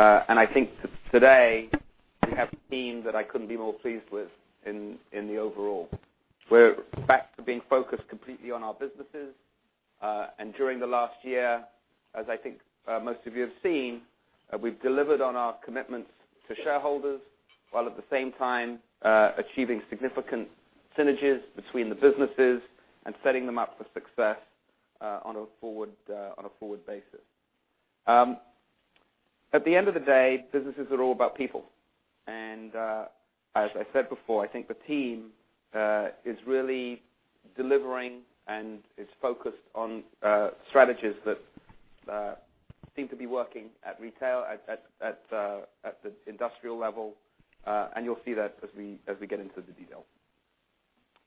Those businesses over the last year I think today we have a team that I couldn't be more pleased with in the overall. We're back to being focused completely on our businesses. During the last year, as I think most of you have seen, we've delivered on our commitments to shareholders, while at the same time achieving significant synergies between the businesses and setting them up for success on a forward basis. At the end of the day, businesses are all about people. As I said before, I think the team is really delivering and is focused on strategies that seem to be working at retail, at the industrial level, and you'll see that as we get into the detail.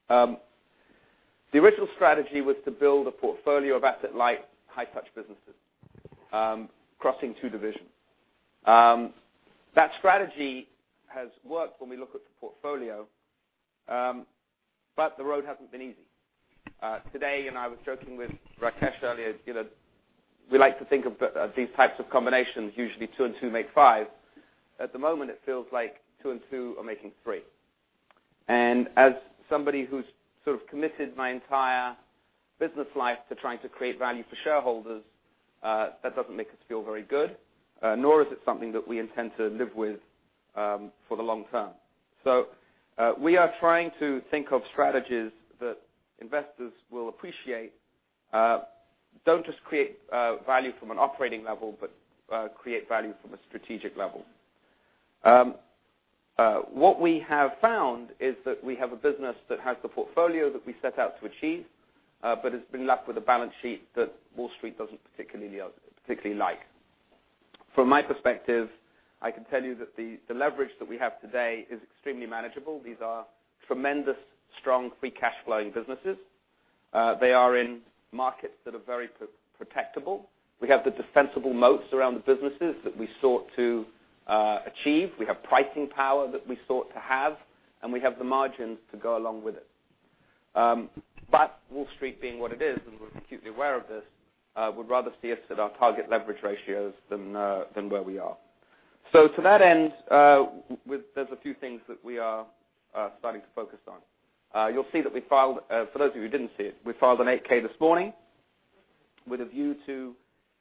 The original strategy was to build a portfolio of asset-light, high-touch businesses, crossing two divisions. The strategy has worked when we look at the portfolio, the road hasn't been easy. Today, I was joking with Rakesh earlier, we like to think of these types of combinations, usually two and two make five. At the moment, it feels like two and two are making three. As somebody who's sort of committed my entire business life to trying to create value for shareholders, that doesn't make us feel very good. Nor is it something that we intend to live with for the long term. We are trying to think of strategies that investors will appreciate, don't just create value from an operating level, but create value from a strategic level. What we have found is that we have a business that has the portfolio that we set out to achieve, but has been left with a balance sheet that Wall Street doesn't particularly like. From my perspective, I can tell you that the leverage that we have today is extremely manageable. These are tremendous, strong, free cash flowing businesses. They are in markets that are very protectable. We have the defensible moats around the businesses that we sought to achieve. We have pricing power that we sought to have, and we have the margins to go along with it. Wall Street being what it is, and we're acutely aware of this, would rather see us at our target leverage ratios than where we are. To that end, there's a few things that we are starting to focus on. You'll see that we filed for those of you who didn't see it, we filed an 8-K this morning with a view to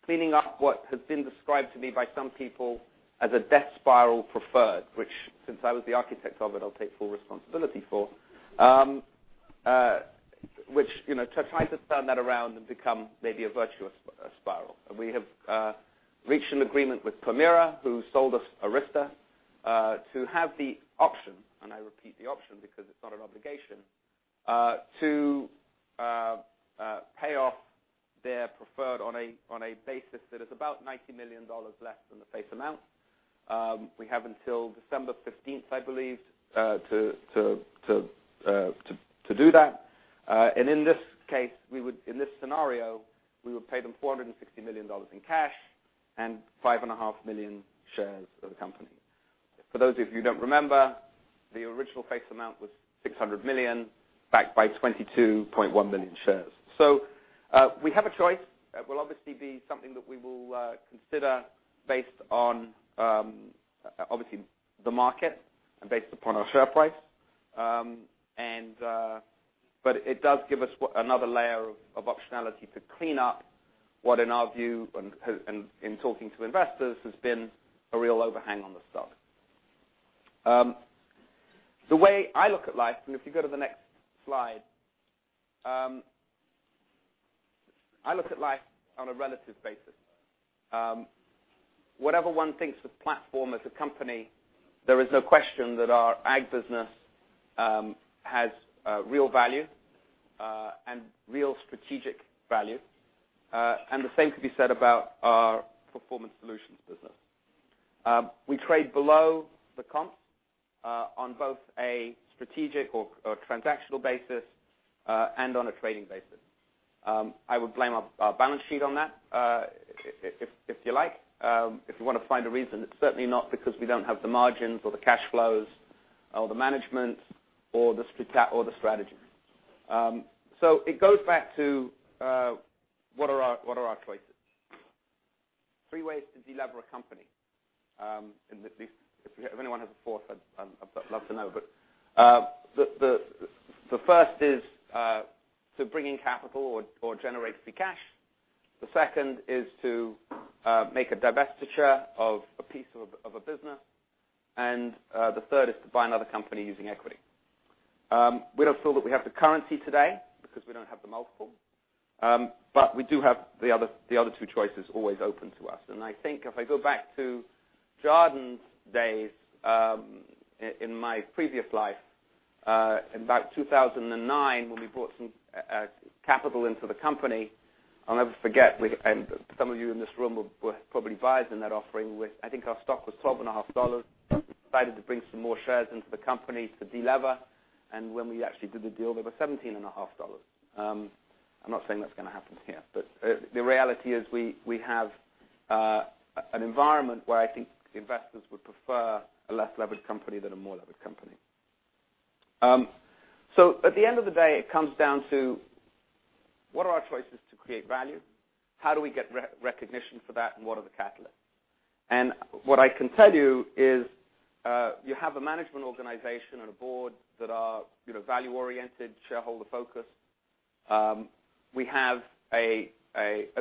cleaning up what has been described to me by some people as a death spiral preferred, which, since I was the architect of it, I'll take full responsibility for. To try to turn that around and become maybe a virtuous spiral. We have reached an agreement with Permira, who sold us Arysta, to have the option, and I repeat the option because it's not an obligation, to pay off their preferred on a basis that is about $90 million less than the face amount. We have until December 15th, I believe, to do that. In this case, in this scenario, we would pay them $460 million in cash and 5.5 million shares of the company. For those of you who don't remember, the original face amount was $600 million, backed by 22.1 million shares. We have a choice. It will obviously be something that we will consider based on obviously the market and based upon our share price. It does give us another layer of optionality to clean up what in our view and in talking to investors has been a real overhang on the stock. The way I look at life. If you go to the next slide, I look at life on a relative basis. Whatever one thinks of Platform as a company, there is no question that our ag business has real value and real strategic value. The same could be said about our Performance Solutions business. We trade below the comps on both a strategic or transactional basis and on a trading basis. I would blame our balance sheet on that, if you like. If you want to find a reason, it's certainly not because we don't have the margins or the cash flows or the management or the strategy. It goes back to what are our choices? Three ways to delever a company. If anyone has a fourth, I'd love to know. The first is to bring in capital or generate the cash. The second is to make a divestiture of a piece of a business. The third is to buy another company using equity. We don't feel that we have the currency today because we don't have the multiple. We do have the other two choices always open to us. I think if I go back to Jarden's days in my previous life, in about 2009 when we brought some capital into the company, I'll never forget, some of you in this room were probably buyers in that offering. I think our stock was $12.5. We decided to bring some more shares into the company to delever. When we actually did the deal, they were $17.5. I'm not saying that's going to happen here, but the reality is we have an environment where I think investors would prefer a less levered company than a more levered company. At the end of the day, it comes down to what are our choices to create value? How do we get recognition for that, what are the catalysts? What I can tell you is, you have a management organization and a board that are value-oriented, shareholder-focused. At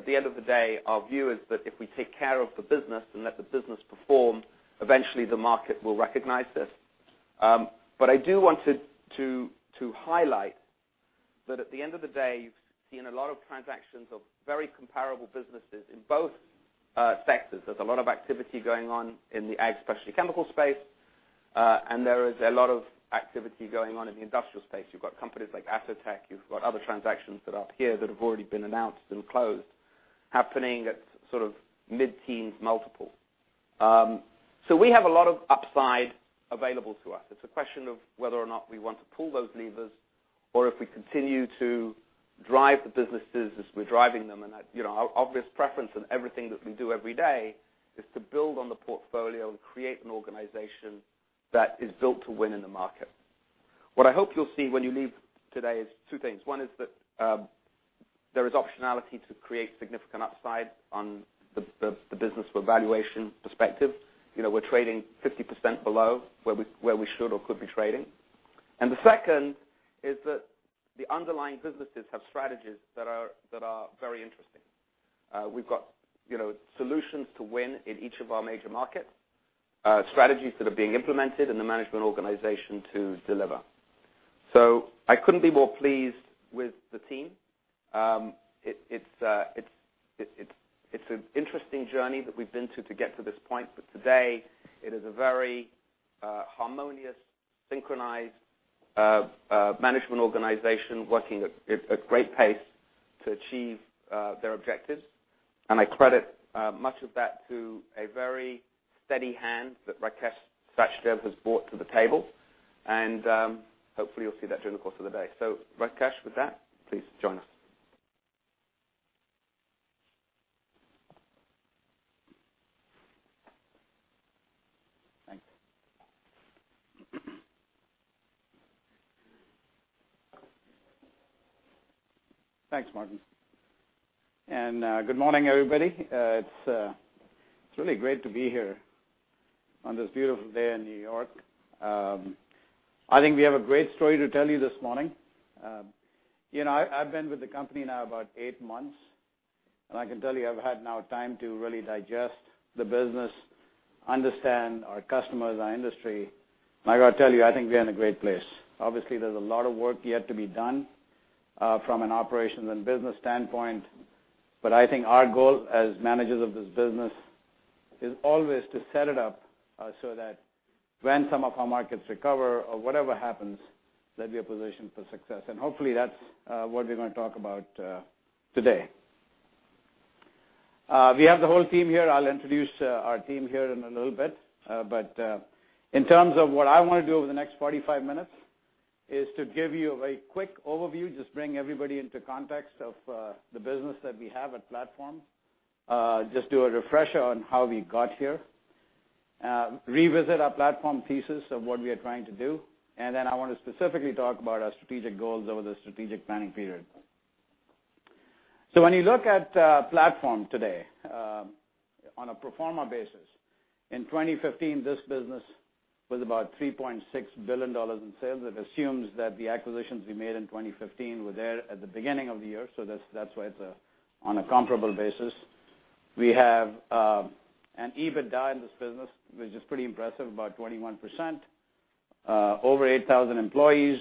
the end of the day, our view is that if we take care of the business and let the business perform, eventually the market will recognize this. I do want to highlight that at the end of the day, you've seen a lot of transactions of very comparable businesses in both sectors. There's a lot of activity going on in the ag specialty chemical space, and there is a lot of activity going on in the industrial space. You've got companies like Atotech. You've got other transactions that are up here that have already been announced and closed, happening at sort of mid-teens multiple. We have a lot of upside available to us. It's a question of whether or not we want to pull those levers or if we continue to drive the businesses as we're driving them. Our obvious preference in everything that we do every day is to build on the portfolio and create an organization that is built to win in the market. What I hope you'll see when you leave today is two things. One is that there is optionality to create significant upside on the business from a valuation perspective. We're trading 50% below where we should or could be trading. The second is that the underlying businesses have strategies that are very interesting. We've got solutions to win in each of our major markets, strategies that are being implemented, and the management organization to deliver. I couldn't be more pleased with the team. It's an interesting journey that we've been on to get to this point, today it is a very harmonious, synchronized management organization working at great pace to achieve their objectives. I credit much of that to a very steady hand that Rakesh Sachdev has brought to the table, and hopefully you'll see that during the course of the day. Rakesh, with that, please join us. Thanks. Thanks, Martin. Good morning, everybody. It's really great to be here on this beautiful day in New York. I think we have a great story to tell you this morning. I've been with the company now about eight months, I can tell you I've had now time to really digest the business, understand our customers, our industry, and I got to tell you, I think we're in a great place. Obviously, there's a lot of work yet to be done from an operations and business standpoint. I think our goal as managers of this business is always to set it up so that when some of our markets recover or whatever happens, that we are positioned for success. Hopefully that's what we're going to talk about today. We have the whole team here. I'll introduce our team here in a little bit. In terms of what I want to do over the next 45 minutes is to give you a very quick overview, just bring everybody into context of the business that we have at Platform. Do a refresher on how we got here. Revisit our Platform thesis of what we are trying to do. Then I want to specifically talk about our strategic goals over the strategic planning period. When you look at Platform today, on a pro forma basis, in 2015, this business was about $3.6 billion in sales. That assumes that the acquisitions we made in 2015 were there at the beginning of the year, so that's why it's on a comparable basis. We have an EBITDA in this business, which is pretty impressive, about 21%. Over 8,000 employees.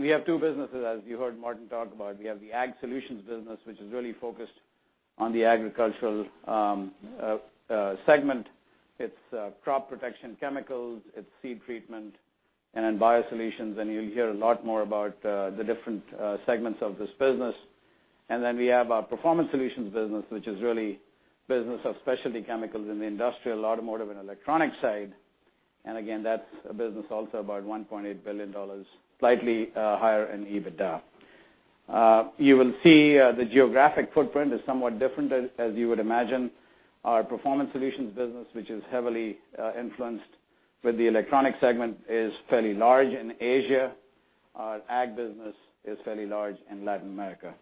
We have two businesses, as you heard Martin talk about. We have the Agricultural Solutions business, which is really focused on the agricultural segment. It's crop protection chemicals, it's seed treatment, then biosolutions, and you'll hear a lot more about the different segments of this business. Then we have our Performance Solutions business, which is really business of specialty chemicals in the industrial, automotive, and electronic side. Again, that's a business also about $1.8 billion, slightly higher in EBITDA. The geographic footprint is somewhat different as you would imagine. Our Performance Solutions business, which is heavily influenced with the electronic segment, is fairly large in Asia. Our Ag business is fairly large in Latin America.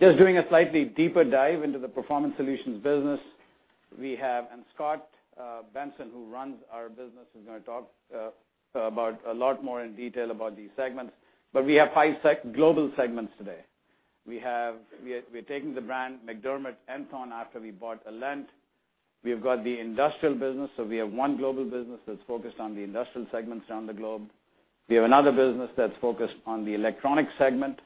Doing a slightly deeper dive into the Performance Solutions business we have, and Scot Benson, who runs our business, is going to talk about a lot more in detail about these segments. We have five global segments today. We are taking the brand MacDermid Enthone after we bought Alent. We have got the industrial business. We have one global business that's focused on the industrial segments around the globe. We have another business that's focused on the electronic segment.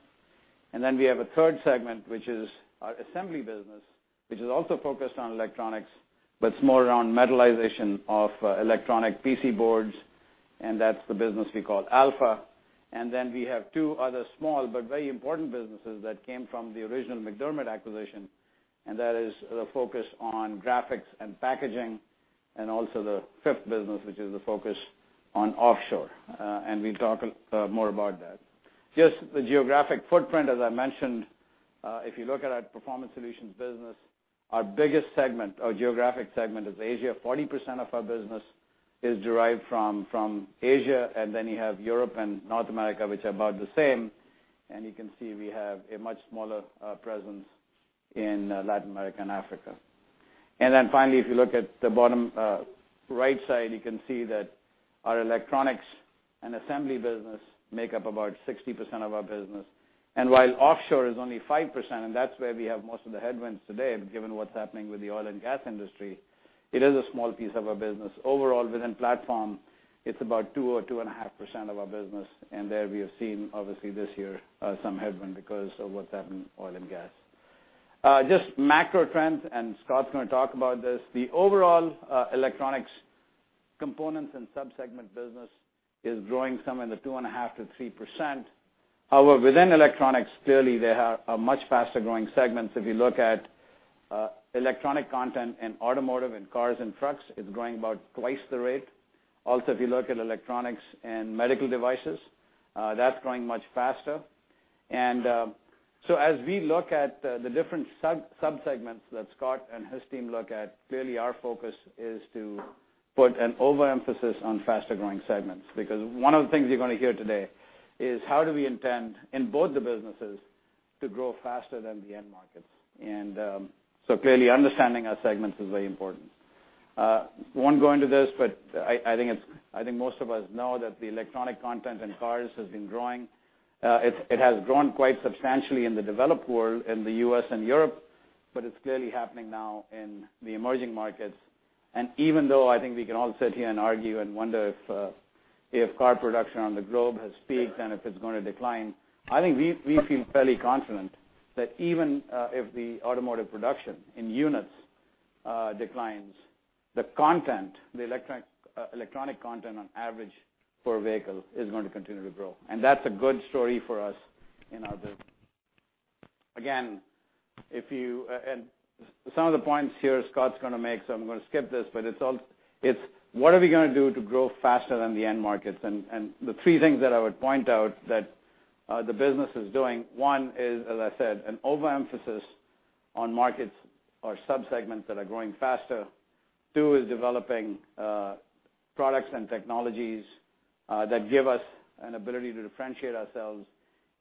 Then we have a third segment, which is our assembly business, which is also focused on electronics, but it's more around metallization of electronic PC boards, and that's the business we call Alpha. Then we have two other small but very important businesses that came from the original MacDermid acquisition, and that is the focus on graphics and packaging, and also the fifth business, which is the focus on offshore. We'll talk more about that. The geographic footprint, as I mentioned, if you look at our Performance Solutions business, our biggest segment, our geographic segment, is Asia. 40% of our business is derived from Asia. You have Europe and North America, which are about the same. You can see we have a much smaller presence in Latin America and Africa. Finally, if you look at the bottom right side, you can see that our electronics and assembly business make up about 60% of our business. While offshore is only 5%, and that's where we have most of the headwinds today, given what's happening with the oil and gas industry, it is a small piece of our business. Overall, within Platform, it's about 2% or 2.5% of our business. There we have seen, obviously this year, some headwind because of what's happened in oil and gas. Macro trends. Scot's going to talk about this. The overall electronics components and sub-segment business is growing somewhere in the 2.5%-3%. However, within electronics, clearly there are much faster-growing segments. If you look at electronic content in automotive and cars and trucks, it's growing about twice the rate. Also, if you look at electronics and medical devices, that's growing much faster. As we look at the different sub-segments that Scot and his team look at, clearly our focus is to put an overemphasis on faster-growing segments. Because one of the things you're going to hear today is how do we intend, in both the businesses, to grow faster than the end markets. Clearly understanding our segments is very important. Won't go into this, but I think most of us know that the electronic content in cars has been growing. It has grown quite substantially in the developed world, in the U.S. and Europe, but it's clearly happening now in the emerging markets. Even though I think we can all sit here and argue and wonder if car production on the globe has peaked and if it's going to decline, I think we feel fairly confident that even if the automotive production in units declines, the content, the electronic content on average per vehicle is going to continue to grow. That's a good story for us in our business. Again, some of the points here Scot's going to make, so I'm going to skip this, but it's what are we going to do to grow faster than the end markets? The three things that I would point out that the business is doing, one is, as I said, an overemphasis on markets or sub-segments that are growing faster. Two is developing products and technologies that give us an ability to differentiate ourselves.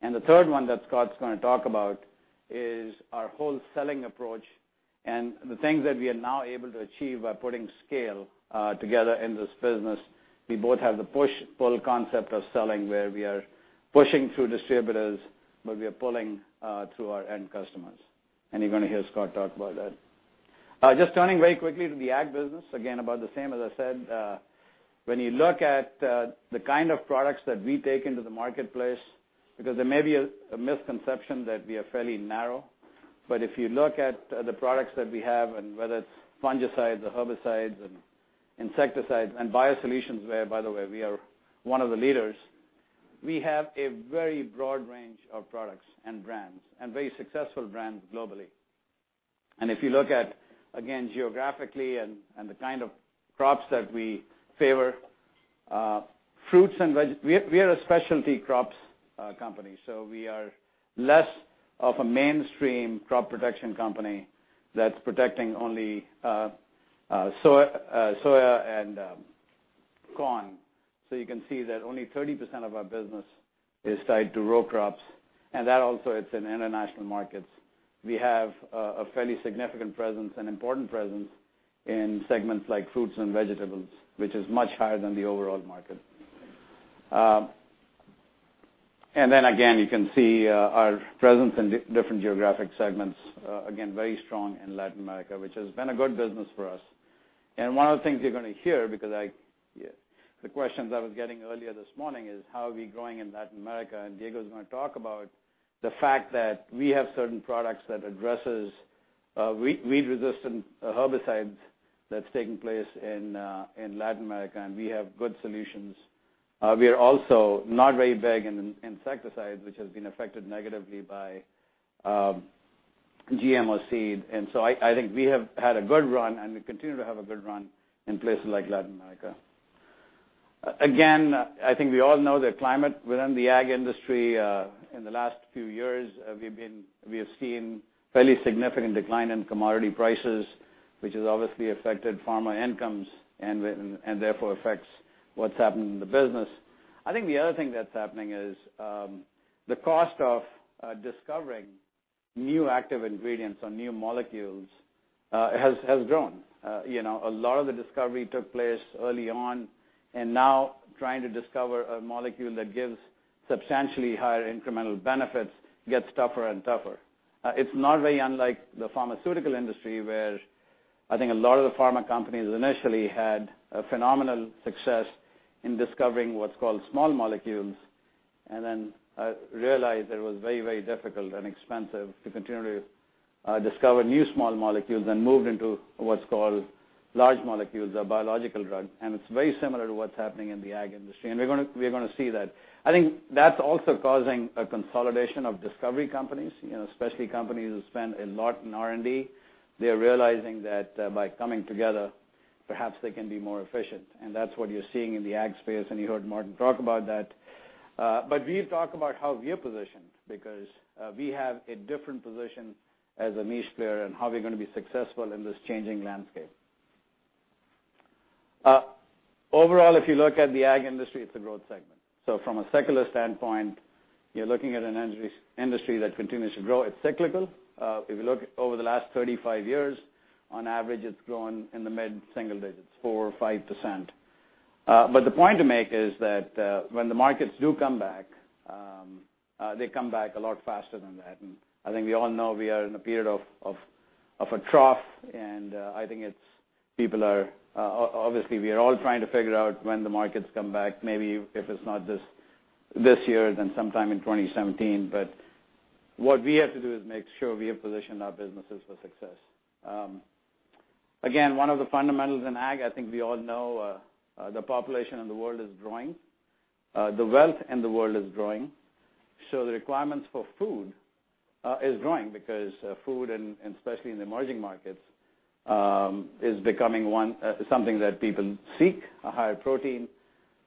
The third one that Scot's going to talk about is our whole selling approach and the things that we are now able to achieve by putting scale together in this business. We both have the push-pull concept of selling, where we are pushing through distributors, but we are pulling through our end customers. You're going to hear Scot talk about that. Just turning very quickly to the ag business. Again, about the same as I said. When you look at the kind of products that we take into the marketplace, because there may be a misconception that we are fairly narrow, but if you look at the products that we have, and whether it's fungicides or herbicides and insecticides and biosolutions, where by the way, we are one of the leaders, we have a very broad range of products and brands, and very successful brands globally. If you look at, again, geographically and the kind of crops that we favor, we are a specialty crops company, so we are less of a mainstream crop protection company that's protecting only soya and corn. You can see that only 30% of our business is tied to row crops, and that also it's in international markets. We have a fairly significant presence, an important presence in segments like fruits and vegetables, which is much higher than the overall market. Again, you can see our presence in different geographic segments. Again, very strong in Latin America, which has been a good business for us. One of the things you're going to hear, because the questions I was getting earlier this morning is how are we growing in Latin America, Diego's going to talk about the fact that we have certain products that addresses weed-resistant herbicides that's taking place in Latin America, and we have good solutions. We are also not very big in insecticides, which has been affected negatively by GMO seed. I think we have had a good run, and we continue to have a good run in places like Latin America. I think we all know the climate within the ag industry in the last few years, we have seen fairly significant decline in commodity prices, which has obviously affected farmer incomes and therefore affects what's happening in the business. I think the other thing that's happening is the cost of discovering new active ingredients or new molecules has grown. A lot of the discovery took place early on, and now trying to discover a molecule that gives substantially higher incremental benefits gets tougher and tougher. It's not very unlike the pharmaceutical industry, where I think a lot of the pharma companies initially had a phenomenal success in discovering what's called small molecules, and then realized it was very, very difficult and expensive to continue to discover new small molecules and moved into what's called large molecules or biological drugs. It's very similar to what's happening in the ag industry, and we're going to see that. I think that's also causing a consolidation of discovery companies, especially companies who spend a lot in R&D. They're realizing that by coming together Perhaps they can be more efficient, and that's what you're seeing in the ag space, and you heard Martin talk about that. We've talked about how we are positioned, because we have a different position as a niche player and how we're going to be successful in this changing landscape. Overall, if you look at the ag industry, it's a growth segment. From a secular standpoint, you're looking at an industry that continues to grow. It's cyclical. If you look over the last 35 years, on average it's grown in the mid-single digits, 4% or 5%. The point to make is that when the markets do come back, they come back a lot faster than that. I think we all know we are in a period of a trough, and obviously we are all trying to figure out when the markets come back, maybe if it's not this year, then sometime in 2017. What we have to do is make sure we have positioned our businesses for success. One of the fundamentals in ag, I think we all know the population in the world is growing. The wealth in the world is growing. The requirements for food is growing because food, and especially in the emerging markets, is becoming something that people seek, a higher protein.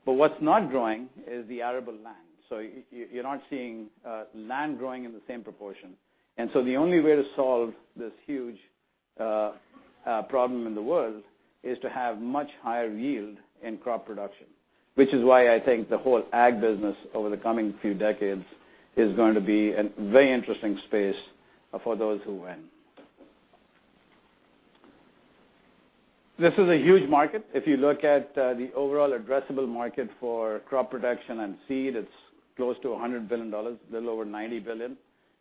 What's not growing is the arable land. You're not seeing land growing in the same proportion. The only way to solve this huge problem in the world is to have much higher yield in crop production, which is why I think the whole ag business over the coming few decades is going to be a very interesting space for those who win. This is a huge market. If you look at the overall addressable market for crop protection and seed, it's close to $100 billion, a little over $90 billion.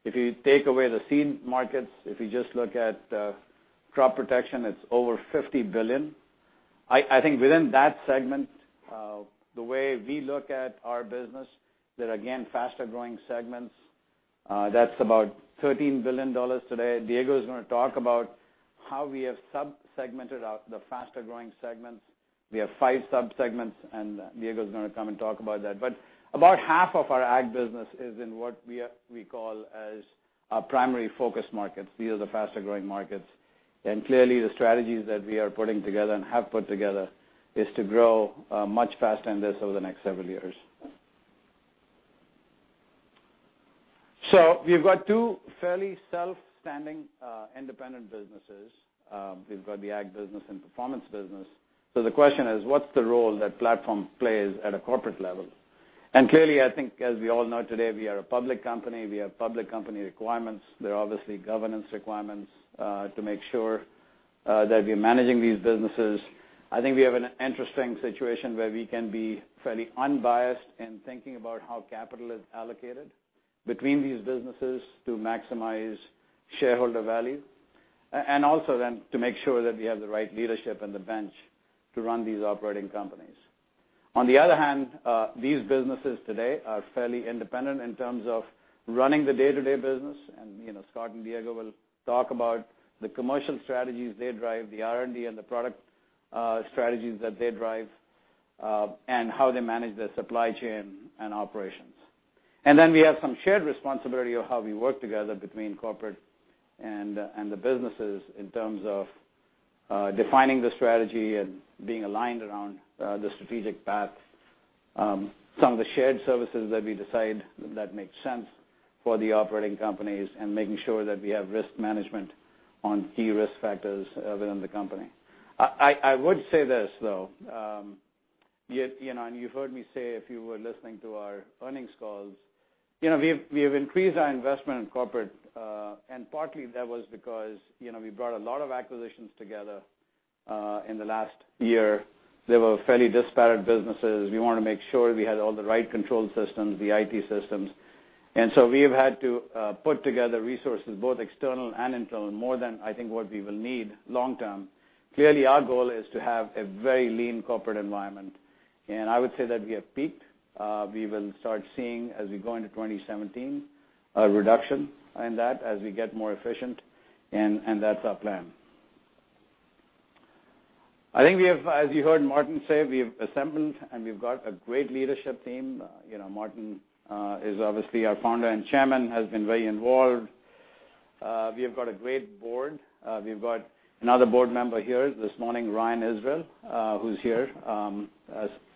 If you take away the seed markets, if you just look at crop protection, it's over $50 billion. I think within that segment, the way we look at our business, they're again, faster-growing segments. That's about $13 billion today. Diego is going to talk about how we have sub-segmented out the faster-growing segments. We have five sub-segments, and Diego is going to come and talk about that. About half of our ag business is in what we call our primary focus markets. These are the faster-growing markets. Clearly, the strategies that we are putting together and have put together is to grow much faster than this over the next several years. We've got two fairly self-standing independent businesses. We've got the ag business and performance business. The question is, what's the role that platform plays at a corporate level? Clearly, I think as we all know today, we are a public company. We have public company requirements. There are obviously governance requirements to make sure that we are managing these businesses. I think we have an interesting situation where we can be fairly unbiased in thinking about how capital is allocated between these businesses to maximize shareholder value, and also then to make sure that we have the right leadership and the bench to run these operating companies. On the other hand, these businesses today are fairly independent in terms of running the day-to-day business, Scot and Diego will talk about the commercial strategies they drive, the R&D and the product strategies that they drive, and how they manage their supply chain and operations. Then we have some shared responsibility of how we work together between corporate and the businesses in terms of defining the strategy and being aligned around the strategic path. Some of the shared services that we decide that make sense for the operating companies and making sure that we have risk management on key risk factors within the company. I would say this, though, you've heard me say, if you were listening to our earnings calls, we have increased our investment in corporate. Partly that was because we brought a lot of acquisitions together in the last year. They were fairly disparate businesses. We want to make sure we had all the right control systems, the IT systems. So we have had to put together resources, both external and internal, more than I think what we will need long-term. Clearly, our goal is to have a very lean corporate environment, I would say that we have peaked. We will start seeing as we go into 2017, a reduction in that as we get more efficient. That's our plan. I think as you heard Martin say, we've assembled and we've got a great leadership team. Martin is obviously our founder and Chairman, has been very involved. We have got a great Board. We've got another Board member here this morning, Ryan Israel, who's here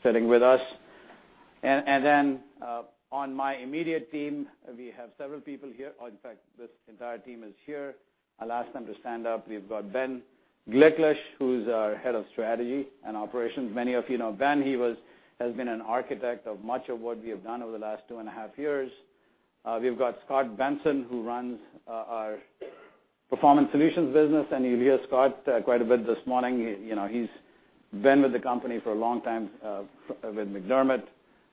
sitting with us. Then on my immediate team, we have several people here. In fact, this entire team is here. I'll ask them to stand up. We've got Ben Gliklich, who's our Head of Strategy and Operations. Many of you know Ben. He has been an architect of much of what we have done over the last two and a half years. We've got Scot Benson, who runs our Performance Solutions business. You'll hear Scot quite a bit this morning. He's been with the company for a long time with MacDermid.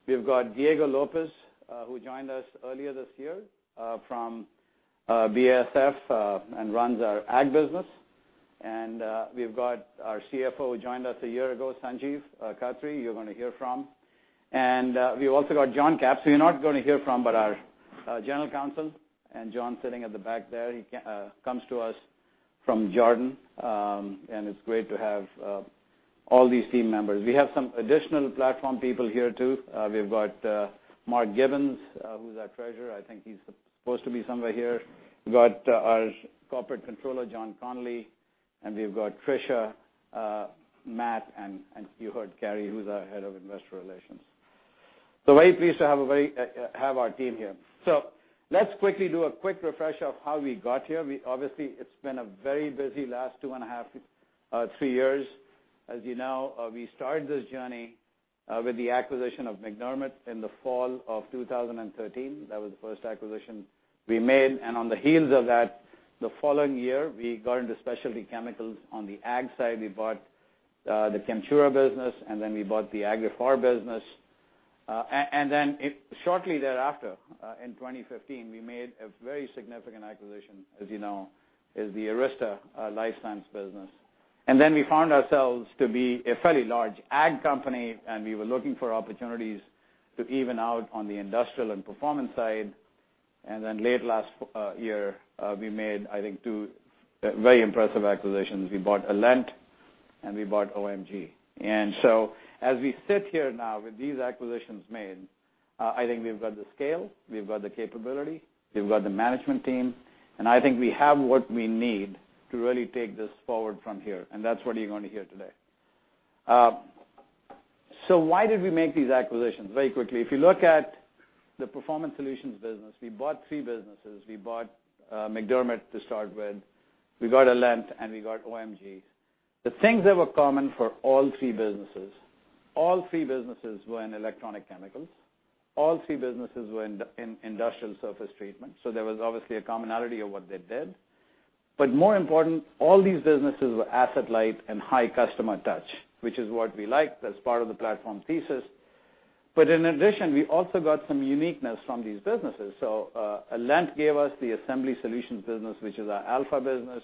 We've got Diego Lopez, who joined us earlier this year from BASF and runs our ag business. We've got our CFO, who joined us a year ago, Sanjiv Khattri, you're going to hear from. We've also got John Capps, who you're not going to hear from, but our General Counsel. John sitting at the back there, he comes to us from Jarden. It's great to have all these team members. We have some additional Platform people here, too. We've got Mark Gibbons, who's our Treasurer. I think he's supposed to be somewhere here. We've got our Corporate Controller, John Connolly, and we've got Tricia, Matt, and you heard Carey, who's our Head of Investor Relations. Very pleased to have our team here. Let's quickly do a quick refresher of how we got here. Obviously, it's been a very busy last two and a half, three years. As you know, we started this journey with the acquisition of MacDermid in the fall of 2013. That was the first acquisition we made. On the heels of that, the following year, we got into specialty chemicals on the ag side. We bought the Chemtura business. Then we bought the Agriphar business. Shortly thereafter, in 2015, we made a very significant acquisition, as you know, is the Arysta LifeScience business. We found ourselves to be a fairly large ag company, and we were looking for opportunities to even out on the industrial and performance side. Late last year, we made, I think, two very impressive acquisitions. We bought Alent and we bought OMG. As we sit here now with these acquisitions made, I think we've got the scale, we've got the capability, we've got the management team, and I think we have what we need to really take this forward from here. That's what you're going to hear today. Why did we make these acquisitions? Very quickly, if you look at the Performance Solutions business, we bought three businesses. We bought MacDermid to start with, we got Alent, and we got OMG. The things that were common for all three businesses, all three businesses were in electronic chemicals. All three businesses were in industrial surface treatment. There was obviously a commonality of what they did. More important, all these businesses were asset-light and high customer touch, which is what we liked as part of the Platform thesis. In addition, we also got some uniqueness from these businesses. Alent gave us the Alpha Assembly Solutions business, which is our Alpha business.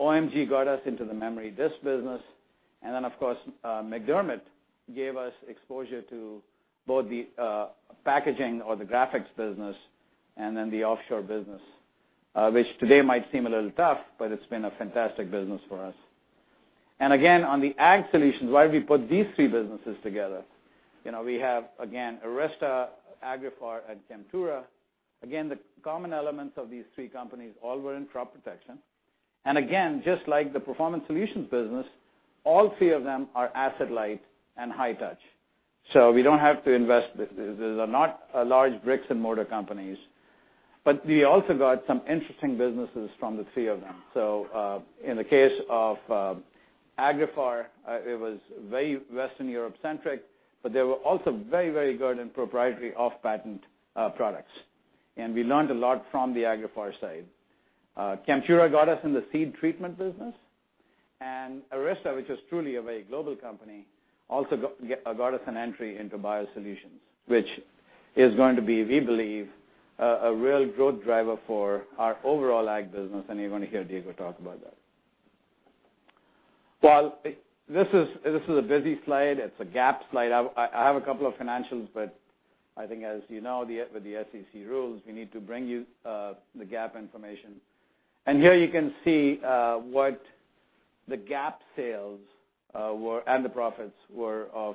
OMG got us into the memory disk business. Of course, MacDermid gave us exposure to both the packaging or the graphics business and then the Offshore Fluids business, which today might seem a little tough, but it's been a fantastic business for us. Again, on the Agricultural Solutions, why we put these three businesses together. We have, again, Arysta, Agriphar, and Chemtura. The common elements of these three companies all were in crop protection. Just like the Performance Solutions business, all three of them are asset-light and high touch. We don't have to invest. These are not large bricks-and-mortar companies. We also got some interesting businesses from the three of them. In the case of Agriphar, it was very Western Europe-centric, but they were also very, very good in proprietary off-patent products. We learned a lot from the Agriphar side. Chemtura got us in the seed treatment business, and Arysta, which is truly a very global company, also got us an entry into biosolutions, which is going to be, we believe, a real growth driver for our overall ag business, and you're going to hear Diego talk about that. This is a busy slide. It's a GAAP slide. I have a couple of financials, I think as you know, with the SEC rules, we need to bring you the GAAP information. Here you can see what the GAAP sales were, and the profits were of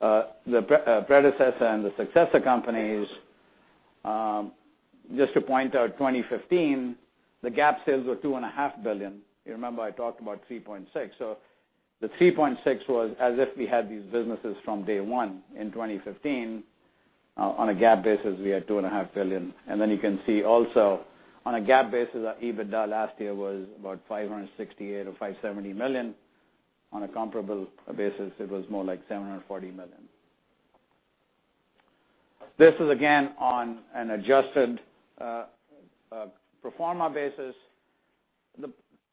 the predecessor and the successor companies. Just to point out, 2015, the GAAP sales were $2.5 billion. You remember I talked about $3.6 billion. The $3.6 billion was as if we had these businesses from day one in 2015. On a GAAP basis, we had $2.5 billion. You can see also on a GAAP basis, our EBITDA last year was about $568 million or $570 million. On a comparable basis, it was more like $740 million. This is again on an adjusted pro forma basis.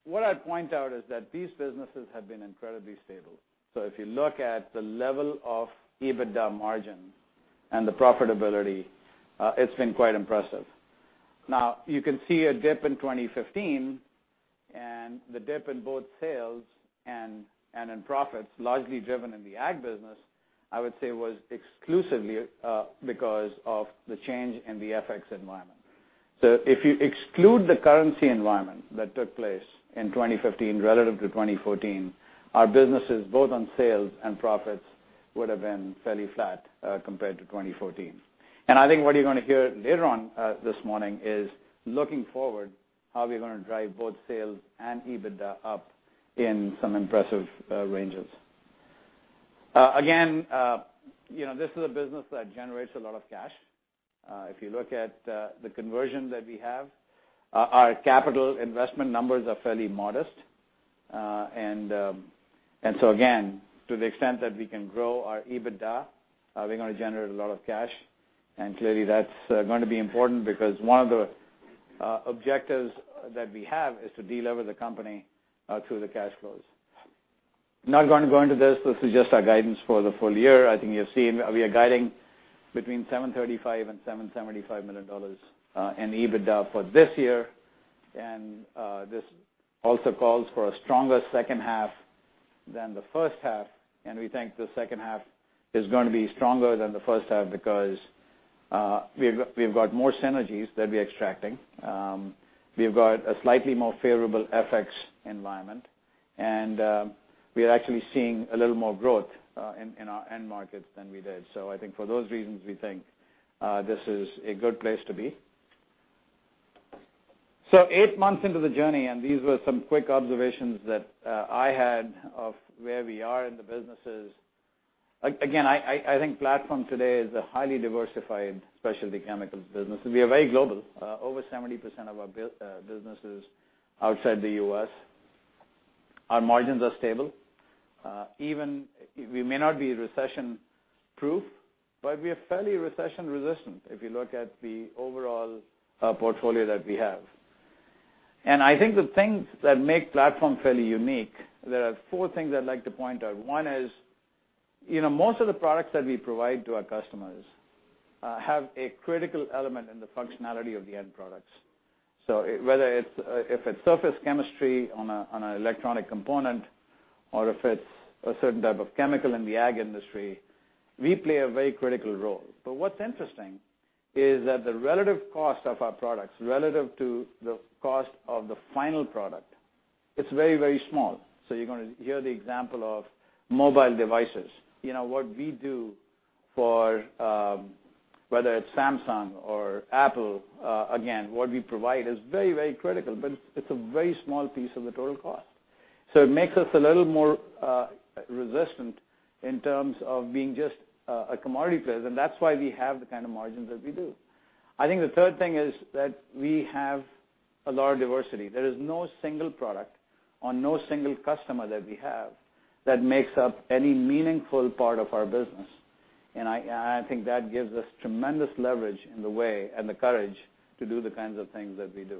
What I'd point out is that these businesses have been incredibly stable. If you look at the level of EBITDA margin and the profitability, it's been quite impressive. You can see a dip in 2015, and the dip in both sales and in profits, largely driven in the ag business, I would say was exclusively because of the change in the FX environment. If you exclude the currency environment that took place in 2015 relative to 2014, our businesses, both on sales and profits, would have been fairly flat compared to 2014. I think what you're going to hear later on this morning is looking forward, how we're going to drive both sales and EBITDA up in some impressive ranges. Again, this is a business that generates a lot of cash. If you look at the conversion that we have, our capital investment numbers are fairly modest. Again, to the extent that we can grow our EBITDA, we're going to generate a lot of cash. Clearly, that's going to be important because one of the objectives that we have is to de-lever the company through the cash flows. Not going to go into this. This is just our guidance for the full year. I think you have seen we are guiding between $735 million and $775 million in EBITDA for this year. This also calls for a stronger second half than the first half, and we think the second half is going to be stronger than the first half because we've got more synergies that we're extracting. We've got a slightly more favorable FX environment, and we are actually seeing a little more growth in our end markets than we did. I think for those reasons, we think this is a good place to be. Eight months into the journey, these were some quick observations that I had of where we are in the businesses. Again, I think Platform today is a highly diversified specialty chemicals business. We are very global. Over 70% of our business is outside the U.S. Our margins are stable. We may not be recession-proof, but we are fairly recession-resistant if you look at the overall portfolio that we have. I think the things that make Platform fairly unique, there are four things I'd like to point out. One is, most of the products that we provide to our customers have a critical element in the functionality of the end products. Whether if it's surface chemistry on an electronic component, or if it's a certain type of chemical in the ag industry, we play a very critical role. What's interesting is that the relative cost of our products, relative to the cost of the final product, it's very, very small. You're going to hear the example of mobile devices. What we do for, whether it's Samsung or Apple, again, what we provide is very, very critical, but it's a very small piece of the total cost. It makes us a little more resistant in terms of being just a commodity player, and that's why we have the kind of margins that we do. I think the third thing is that we have a large diversity. There is no single product or no single customer that we have that makes up any meaningful part of our business. I think that gives us tremendous leverage in the way and the courage to do the kinds of things that we do.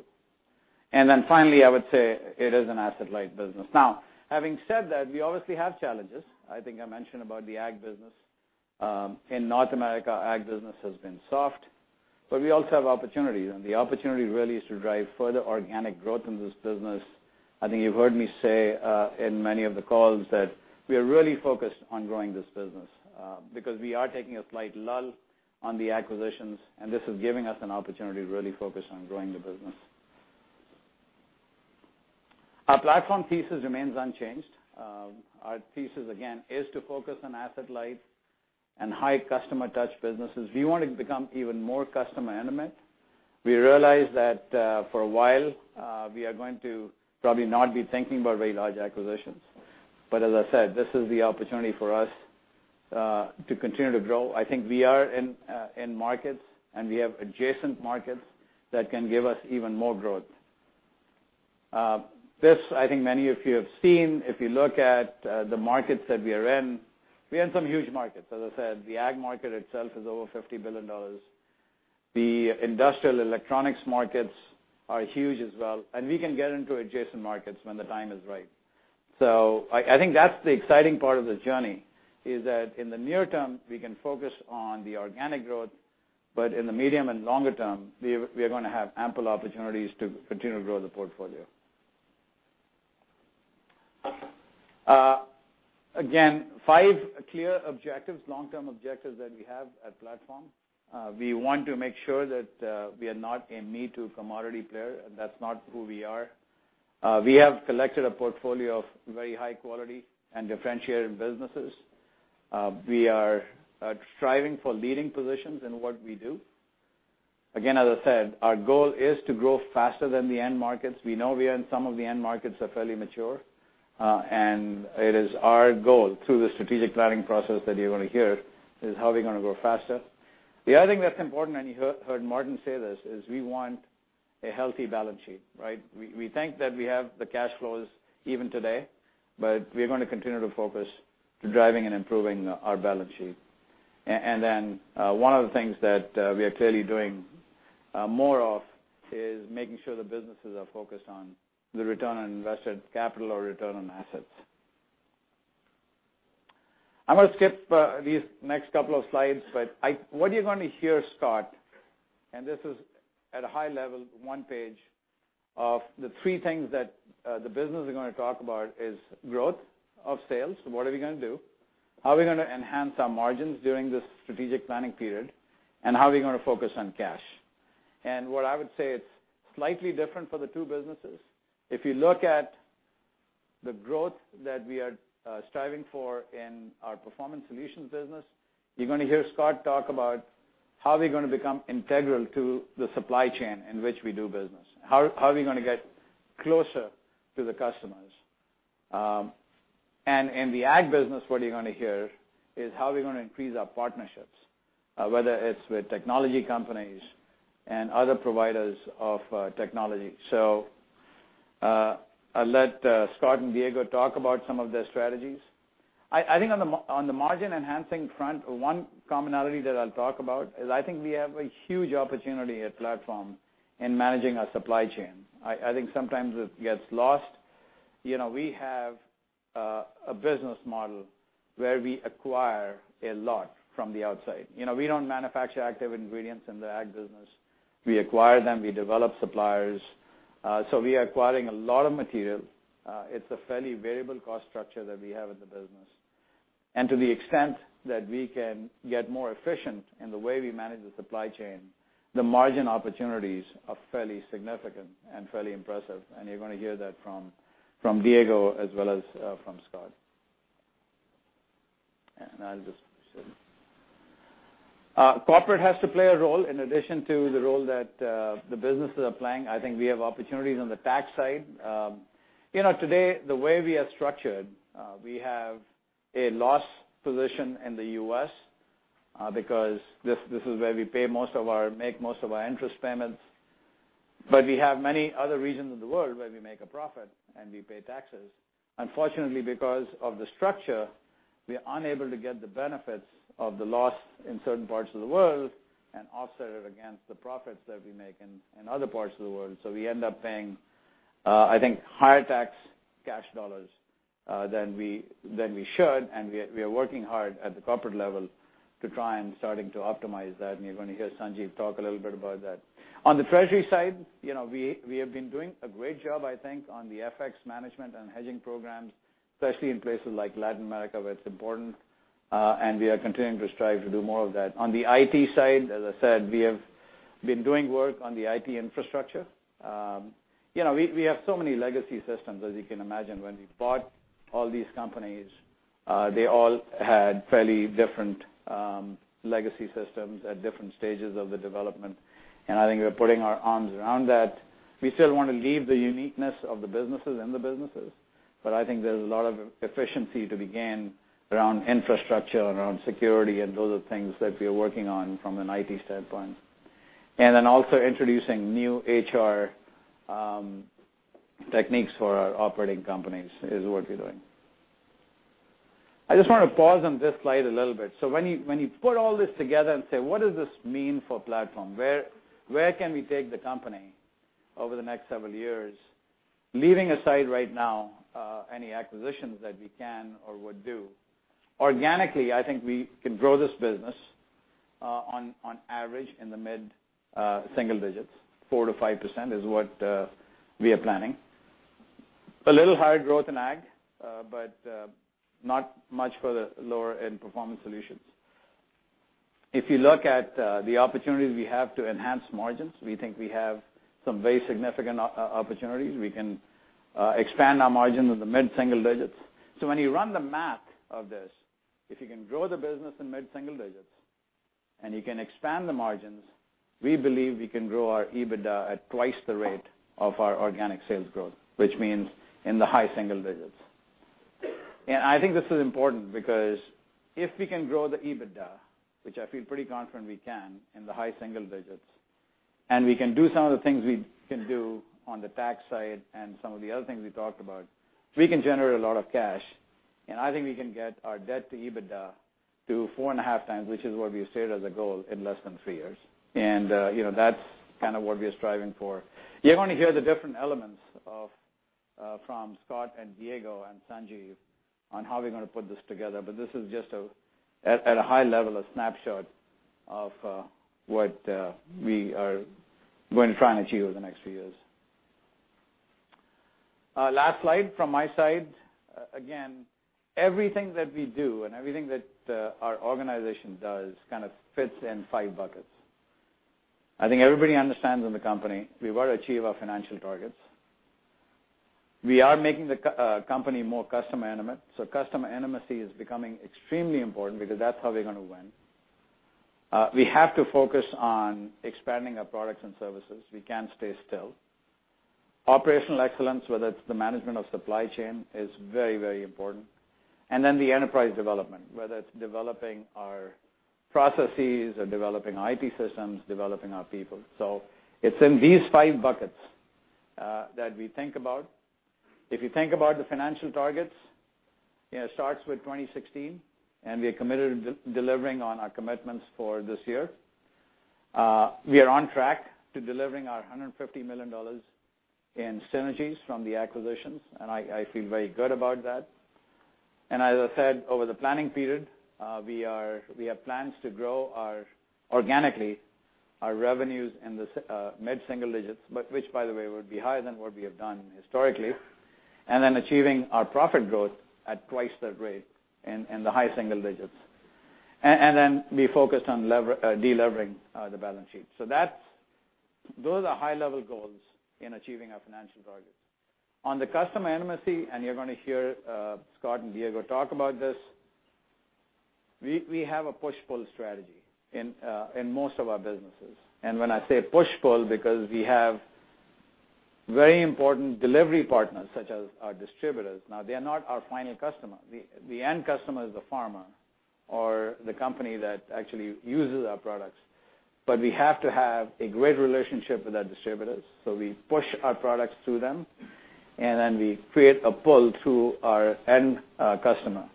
Then finally, I would say it is an asset-light business. Now, having said that, we obviously have challenges. I think I mentioned about the ag business. In North America, ag business has been soft, but we also have opportunities, and the opportunity really is to drive further organic growth in this business. I think you've heard me say in many of the calls that we are really focused on growing this business because we are taking a slight lull on the acquisitions, and this is giving us an opportunity to really focus on growing the business. Our Platform thesis remains unchanged. Our thesis again is to focus on asset-light and high customer touch businesses. We want to become even more customer intimate. We realize that for a while, we are going to probably not be thinking about very large acquisitions. As I said, this is the opportunity for us to continue to grow. I think we are in markets and we have adjacent markets that can give us even more growth. This, I think many of you have seen, if you look at the markets that we are in, we are in some huge markets. As I said, the ag market itself is over $50 billion. The industrial electronics markets are huge as well, and we can get into adjacent markets when the time is right. I think that's the exciting part of the journey, is that in the near term, we can focus on the organic growth, but in the medium and longer term, we are going to have ample opportunities to continue to grow the portfolio. Again, five clear objectives, long-term objectives that we have at Platform. We want to make sure that we are not a me-too commodity player, and that's not who we are. We have collected a portfolio of very high quality and differentiated businesses. We are striving for leading positions in what we do. Again, as I said, our goal is to grow faster than the end markets. We know we are in some of the end markets are fairly mature. It is our goal through the strategic planning process that you're going to hear is how we're going to grow faster. The other thing that's important, and you heard Martin say this, is we want a healthy balance sheet, right? We think that we have the cash flows even today, but we're going to continue to focus to driving and improving our balance sheet. Then, one of the things that we are clearly doing more of is making sure the businesses are focused on the return on invested capital or return on assets. I'm going to skip these next couple of slides, but what you're going to hear Scot, and this is at a high level, one page of the three things that the business is going to talk about is growth of sales. What are we going to do? How are we going to enhance our margins during this strategic planning period? How are we going to focus on cash? What I would say it's slightly different for the two businesses. If you look at the growth that we are striving for in our Performance Solutions business, you're going to hear Scot talk about how we're going to become integral to the supply chain in which we do business. How are we going to get closer to the customers? In the ag business, what you're going to hear is how we're going to increase our partnerships, whether it's with technology companies and other providers of technology. I'll let Scot and Diego talk about some of their strategies. I think on the margin enhancing front, one commonality that I'll talk about is I think we have a huge opportunity at Platform in managing our supply chain. I think sometimes it gets lost. We have a business model where we acquire a lot from the outside. We don't manufacture active ingredients in the ag business. We acquire them, we develop suppliers. We are acquiring a lot of material. It's a fairly variable cost structure that we have in the business. To the extent that we can get more efficient in the way we manage the supply chain, the margin opportunities are fairly significant and fairly impressive, and you're going to hear that from Diego as well as from Scot. I'll just share. Corporate has to play a role in addition to the role that the businesses are playing. I think we have opportunities on the tax side. Today, the way we are structured, we have a loss position in the U.S. because this is where we make most of our interest payments. We have many other regions of the world where we make a profit, and we pay taxes. Unfortunately, because of the structure, we are unable to get the benefits of the loss in certain parts of the world and offset it against the profits that we make in other parts of the world. We end up paying, I think, higher tax cash dollars than we should, and we are working hard at the corporate level to try and starting to optimize that. You're going to hear Sanjiv talk a little bit about that. On the treasury side, we have been doing a great job, I think, on the FX management and hedging programs, especially in places like Latin America, where it's important. We are continuing to strive to do more of that. On the IT side, as I said, we have been doing work on the IT infrastructure. We have so many legacy systems. As you can imagine, when we bought all these companies, they all had fairly different legacy systems at different stages of the development. I think we're putting our arms around that. We still want to leave the uniqueness of the businesses and the businesses, but I think there's a lot of efficiency to be gained around infrastructure, around security, and those are things that we are working on from an IT standpoint. Then also introducing new HR techniques for our operating companies is what we're doing. I just want to pause on this slide a little bit. When you put all this together and say, "What does this mean for Platform? Where can we take the company over the next several years?" Leaving aside right now any acquisitions that we can or would do. Organically, I think we can grow this business on average in the mid-single digits. 4%-5% is what we are planning. A little higher growth in Ag, but not much for the lower end Performance Solutions. If you look at the opportunities we have to enhance margins, we think we have some very significant opportunities. We can expand our margin in the mid-single digits. When you run the math of this, if you can grow the business in mid-single digits and you can expand the margins, we believe we can grow our EBITDA at twice the rate of our organic sales growth, which means in the high single digits. I think this is important because if we can grow the EBITDA, which I feel pretty confident we can, in the high single digits, and we can do some of the things we can do on the tax side and some of the other things we talked about, we can generate a lot of cash. I think we can get our debt to EBITDA to 4.5 times, which is what we have stated as a goal in less than three years. That's kind of what we are striving for. You're going to hear the different elements from Scot and Diego and Sanjiv on how we're going to put this together. This is just at a high level, a snapshot of what we are going to try and achieve over the next few years. Last slide from my side. Again, everything that we do and everything that our organization does kind of fits in five buckets. I think everybody understands in the company we want to achieve our financial targets. We are making the company more customer intimate, so customer intimacy is becoming extremely important because that's how we're going to win. We have to focus on expanding our products and services. We can't stay still. Operational excellence, whether it's the management of supply chain, is very important. The enterprise development, whether it's developing our processes or developing IT systems, developing our people. It's in these five buckets that we think about. If you think about the financial targets, it starts with 2016, we are committed to delivering on our commitments for this year. We are on track to delivering our $150 million in synergies from the acquisitions, I feel very good about that. As I said, over the planning period, we have plans to grow organically our revenues in the mid-single digits, which, by the way, would be higher than what we have done historically. Then achieving our profit growth at twice the rate in the high single digits. Then be focused on de-levering the balance sheet. Those are high-level goals in achieving our financial targets. On the customer intimacy, you're going to hear Scot and Diego talk about this, we have a push-pull strategy in most of our businesses. When I say push-pull, because we have very important delivery partners such as our distributors. Now, they are not our final customer. The end customer is the pharma or the company that actually uses our products. We have to have a great relationship with our distributors. We push our products through them, then we create a pull to our end customer.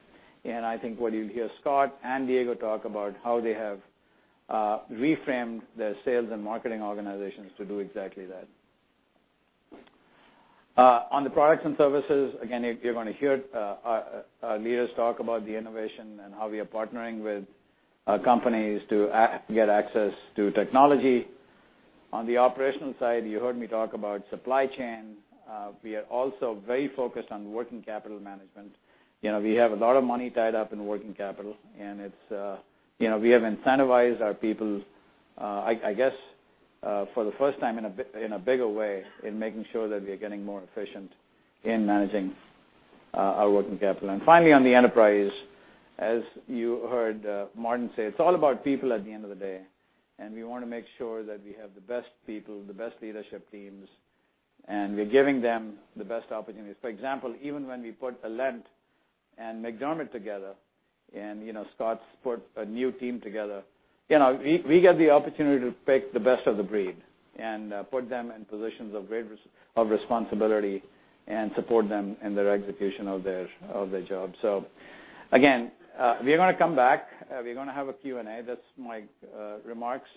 I think what you'll hear Scot and Diego talk about how they have reframed their sales and marketing organizations to do exactly that. On the products and services, again, you're going to hear our leaders talk about the innovation and how we are partnering with companies to get access to technology. On the operational side, you heard me talk about supply chain. We are also very focused on working capital management. We have a lot of money tied up in working capital, and we have incentivized our people for the first time in a bigger way in making sure that we are getting more efficient in managing our working capital. Finally, on the enterprise, as you heard Martin say, it's all about people at the end of the day, we want to make sure that we have the best people, the best leadership teams, we're giving them the best opportunities. For example, even when we put Alent and MacDermid together, Scot's put a new team together. We get the opportunity to pick the best of the breed and put them in positions of great responsibility and support them in their execution of their jobs. Again, we are going to come back. We're going to have a Q&A. That's my remarks.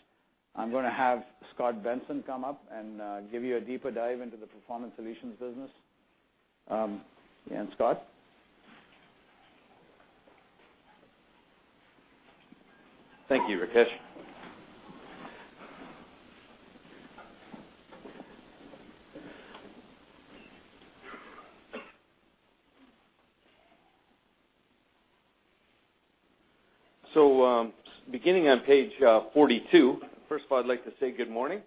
I'm going to have Scot Benson come up and give you a deeper dive into the Performance Solutions business. Scot? Thank you, Rakesh. Beginning on page 42. First of all, I'd like to say good morning.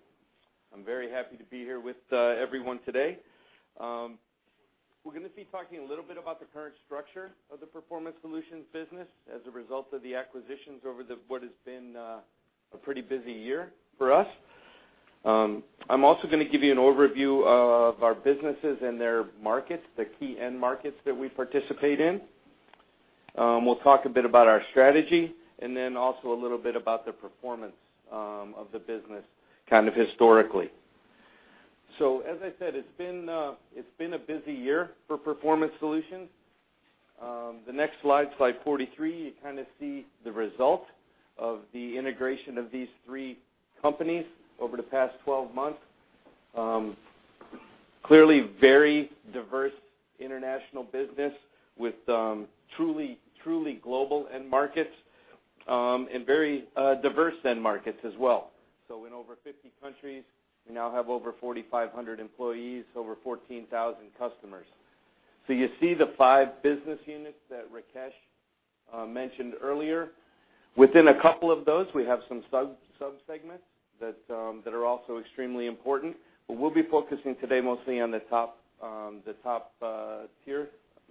I'm very happy to be here with everyone today. We're going to be talking a little bit about the current structure of the Performance Solutions business as a result of the acquisitions over what has been a pretty busy year for us. I'm also going to give you an overview of our businesses and their markets, the key end markets that we participate in. We'll talk a bit about our strategy, and then also a little bit about the performance of the business historically. As I said, it's been a busy year for Performance Solutions. The next slide 43, you kind of see the result of the integration of these three companies over the past 12 months. Clearly very diverse international business with truly global end markets, and very diverse end markets as well. In over 50 countries, we now have over 4,500 employees, over 14,000 customers. You see the five business units that Rakesh mentioned earlier. Within a couple of those, we have some sub-segments that are also extremely important, but we'll be focusing today mostly on the top tier,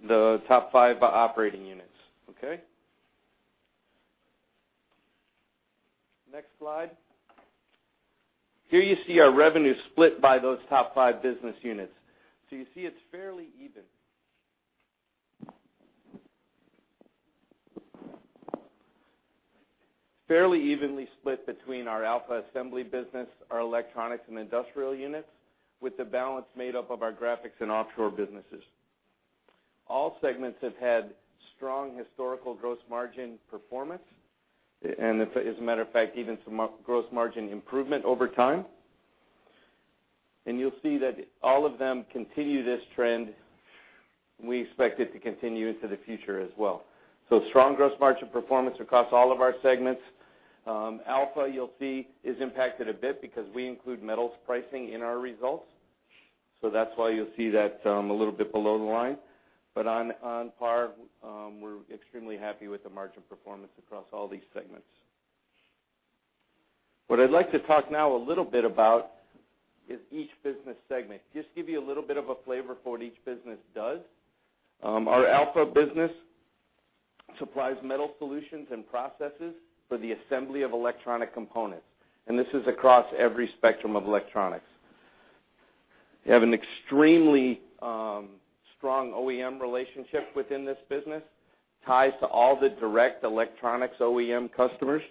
the top five operating units. Okay? Next slide. Here you see our revenue split by those top five business units. You see it's fairly evenly split between our Alpha Assembly business, our Electronics and Industrial units, with the balance made up of our Graphics and Offshore businesses. All segments have had strong historical gross margin performance, and as a matter of fact, even some gross margin improvement over time. You'll see that all of them continue this trend. We expect it to continue into the future as well. Strong gross margin performance across all of our segments. Alpha, you'll see, is impacted a bit because we include metals pricing in our results. That's why you'll see that a little bit below the line. On par, we're extremely happy with the margin performance across all these segments. What I'd like to talk now a little bit about is each business segment. Just give you a little bit of a flavor for what each business does. Our Alpha business supplies metal solutions and processes for the assembly of electronic components, and this is across every spectrum of electronics. We have an extremely strong OEM relationship within this business, ties to all the direct electronics OEM customers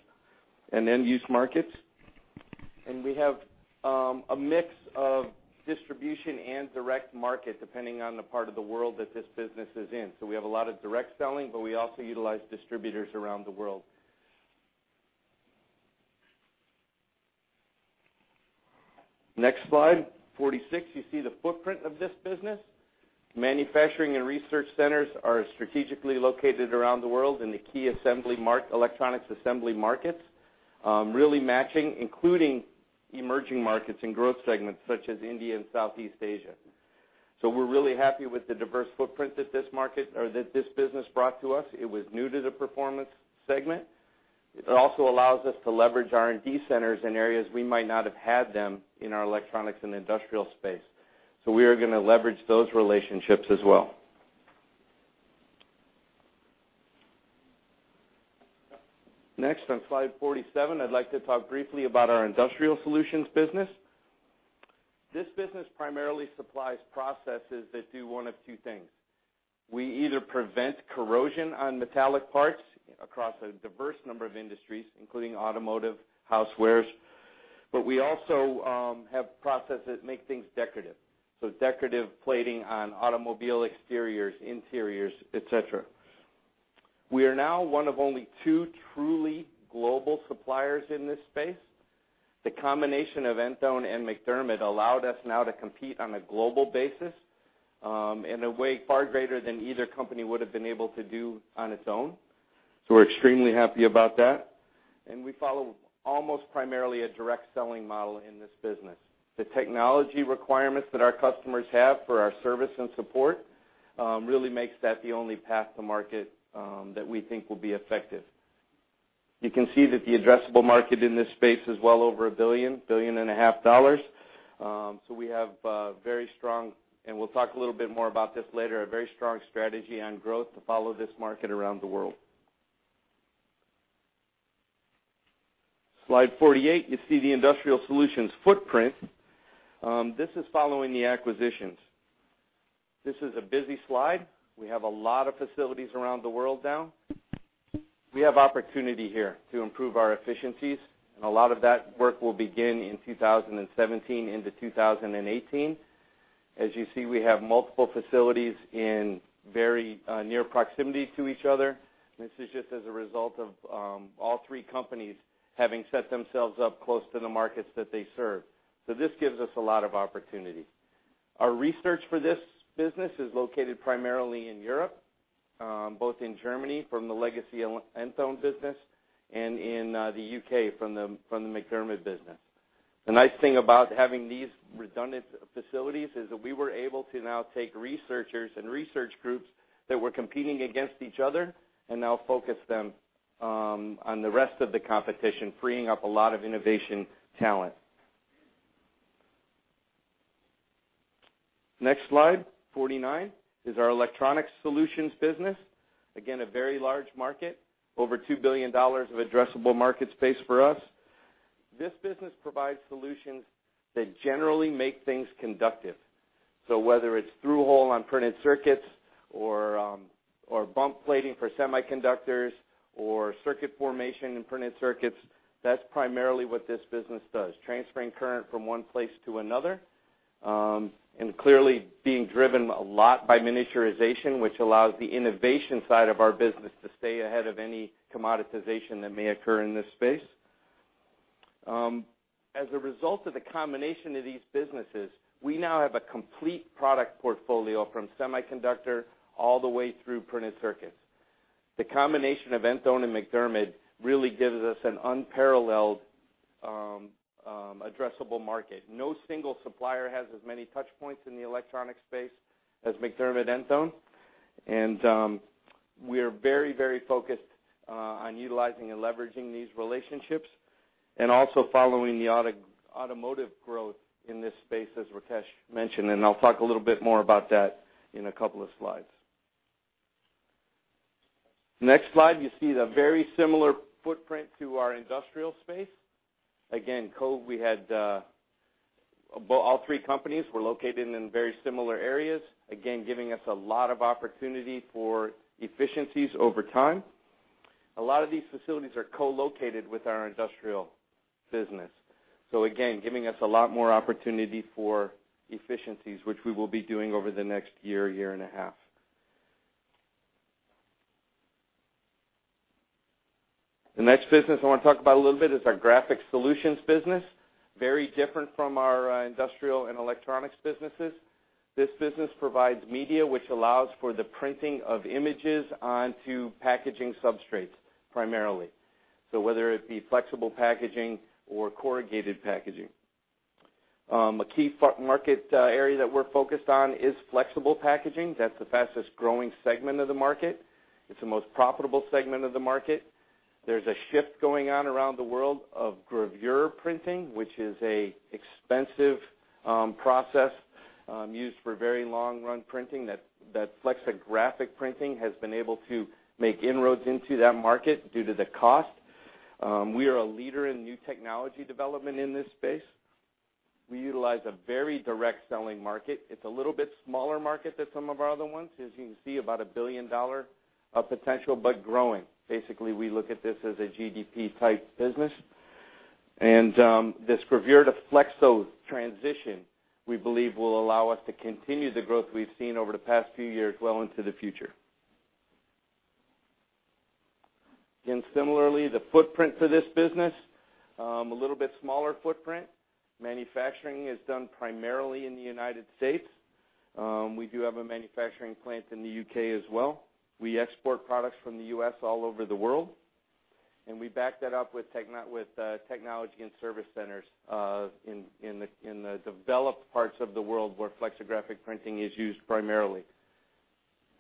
and end-use markets. We have a mix of distribution and direct market, depending on the part of the world that this business is in. We have a lot of direct selling, but we also utilize distributors around the world. Next slide 46. You see the footprint of this business. Manufacturing and research centers are strategically located around the world in the key electronics assembly markets. Really matching, including emerging markets and growth segments such as India and Southeast Asia. We are really happy with the diverse footprint that this business brought to us. It was new to the Performance segment. It also allows us to leverage R&D centers in areas we might not have had them in our electronics and industrial space. We are going to leverage those relationships as well. Next on slide 47, I would like to talk briefly about our Industrial Solutions business. This business primarily supplies processes that do one of two things. We either prevent corrosion on metallic parts across a diverse number of industries, including automotive, housewares, but we also have processes that make things decorative. Decorative plating on automobile exteriors, interiors, et cetera. We are now one of only two truly global suppliers in this space. The combination of Enthone and MacDermid allowed us now to compete on a global basis in a way far greater than either company would have been able to do on its own. We are extremely happy about that. We follow almost primarily a direct selling model in this business. The technology requirements that our customers have for our service and support Really makes that the only path to market that we think will be effective. You can see that the addressable market in this space is well over $1 billion-$1.5 billion. We have very strong, and we will talk a little bit more about this later, a very strong strategy on growth to follow this market around the world. Slide 48, you see the Industrial Solutions footprint. This is following the acquisitions. This is a busy slide. We have a lot of facilities around the world now. We have opportunity here to improve our efficiencies, and a lot of that work will begin in 2017 into 2018. As you see, we have multiple facilities in very near proximity to each other. This is just as a result of all three companies having set themselves up close to the markets that they serve. This gives us a lot of opportunity. Our research for this business is located primarily in Europe, both in Germany from the legacy Enthone business and in the U.K. from the MacDermid business. The nice thing about having these redundant facilities is that we were able to now take researchers and research groups that were competing against each other and now focus them on the rest of the competition, freeing up a lot of innovation talent. Next slide 49 is our Electronics Solutions business. Again, a very large market, over $2 billion of addressable market space for us. This business provides solutions that generally make things conductive. Whether it is through-hole on printed circuits or bump plating for semiconductors or circuit formation in printed circuits, that is primarily what this business does, transferring current from one place to another. Clearly being driven a lot by miniaturization, which allows the innovation side of our business to stay ahead of any commoditization that may occur in this space. As a result of the combination of these businesses, we now have a complete product portfolio from semiconductor all the way through printed circuits. The combination of Enthone and MacDermid really gives us an unparalleled addressable market. No single supplier has as many touchpoints in the electronic space as MacDermid Enthone. We are very focused on utilizing and leveraging these relationships and also following the automotive growth in this space, as Rakesh mentioned, and I'll talk a little bit more about that in a couple of slides. You see the very similar footprint to our industrial space. Again, [Cove], all three companies were located in very similar areas, again, giving us a lot of opportunity for efficiencies over time. A lot of these facilities are co-located with our industrial business. Again, giving us a lot more opportunity for efficiencies, which we will be doing over the next year and a half. The next business I want to talk about a little bit is our Graphics Solutions business. Very different from our industrial and electronics businesses. This business provides media which allows for the printing of images onto packaging substrates primarily. Whether it be flexible packaging or corrugated packaging. A key market area that we're focused on is flexible packaging. That's the fastest-growing segment of the market. It's the most profitable segment of the market. There's a shift going on around the world of gravure printing, which is a expensive process used for very long-run printing, that flexographic printing has been able to make inroads into that market due to the cost. We are a leader in new technology development in this space. We utilize a very direct selling market. It's a little bit smaller market than some of our other ones. As you can see, about a billion-dollar of potential, but growing. Basically, we look at this as a GDP-type business. This gravure to flexo transition, we believe will allow us to continue the growth we've seen over the past few years well into the future. Again, similarly, the footprint for this business, a little bit smaller footprint. Manufacturing is done primarily in the U.S. We do have a manufacturing plant in the U.K. as well. We export products from the U.S. all over the world, and we back that up with technology and service centers in the developed parts of the world where flexographic printing is used primarily.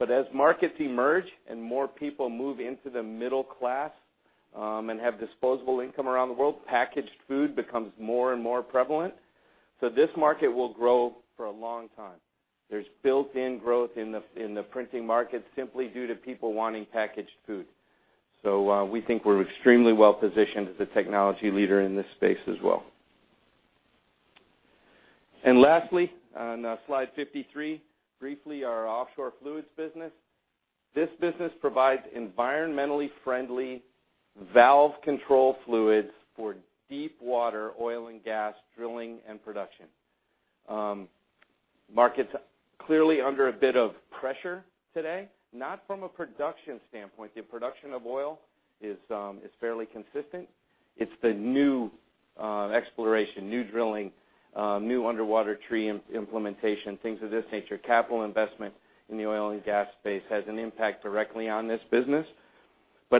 As markets emerge and more people move into the middle class, and have disposable income around the world, packaged food becomes more and more prevalent. This market will grow for a long time. There's built-in growth in the printing market simply due to people wanting packaged food. We think we're extremely well-positioned as a technology leader in this space as well. Lastly, on slide 53, briefly, our Offshore Fluids business. This business provides environmentally friendly valve control fluids for deep water oil and gas drilling and production. Market's clearly under a bit of pressure today, not from a production standpoint. The production of oil is fairly consistent. It's the new exploration, new drilling, new underwater tree implementation, things of this nature. Capital investment in the oil and gas space has an impact directly on this business.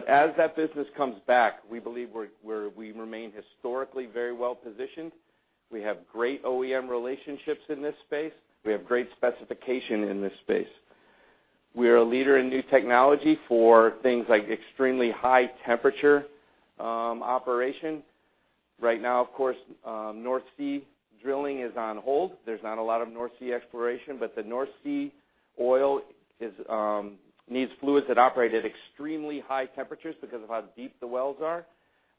As that business comes back, we believe we remain historically very well positioned. We have great OEM relationships in this space. We have great specification in this space. We are a leader in new technology for things like extremely high temperature operation. Right now, of course, North Sea drilling is on hold. There's not a lot of North Sea exploration, but the North Sea oil needs fluids that operate at extremely high temperatures because of how deep the wells are.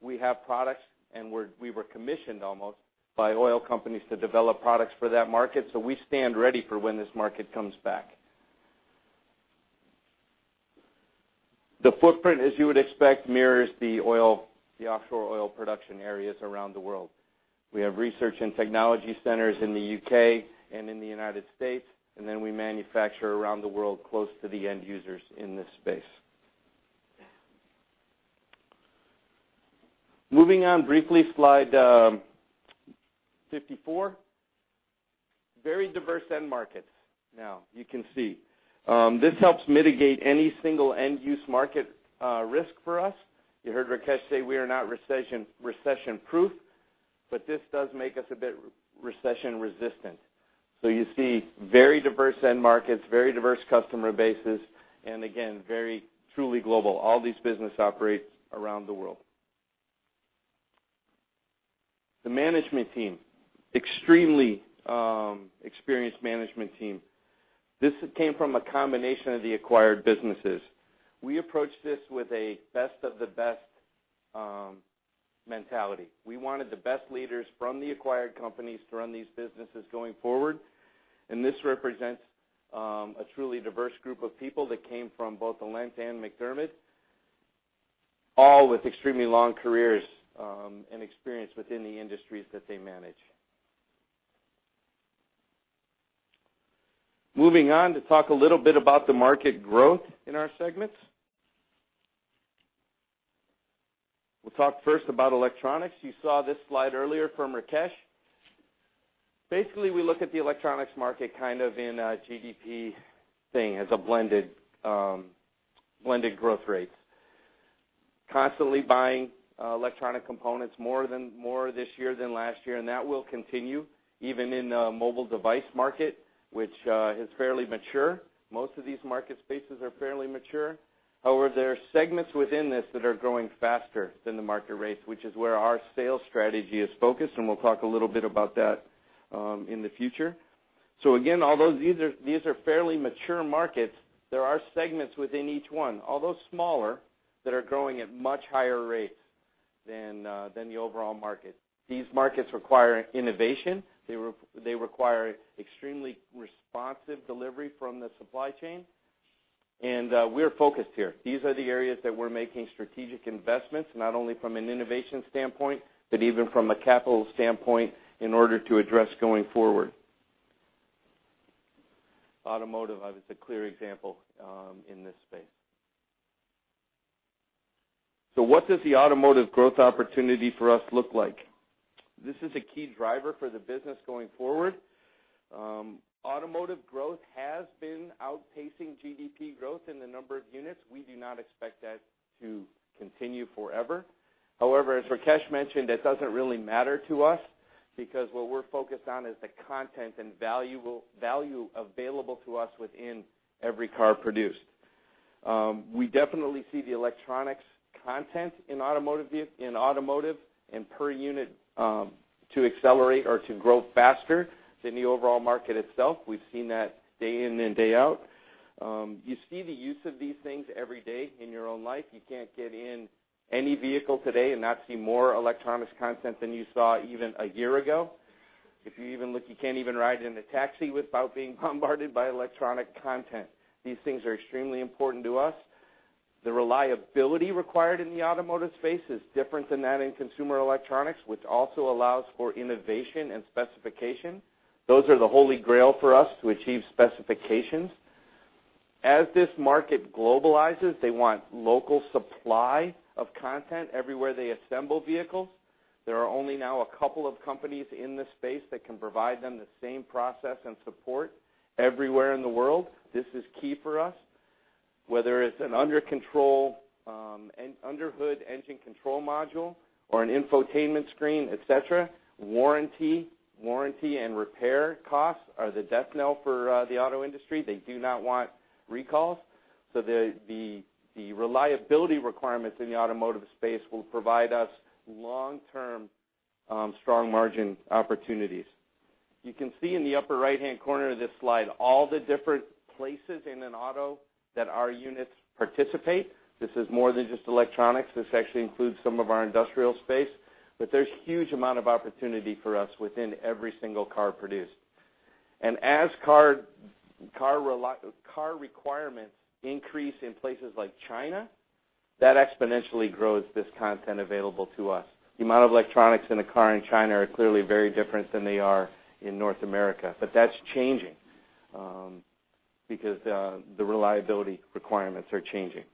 We have products, and we were commissioned almost by oil companies to develop products for that market. We stand ready for when this market comes back. The footprint, as you would expect, mirrors the offshore oil production areas around the world. We have research and technology centers in the U.K. and in the U.S., and then we manufacture around the world close to the end users in this space. Moving on briefly, slide 54. Very diverse end markets. Now, you can see. This helps mitigate any single end-use market risk for us. You heard Rakesh say we are not recession-proof, but this does make us a bit recession-resistant. You see very diverse end markets, very diverse customer bases, and again, very truly global. All these business operates around the world. The management team. Extremely experienced management team. This came from a combination of the acquired businesses. We approached this with a best of the best mentality. We wanted the best leaders from the acquired companies to run these businesses going forward, and this represents a truly diverse group of people that came from both Alent and MacDermid, all with extremely long careers and experience within the industries that they manage. Moving on to talk a little bit about the market growth in our segments. We'll talk first about electronics. You saw this slide earlier from Rakesh. Basically, we look at the electronics market kind of in a GDP thing, as a blended growth rates. Constantly buying electronic components more this year than last year, and that will continue even in the mobile device market, which is fairly mature. Most of these market spaces are fairly mature. However, there are segments within this that are growing faster than the market rates, which is where our sales strategy is focused, and we'll talk a little bit about that in the future. Again, although these are fairly mature markets, there are segments within each one, although smaller, that are growing at much higher rates than the overall market. These markets require innovation. They require extremely responsive delivery from the supply chain, and we're focused here. These are the areas that we're making strategic investments, not only from an innovation standpoint, but even from a capital standpoint in order to address going forward. Automotive is a clear example in this space. What does the automotive growth opportunity for us look like? This is a key driver for the business going forward. Automotive growth has been outpacing GDP growth in the number of units. We do not expect that to continue forever. However, as Rakesh mentioned, that doesn't really matter to us because what we're focused on is the content and value available to us within every car produced. We definitely see the electronics content in automotive and per unit to accelerate or to grow faster than the overall market itself. We've seen that day in and day out. You see the use of these things every day in your own life. You can't get in any vehicle today and not see more electronics content than you saw even a year ago. If you even look, you can't even ride in a taxi without being bombarded by electronic content. These things are extremely important to us. The reliability required in the automotive space is different than that in consumer electronics, which also allows for innovation and specification. Those are the holy grail for us to achieve specifications. As this market globalizes, they want local supply of content everywhere they assemble vehicles. There are only now a couple of companies in this space that can provide them the same process and support everywhere in the world. This is key for us, whether it's an under hood engine control module or an infotainment screen, et cetera. Warranty and repair costs are the death knell for the auto industry. They do not want recalls. The reliability requirements in the automotive space will provide us long-term strong margin opportunities. You can see in the upper right-hand corner of this slide all the different places in an auto that our units participate. This is more than just electronics. This actually includes some of our Industrial space. There's huge amount of opportunity for us within every single car produced. As car requirements increase in places like China, that exponentially grows this content available to us. The amount of electronics in a car in China are clearly very different than they are in North America. That's changing because the reliability requirements are changing.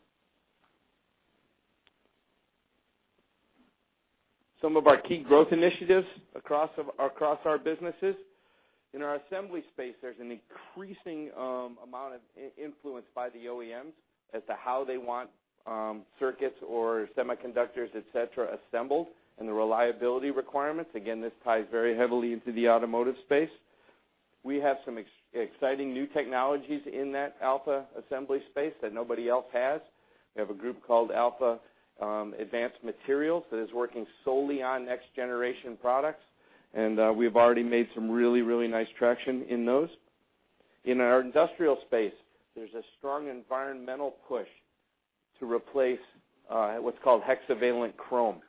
Some of our key growth initiatives across our businesses. In our assembly space, there's an increasing amount of influence by the OEMs as to how they want circuits or semiconductors, et cetera, assembled, and the reliability requirements. Again, this ties very heavily into the automotive space. We have some exciting new technologies in that Alpha Assembly space that nobody else has. We have a group called Alpha Advanced Materials that is working solely on next-generation products, and we've already made some really, really nice traction in those. In our Industrial space, there's a strong environmental push to replace what's called hexavalent chrome.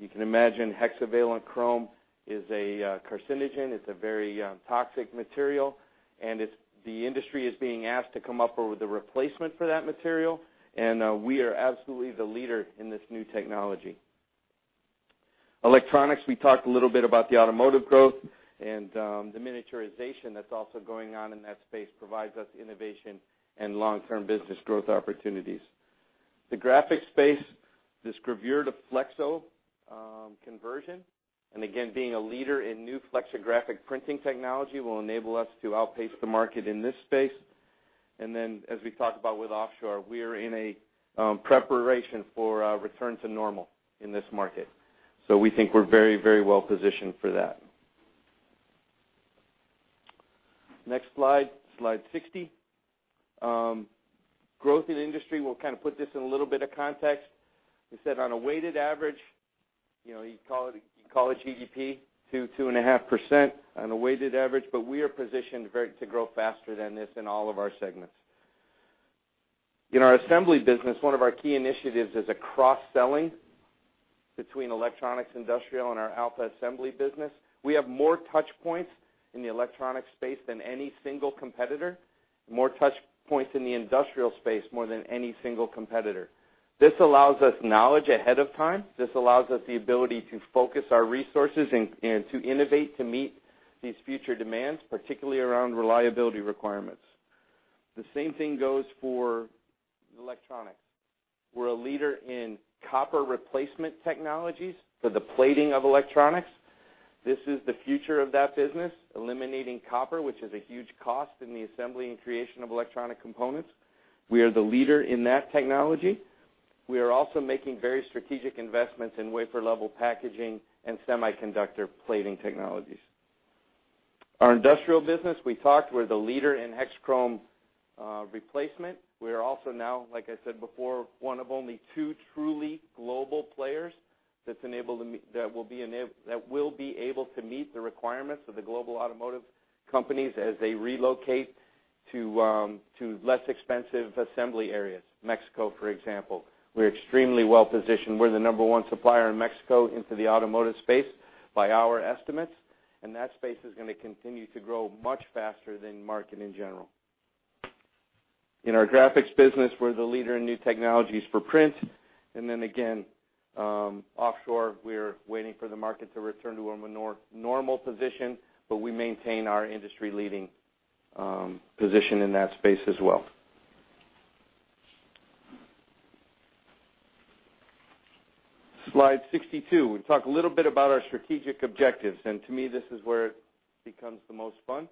You can imagine hexavalent chrome is a carcinogen. It's a very toxic material, the industry is being asked to come up with a replacement for that material. We are absolutely the leader in this new technology. Electronics, we talked a little bit about the automotive growth, and the miniaturization that's also going on in that space provides us innovation and long-term business growth opportunities. The Graphics space, this gravure to flexo conversion. Again, being a leader in new flexographic printing technology will enable us to outpace the market in this space. Then as we talked about with Offshore, we are in a preparation for a return to normal in this market. We think we're very well positioned for that. Next slide 60. Growth in the industry. We'll kind of put this in a little bit of context. We said on a weighted average, you call it GDP, 2%-2.5% on a weighted average, but we are positioned to grow faster than this in all of our segments. In our assembly business, one of our key initiatives is a cross-selling between electronics, industrial, and our Alpha assembly business. We have more touchpoints in the electronic space than any single competitor, more touchpoints in the industrial space, more than any single competitor. This allows us knowledge ahead of time. This allows us the ability to focus our resources and to innovate to meet these future demands, particularly around reliability requirements. The same thing goes for electronics. We're a leader in copper replacement technologies for the plating of electronics. This is the future of that business, eliminating copper, which is a huge cost in the assembly and creation of electronic components. We are the leader in that technology. We are also making very strategic investments in wafer-level packaging and semiconductor plating technologies. Our industrial business, we talked, we're the leader in hex chrome replacement. We are also now, like I said before, one of only two truly global players that will be able to meet the requirements of the global automotive companies as they relocate to less expensive assembly areas. Mexico, for example. We're extremely well-positioned. We're the number 1 supplier in Mexico into the automotive space by our estimates, and that space is going to continue to grow much faster than market in general. In our Graphics business, we're the leader in new technologies for print. Then again, offshore, we're waiting for the market to return to a more normal position, but we maintain our industry-leading position in that space as well. Slide 62. We talk a little bit about our strategic objectives. To me, this is where it becomes the most fun.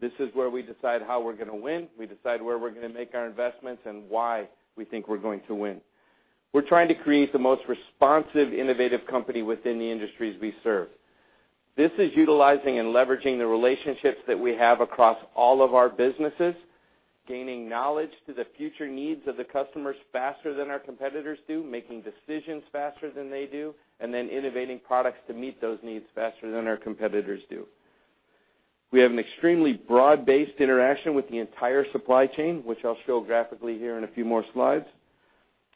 This is where we decide how we're going to win. We decide where we're going to make our investments and why we think we're going to win. We're trying to create the most responsive, innovative company within the industries we serve. This is utilizing and leveraging the relationships that we have across all of our businesses, gaining knowledge to the future needs of the customers faster than our competitors do, making decisions faster than they do, then innovating products to meet those needs faster than our competitors do. We have an extremely broad-based interaction with the entire supply chain, which I'll show graphically here in a few more slides.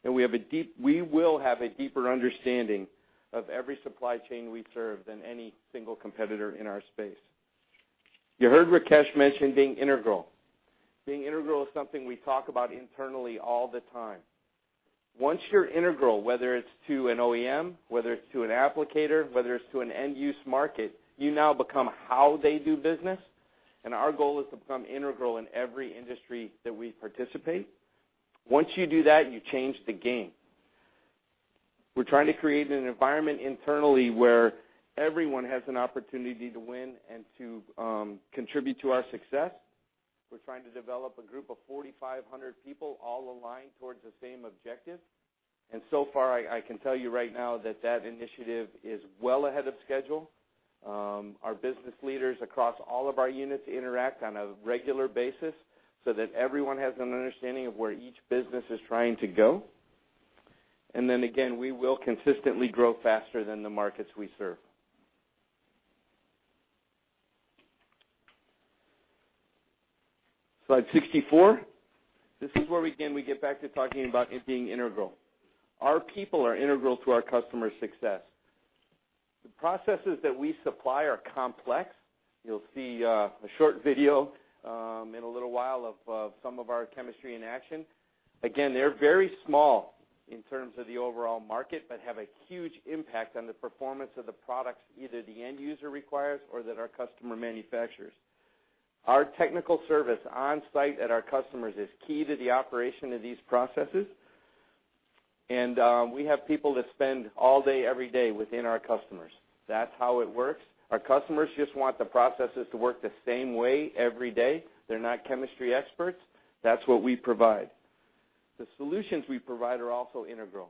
We will have a deeper understanding of every supply chain we serve than any single competitor in our space. You heard Rakesh mention being integral. Being integral is something we talk about internally all the time. Once you're integral, whether it's to an OEM, whether it's to an applicator, whether it's to an end-use market, you now become how they do business. Our goal is to become integral in every industry that we participate. Once you do that, you change the game. We're trying to create an environment internally where everyone has an opportunity to win and to contribute to our success. We're trying to develop a group of 4,500 people all aligned towards the same objective. So far, I can tell you right now that that initiative is well ahead of schedule. Our business leaders across all of our units interact on a regular basis so that everyone has an understanding of where each business is trying to go. Then again, we will consistently grow faster than the markets we serve. Slide 64. This is where, again, we get back to talking about being integral. Our people are integral to our customers' success. The processes that we supply are complex. You'll see a short video in a little while of some of our chemistry in action. They're very small in terms of the overall market, but have a huge impact on the performance of the products either the end user requires or that our customer manufactures. Our technical service on-site at our customers is key to the operation of these processes. We have people that spend all day, every day within our customers. That's how it works. Our customers just want the processes to work the same way every day. They're not chemistry experts. That's what we provide. The solutions we provide are also integral.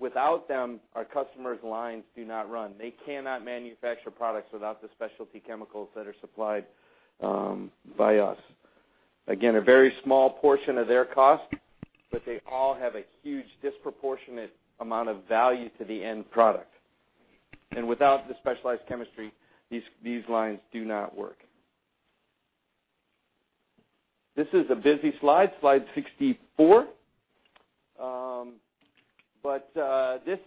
Without them, our customers' lines do not run. They cannot manufacture products without the specialty chemicals that are supplied by us. A very small portion of their cost, but they all have a huge disproportionate amount of value to the end product. Without the specialized chemistry, these lines do not work. This is a busy slide, Slide 64. This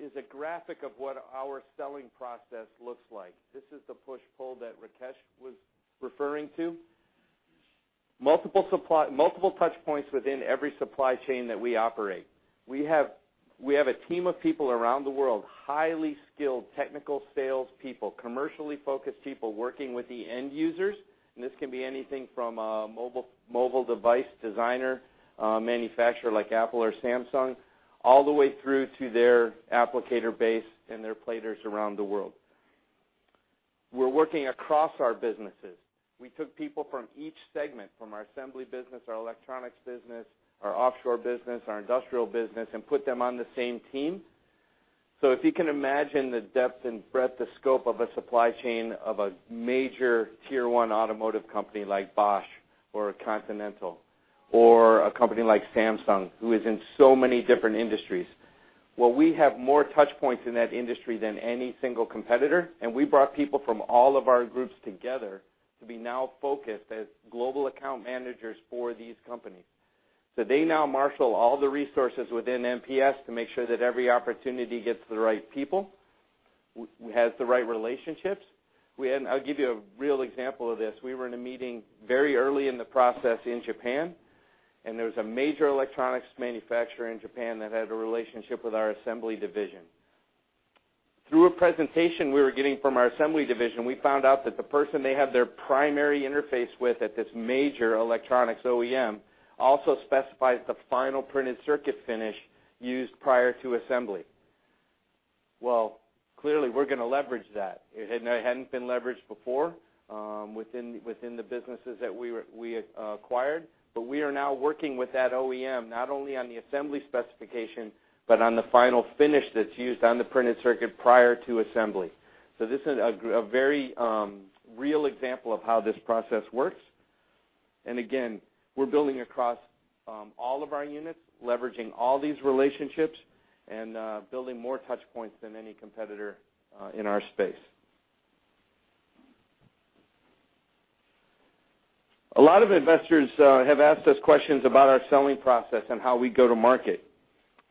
is a graphic of what our selling process looks like. This is the push-pull that Rakesh was referring to. Multiple touch points within every supply chain that we operate. We have a team of people around the world, highly skilled technical salespeople, commercially focused people working with the end users. This can be anything from a mobile device designer, a manufacturer like Apple or Samsung, all the way through to their applicator base and their platers around the world. We're working across our businesses. We took people from each segment, from our Assembly business, our Electronics business, our Offshore business, our Industrial business, and put them on the same team. If you can imagine the depth and breadth, the scope of a supply chain of a major Tier 1 automotive company like Bosch or a Continental, or a company like Samsung, who is in so many different industries. Well, we have more touch points in that industry than any single competitor. We brought people from all of our groups together to be now focused as global account managers for these companies. They now marshal all the resources within MPS to make sure that every opportunity gets the right people, has the right relationships. I'll give you a real example of this. We were in a meeting very early in the process in Japan. There was a major electronics manufacturer in Japan that had a relationship with our Assembly division. Through a presentation we were getting from our Assembly division, we found out that the person they have their primary interface with at this major electronics OEM also specifies the final printed circuit finish used prior to assembly. Well, clearly, we're going to leverage that. It hadn't been leveraged before, within the businesses that we acquired. We are now working with that OEM, not only on the Assembly specification, but on the final finish that's used on the printed circuit prior to assembly. This is a very real example of how this process works. Again, we're building across all of our units, leveraging all these relationships and building more touch points than any competitor in our space. A lot of investors have asked us questions about our selling process and how we go to market.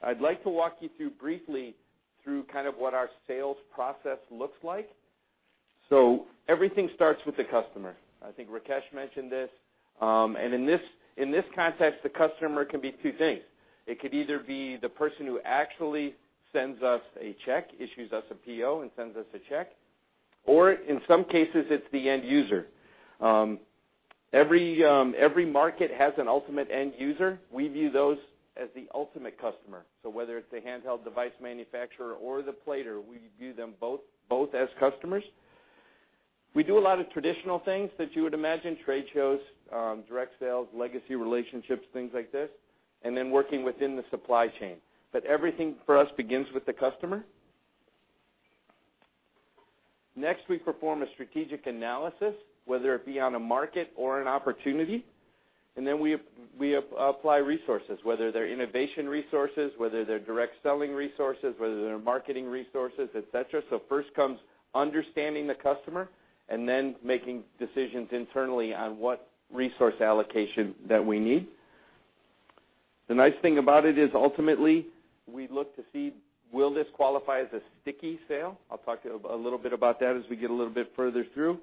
I'd like to walk you through briefly through kind of what our sales process looks like. Everything starts with the customer. I think Rakesh mentioned this. In this context, the customer can be two things. It could either be the person who actually sends us a check, issues us a PO, and sends us a check, or in some cases, it's the end user. Every market has an ultimate end user. We view those as the ultimate customer. Whether it's a handheld device manufacturer or the plater, we view them both as customers. We do a lot of traditional things that you would imagine, trade shows, direct sales, legacy relationships, things like this, and then working within the supply chain. Everything for us begins with the customer. Next, we perform a strategic analysis, whether it be on a market or an opportunity. We apply resources, whether they're innovation resources, whether they're direct selling resources, whether they're marketing resources, et cetera. First comes understanding the customer, and then making decisions internally on what resource allocation that we need. The nice thing about it is ultimately, we look to see, will this qualify as a sticky sale? I'll talk a little bit about that as we get a little bit further through.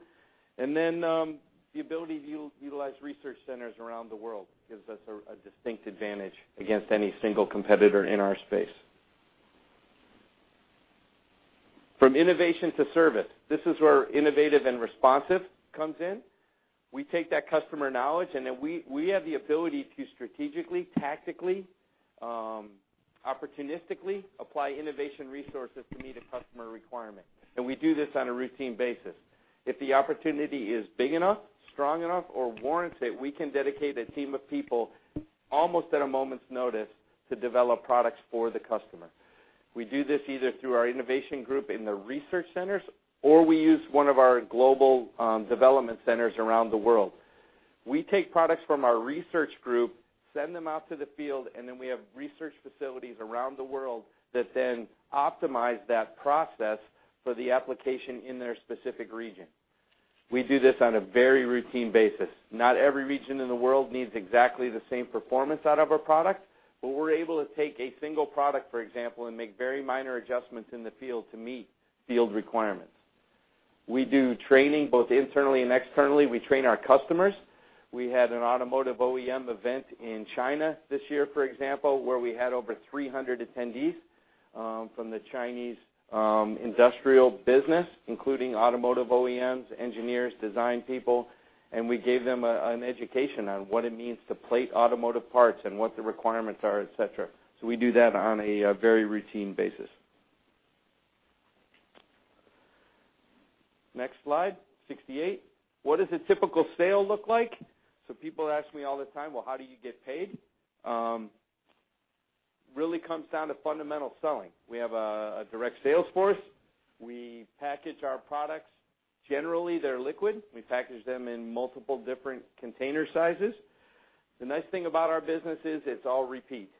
The ability to utilize research centers around the world gives us a distinct advantage against any single competitor in our space. From innovation to service, this is where innovative and responsive comes in. We take that customer knowledge, and then we have the ability to strategically, tactically, opportunistically apply innovation resources to meet a customer requirement. We do this on a routine basis. If the opportunity is big enough, strong enough, or warrants it, we can dedicate a team of people almost at a moment's notice to develop products for the customer. We do this either through our innovation group in the research centers, or we use one of our global development centers around the world. We take products from our research group, send them out to the field, and then we have research facilities around the world that then optimize that process for the application in their specific region. We do this on a very routine basis. Not every region in the world needs exactly the same performance out of a product, but we're able to take a single product, for example, and make very minor adjustments in the field to meet field requirements. We do training both internally and externally. We train our customers. We had an automotive OEM event in China this year, for example, where we had over 300 attendees. From the Chinese industrial business, including automotive OEMs, engineers, design people, and we gave them an education on what it means to plate automotive parts and what the requirements are, et cetera. We do that on a very routine basis. Next slide, 68. What does a typical sale look like? People ask me all the time, "Well, how do you get paid?" Really comes down to fundamental selling. We have a direct sales force. We package our products. Generally, they're liquid. We package them in multiple different container sizes. The nice thing about our business is it's all repeat.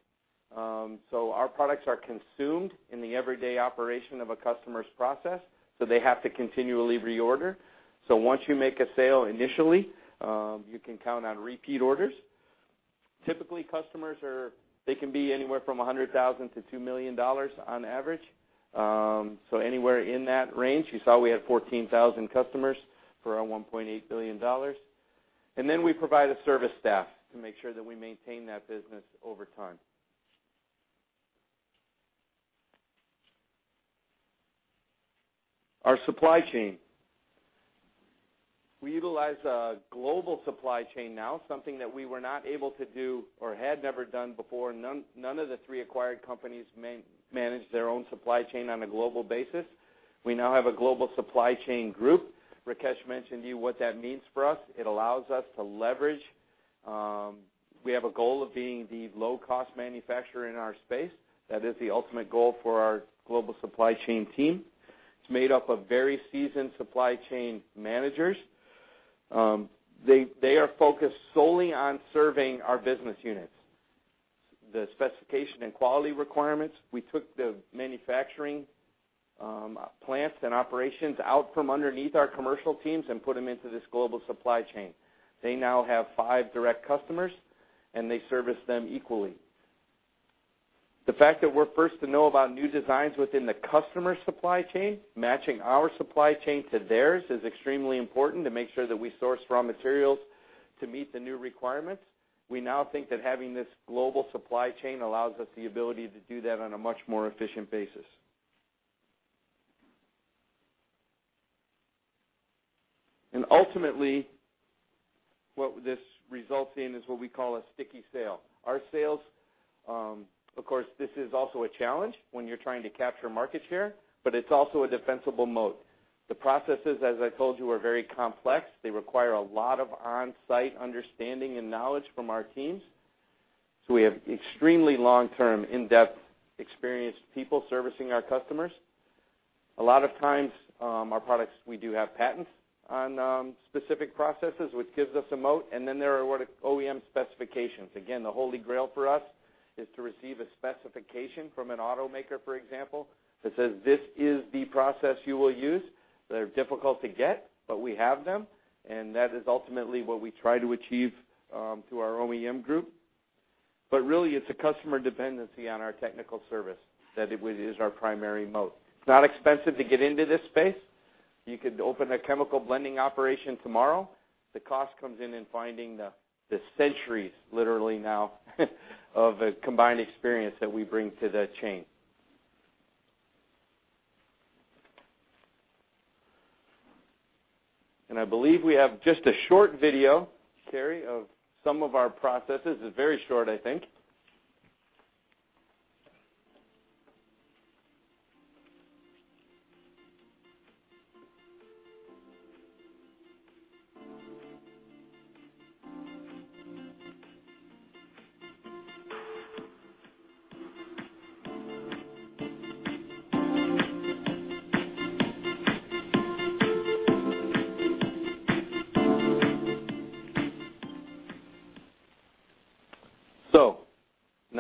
Our products are consumed in the everyday operation of a customer's process, so they have to continually reorder. Once you make a sale initially, you can count on repeat orders. Typically, customers. They can be anywhere from $100,000 to $2 million on average, anywhere in that range. You saw we had 14,000 customers for our $1.8 billion. Then we provide a service staff to make sure that we maintain that business over time. Our supply chain. We utilize a global supply chain now, something that we were not able to do or had never done before. None of the three acquired companies managed their own supply chain on a global basis. We now have a global supply chain group. Rakesh mentioned to you what that means for us. It allows us to leverage. We have a goal of being the low-cost manufacturer in our space. That is the ultimate goal for our global supply chain team. It's made up of very seasoned supply chain managers. They are focused solely on serving our business units. The specification and quality requirements, we took the manufacturing plants and operations out from underneath our commercial teams and put them into this global supply chain. They now have five direct customers, and they service them equally. The fact that we're first to know about new designs within the customer supply chain, matching our supply chain to theirs, is extremely important to make sure that we source raw materials to meet the new requirements. We now think that having this global supply chain allows us the ability to do that on a much more efficient basis. Ultimately, what this results in is what we call a sticky sale. Our sales, of course, this is also a challenge when you're trying to capture market share, but it's also a defensible moat. The processes, as I told you, are very complex. They require a lot of on-site understanding and knowledge from our teams. We have extremely long-term, in-depth, experienced people servicing our customers. A lot of times, our products, we do have patents on specific processes, which gives us a moat, and then there are OEM specifications. Again, the holy grail for us is to receive a specification from an automaker, for example, that says, "This is the process you will use." They're difficult to get, but we have them, and that is ultimately what we try to achieve through our OEM group. Really, it's a customer dependency on our technical service that it is our primary moat. It's not expensive to get into this space. You could open a chemical blending operation tomorrow. The cost comes in in finding the centuries, literally now, of combined experience that we bring to the chain. I believe we have just a short video, Carey, of some of our processes. It's very short, I think.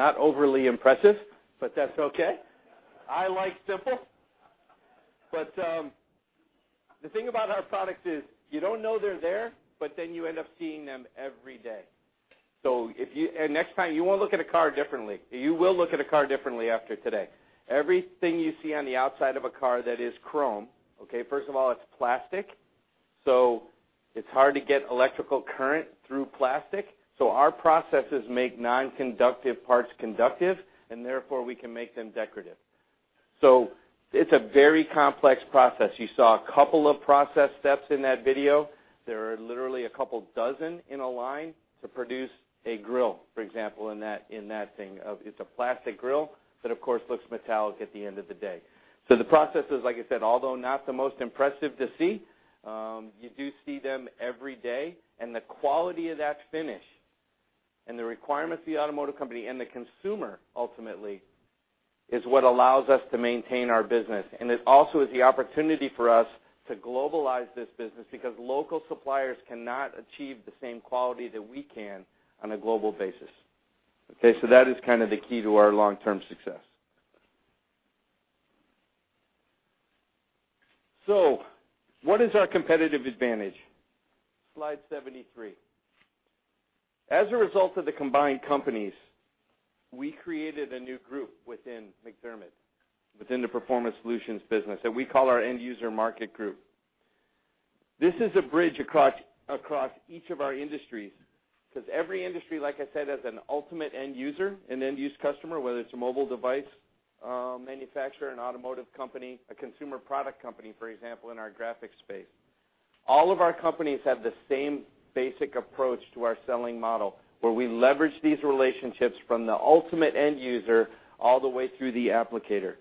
Not overly impressive, but that's okay. I like simple. The thing about our products is you don't know they're there, but then you end up seeing them every day. Next time, you won't look at a car differently. You will look at a car differently after today. Everything you see on the outside of a car that is chrome, okay, first of all, it's plastic, so it's hard to get electrical current through plastic. Our processes make non-conductive parts conductive, and therefore, we can make them decorative. It's a very complex process. You saw a couple of process steps in that video. There are literally a couple dozen in a line to produce a grill, for example, in that thing. It's a plastic grill, but of course, looks metallic at the end of the day. The process is, like I said, although not the most impressive to see, you do see them every day. The quality of that finish and the requirements of the automotive company and the consumer, ultimately, is what allows us to maintain our business. It also is the opportunity for us to globalize this business because local suppliers cannot achieve the same quality that we can on a global basis. Okay? That is kind of the key to our long-term success. What is our competitive advantage? Slide 73. As a result of the combined companies, we created a new group within MacDermid, within the Performance Solutions business, that we call our end user market group. This is a bridge across each of our industries, because every industry, like I said, has an ultimate end user, an end-use customer, whether it's a mobile device manufacturer, an automotive company, a consumer product company, for example, in our graphics space. All of our companies have the same basic approach to our selling model, where we leverage these relationships from the ultimate end user all the way through the applicator.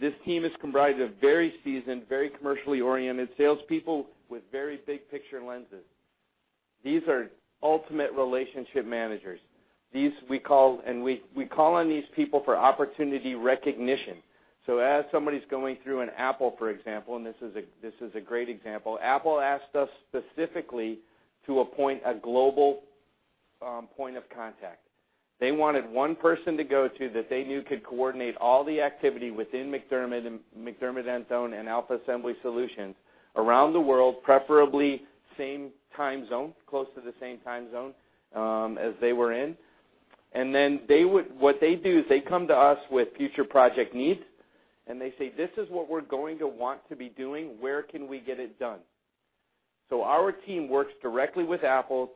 This team is comprised of very seasoned, very commercially oriented salespeople with very big-picture lenses. These are ultimate relationship managers. We call on these people for opportunity recognition. As somebody's going through an Apple, for example, this is a great example. Apple asked us specifically to appoint a global point of contact. They wanted one person to go to that they knew could coordinate all the activity within MacDermid, Enthone, and Alpha Assembly Solutions around the world, preferably same time zone, close to the same time zone as they were in. What they do is they come to us with future project needs, and they say, "This is what we're going to want to be doing. Where can we get it done?" Our team works directly with Apple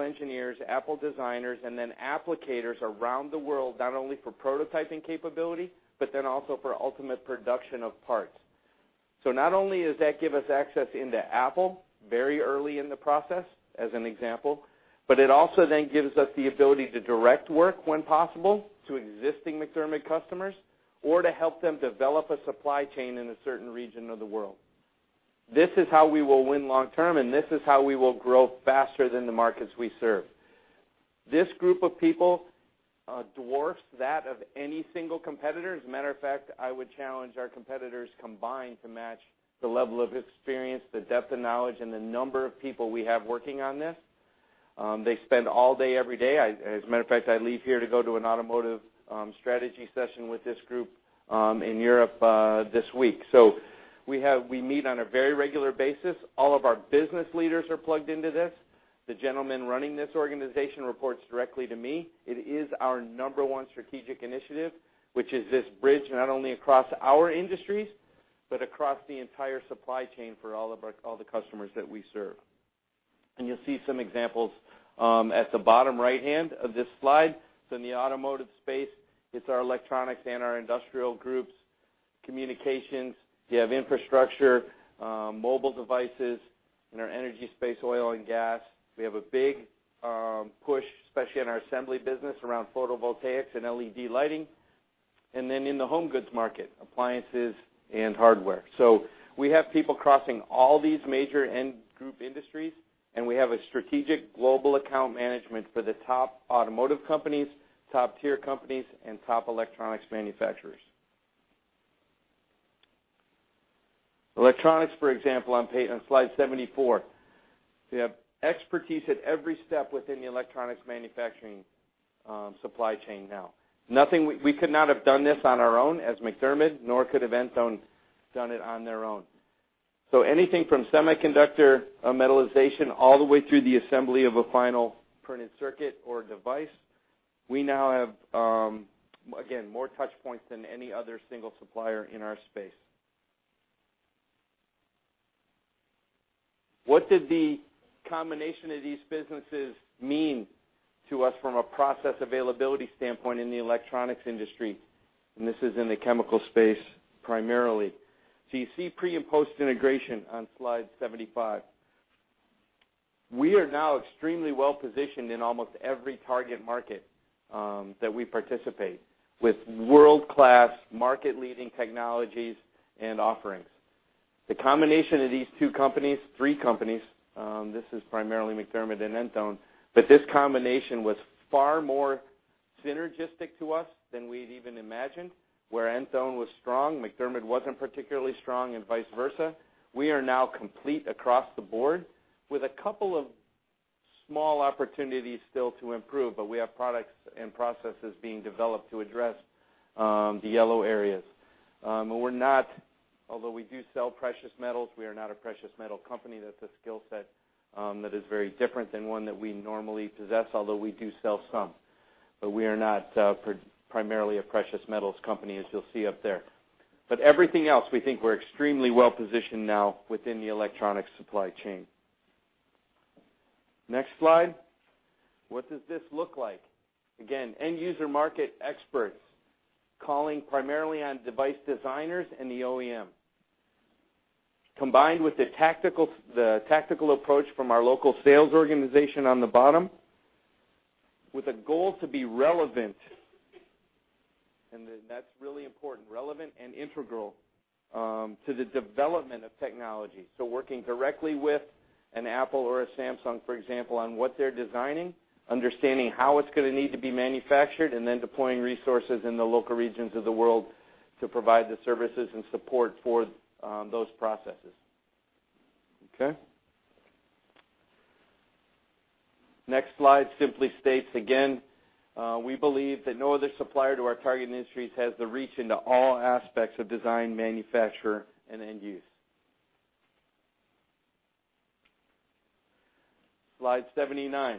engineers, Apple designers, and then applicators around the world, not only for prototyping capability, but then also for ultimate production of parts. Not only does that give us access into Apple very early in the process, as an example, but it also then gives us the ability to direct work when possible to existing MacDermid customers or to help them develop a supply chain in a certain region of the world. This is how we will win long term, this is how we will grow faster than the markets we serve. This group of people dwarfs that of any single competitor. As a matter of fact, I would challenge our competitors combined to match the level of experience, the depth of knowledge, and the number of people we have working on this. They spend all day, every day. As a matter of fact, I leave here to go to an automotive strategy session with this group in Europe this week. We meet on a very regular basis. All of our business leaders are plugged into this. The gentleman running this organization reports directly to me. It is our number 1 strategic initiative, which is this bridge, not only across our industries, but across the entire supply chain for all the customers that we serve. You'll see some examples at the bottom right-hand of this slide. It's in the automotive space. It's our electronics and our industrial groups, communications. You have infrastructure, mobile devices, and our energy space, oil and gas. We have a big push, especially in our assembly business, around photovoltaics and LED lighting. Then in the home goods market, appliances and hardware. We have people crossing all these major end-group industries, and we have a strategic global account management for the top automotive companies, top tier companies, and top electronics manufacturers. Electronics, for example, on Slide 74. We have expertise at every step within the electronics manufacturing supply chain now. We could not have done this on our own as MacDermid, nor could have Enthone done it on their own. Anything from semiconductor metallization all the way through the assembly of a final printed circuit or device, we now have, again, more touchpoints than any other single supplier in our space. What did the combination of these businesses mean to us from a process availability standpoint in the electronics industry? This is in the chemical space primarily. You see pre and post integration on Slide 75. We are now extremely well-positioned in almost every target market that we participate with world-class market leading technologies and offerings. The combination of these two companies, three companies, this is primarily MacDermid and Enthone, but this combination was far more synergistic to us than we'd even imagined. Where Enthone was strong, MacDermid wasn't particularly strong, and vice versa. We are now complete across the board with a couple of small opportunities still to improve, but we have products and processes being developed to address the yellow areas. Although we do sell precious metals, we are not a precious metal company. That's a skill set that is very different than one that we normally possess, although we do sell some. We are not primarily a precious metals company, as you'll see up there. Everything else, we think we're extremely well-positioned now within the electronic supply chain. Next slide. What does this look like? Again, end-user market experts calling primarily on device designers and the OEM. Combined with the tactical approach from our local sales organization on the bottom with a goal to be relevant, and that's really important, relevant and integral to the development of technology. Working directly with an Apple or a Samsung, for example, on what they're designing, understanding how it's going to need to be manufactured, and then deploying resources in the local regions of the world to provide the services and support for those processes. Okay. Next slide simply states again, we believe that no other supplier to our target industries has the reach into all aspects of design, manufacture, and end use. Slide 79.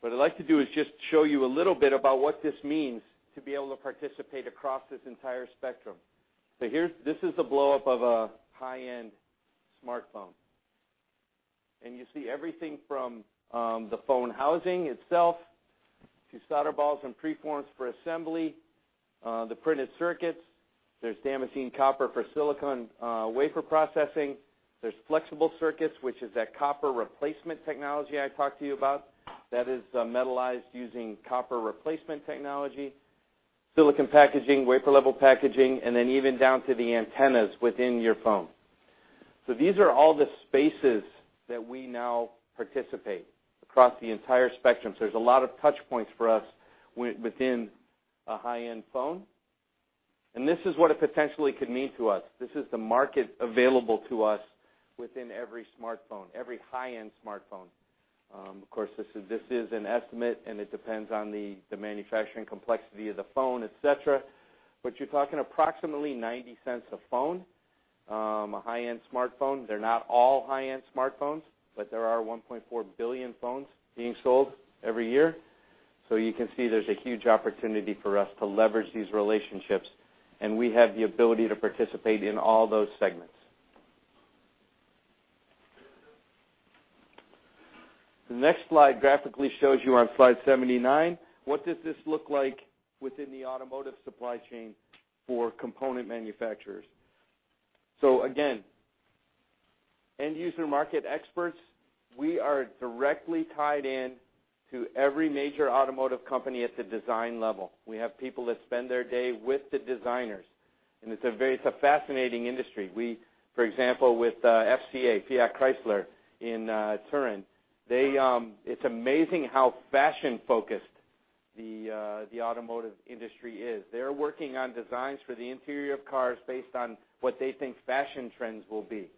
What I'd like to do is just show you a little bit about what this means to be able to participate across this entire spectrum. This is a blow-up of a high-end smartphone. You see everything from the phone housing itself to solder balls and preforms for assembly, the printed circuits. There's damascene copper for silicon wafer processing. There's flexible circuits, which is that copper replacement technology I talked to you about. That is metallized using copper replacement technology, silicon packaging, wafer-level packaging, and then even down to the antennas within your phone. These are all the spaces that we now participate across the entire spectrum. There's a lot of touch points for us within a high-end phone. This is what it potentially could mean to us. This is the market available to us within every smartphone, every high-end smartphone. Of course, this is an estimate, and it depends on the manufacturing complexity of the phone, et cetera, but you're talking approximately $0.90 a phone, a high-end smartphone. They're not all high-end smartphones, but there are 1.4 billion phones being sold every year. You can see there's a huge opportunity for us to leverage these relationships, and we have the ability to participate in all those segments. The next slide graphically shows you on slide 79, what does this look like within the automotive supply chain for component manufacturers? Again, end user market experts, we are directly tied in to every major automotive company at the design level. We have people that spend their day with the designers, and it's a fascinating industry. For example, with FCA, Fiat Chrysler, in Turin, it's amazing how fashion-focused the automotive industry is. They're working on designs for the interior of cars based on what they think fashion trends will be.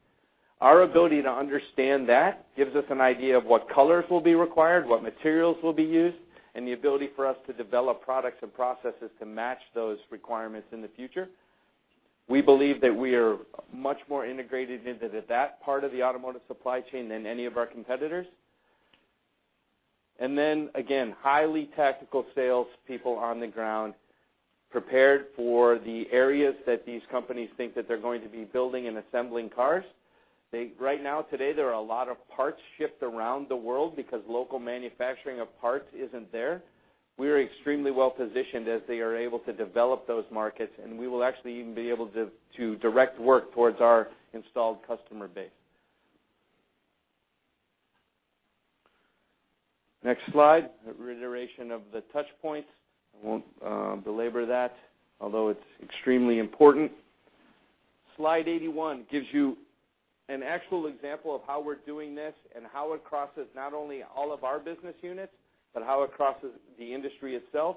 Our ability to understand that gives us an idea of what colors will be required, what materials will be used, and the ability for us to develop products and processes to match those requirements in the future. We believe that we are much more integrated into that part of the automotive supply chain than any of our competitors. Again, highly tactical salespeople on the ground prepared for the areas that these companies think that they're going to be building and assembling cars. Right now, today, there are a lot of parts shipped around the world because local manufacturing of parts isn't there. We are extremely well-positioned as they are able to develop those markets, and we will actually even be able to direct work towards our installed customer base. Next slide, a reiteration of the touch points. I won't belabor that, although it's extremely important. Slide 81 gives you an actual example of how we're doing this and how it crosses not only all of our business units but how it crosses the industry itself.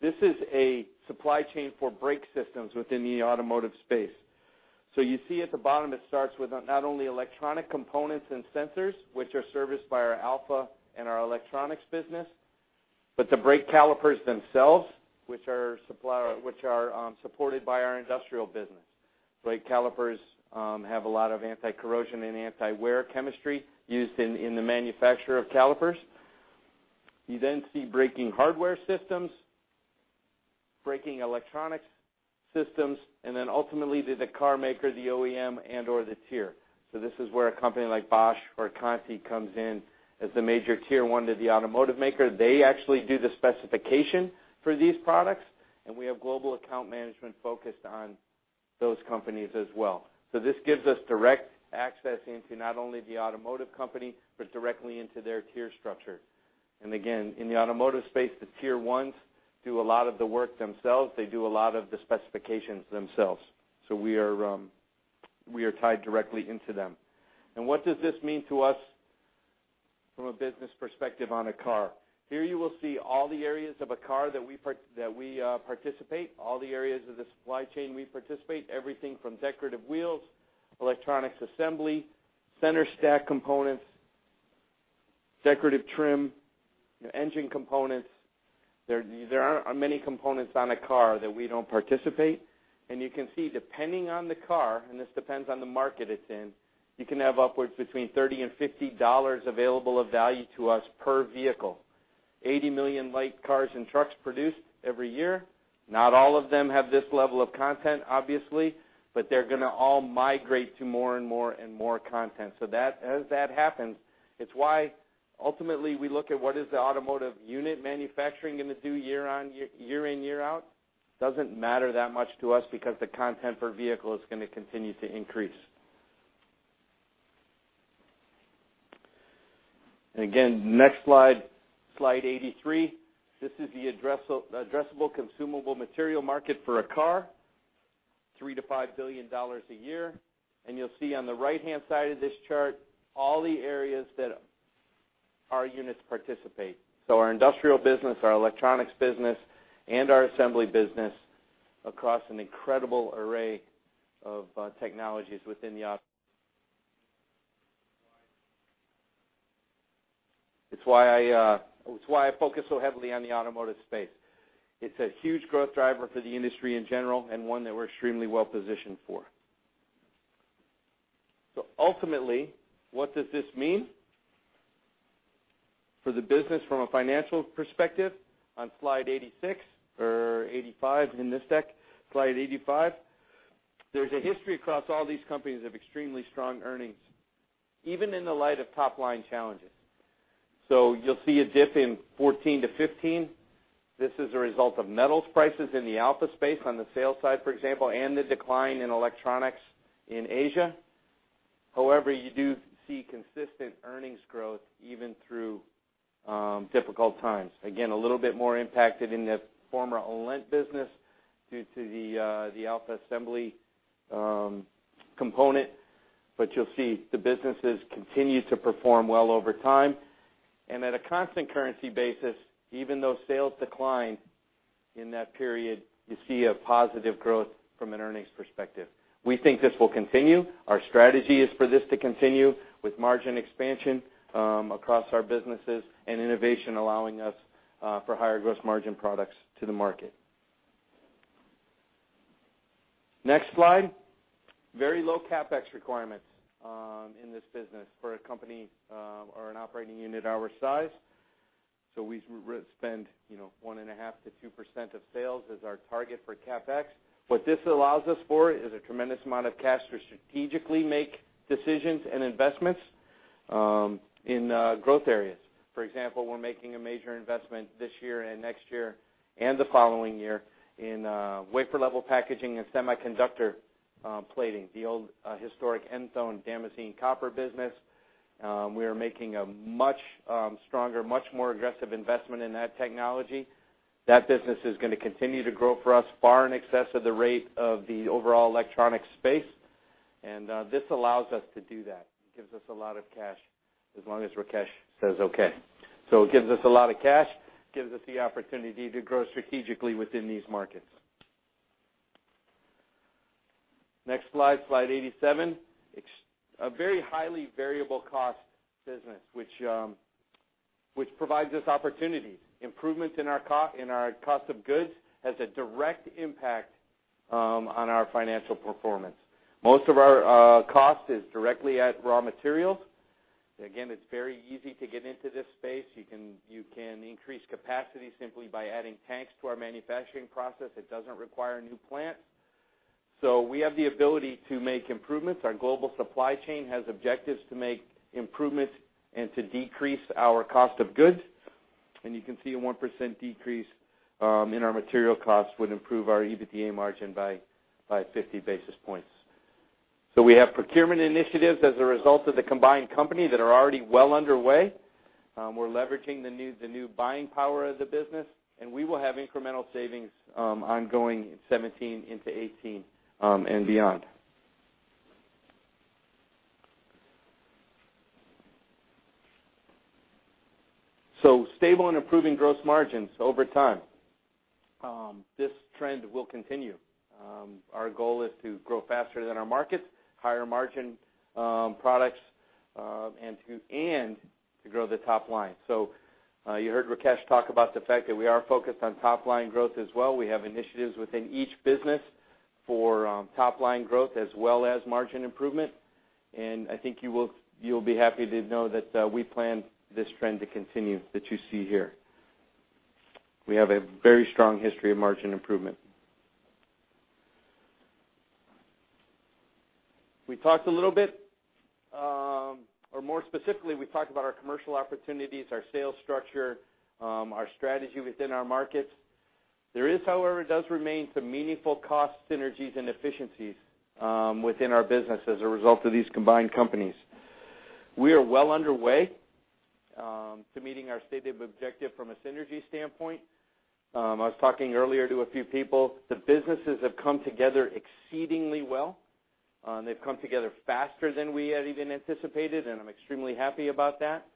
This is a supply chain for brake systems within the automotive space. You see at the bottom, it starts with not only electronic components and sensors, which are serviced by our Alpha and our Electronics business, but the brake calipers themselves, which are supported by our Industrial business. Brake calipers have a lot of anti-corrosion and anti-wear chemistry used in the manufacture of calipers. You see braking hardware systems, braking electronics systems, and ultimately the car maker, the OEM, and/or the tier. This is where a company like Bosch or Conti comes in as the major tier 1 to the automotive maker. They actually do the specification for these products, and we have global account management focused on those companies as well. This gives us direct access into not only the automotive company but directly into their tier structure. Again, in the automotive space, the tier 1s do a lot of the work themselves. They do a lot of the specifications themselves. We are tied directly into them. What does this mean to us from a business perspective on a car? Here you will see all the areas of a car that we participate, all the areas of the supply chain we participate, everything from decorative wheels, Electronics Assembly, center stack components, decorative trim, engine components. There aren't many components on a car that we don't participate. You can see, depending on the car, and this depends on the market it's in, you can have upwards between $30 and $50 available of value to us per vehicle. 80 million light cars and trucks produced every year. Not all of them have this level of content, obviously, but they're going to all migrate to more and more content. As that happens, it's why ultimately we look at what is the automotive unit manufacturing going to do year in, year out. Doesn't matter that much to us because the content per vehicle is going to continue to increase. Again, next slide 83. This is the addressable consumable material market for a car, $3 billion-$5 billion a year. You'll see on the right-hand side of this chart all the areas that our units participate. Our Industrial Solutions business, our Electronics Solutions business, and our assembly business across an incredible array of technologies within the automotive. It's why I focus so heavily on the automotive space. It's a huge growth driver for the industry in general, and one that we're extremely well-positioned for. Ultimately, what does this mean for the business from a financial perspective? On Slide 86 or 85 in this deck, Slide 85, there's a history across all these companies of extremely strong earnings, even in the light of top-line challenges. You'll see a dip in 2014 to 2015. This is a result of metals prices in the Alpha space on the sales side, for example, and the decline in electronics in Asia. However, you do see consistent earnings growth even through difficult times. Again, a little bit more impacted in the former Alent business due to the Alpha assembly component. You'll see the businesses continue to perform well over time. At a constant currency basis, even though sales decline in that period, you see a positive growth from an earnings perspective. We think this will continue. Our strategy is for this to continue with margin expansion across our businesses and innovation allowing us for higher gross margin products to the market. Next slide. Very low CapEx requirements in this business for a company or an operating unit our size. We spend 1.5%-2% of sales as our target for CapEx. What this allows us for is a tremendous amount of cash to strategically make decisions and investments in growth areas. For example, we're making a major investment this year and next year and the following year in wafer-level packaging and semiconductor plating, the old historic Enthone damascene copper business. We are making a much stronger, much more aggressive investment in that technology. That business is going to continue to grow for us far in excess of the rate of the overall electronic space, and this allows us to do that. It gives us a lot of cash as long as Rakesh Sachdev says okay. It gives us a lot of cash, gives us the opportunity to grow strategically within these markets. Next slide, Slide 87. A very highly variable cost business, which provides us opportunities. Improvements in our cost of goods has a direct impact on our financial performance. Most of our cost is directly at raw materials. Again, it's very easy to get into this space. You can increase capacity simply by adding tanks to our manufacturing process. It doesn't require a new plant. We have the ability to make improvements. Our global supply chain has objectives to make improvements and to decrease our cost of goods. You can see a 1% decrease in our material costs would improve our EBITDA margin by 50 basis points. We have procurement initiatives as a result of the combined company that are already well underway. We're leveraging the new buying power of the business, and we will have incremental savings ongoing in 2017 into 2018, and beyond. Stable and improving gross margins over time. This trend will continue. Our goal is to grow faster than our markets, higher margin products, and to grow the top line. You heard Rakesh Sachdev talk about the fact that we are focused on top-line growth as well. We have initiatives within each business for top-line growth as well as margin improvement, and I think you'll be happy to know that we plan this trend to continue, that you see here. We have a very strong history of margin improvement. We talked a little bit, or more specifically, we talked about our commercial opportunities, our sales structure, our strategy within our markets. There is, however, does remain some meaningful cost synergies and efficiencies within our business as a result of these combined companies. We are well underway to meeting our stated objective from a synergy standpoint. I was talking earlier to a few people. The businesses have come together exceedingly well. They've come together faster than we had even anticipated, and I'm extremely happy about that.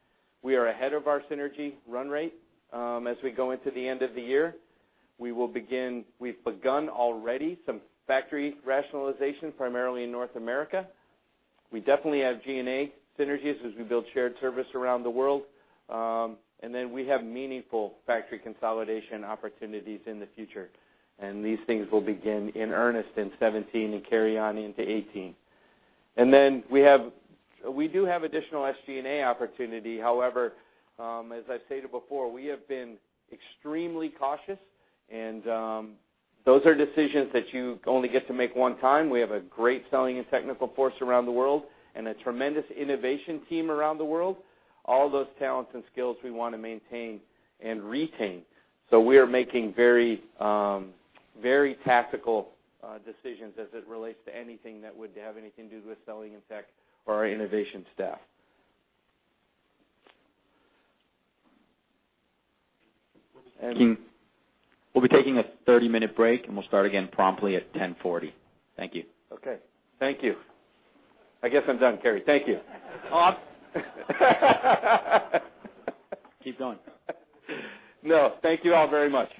We are ahead of our synergy run rate as we go into the end of the year. We've begun already some factory rationalization, primarily in North America. We definitely have G&A synergies as we build shared service around the world. We have meaningful factory consolidation opportunities in the future, and these things will begin in earnest in 2017 and carry on into 2018. We do have additional SG&A opportunity. However, as I stated before, we have been extremely cautious, and those are decisions that you only get to make one time. We have a great selling and technical force around the world and a tremendous innovation team around the world. All those talents and skills we want to maintain and retain. We are making very tactical decisions as it relates to anything that would have anything to do with selling and tech or our innovation staff. We'll be taking a 30-minute break, and we'll start again promptly at 10:40. Thank you. Okay. Thank you. I guess I'm done, Carey. Thank you. Keep going. No. Thank you all very much.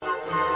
I'm going to announce that we're going to start back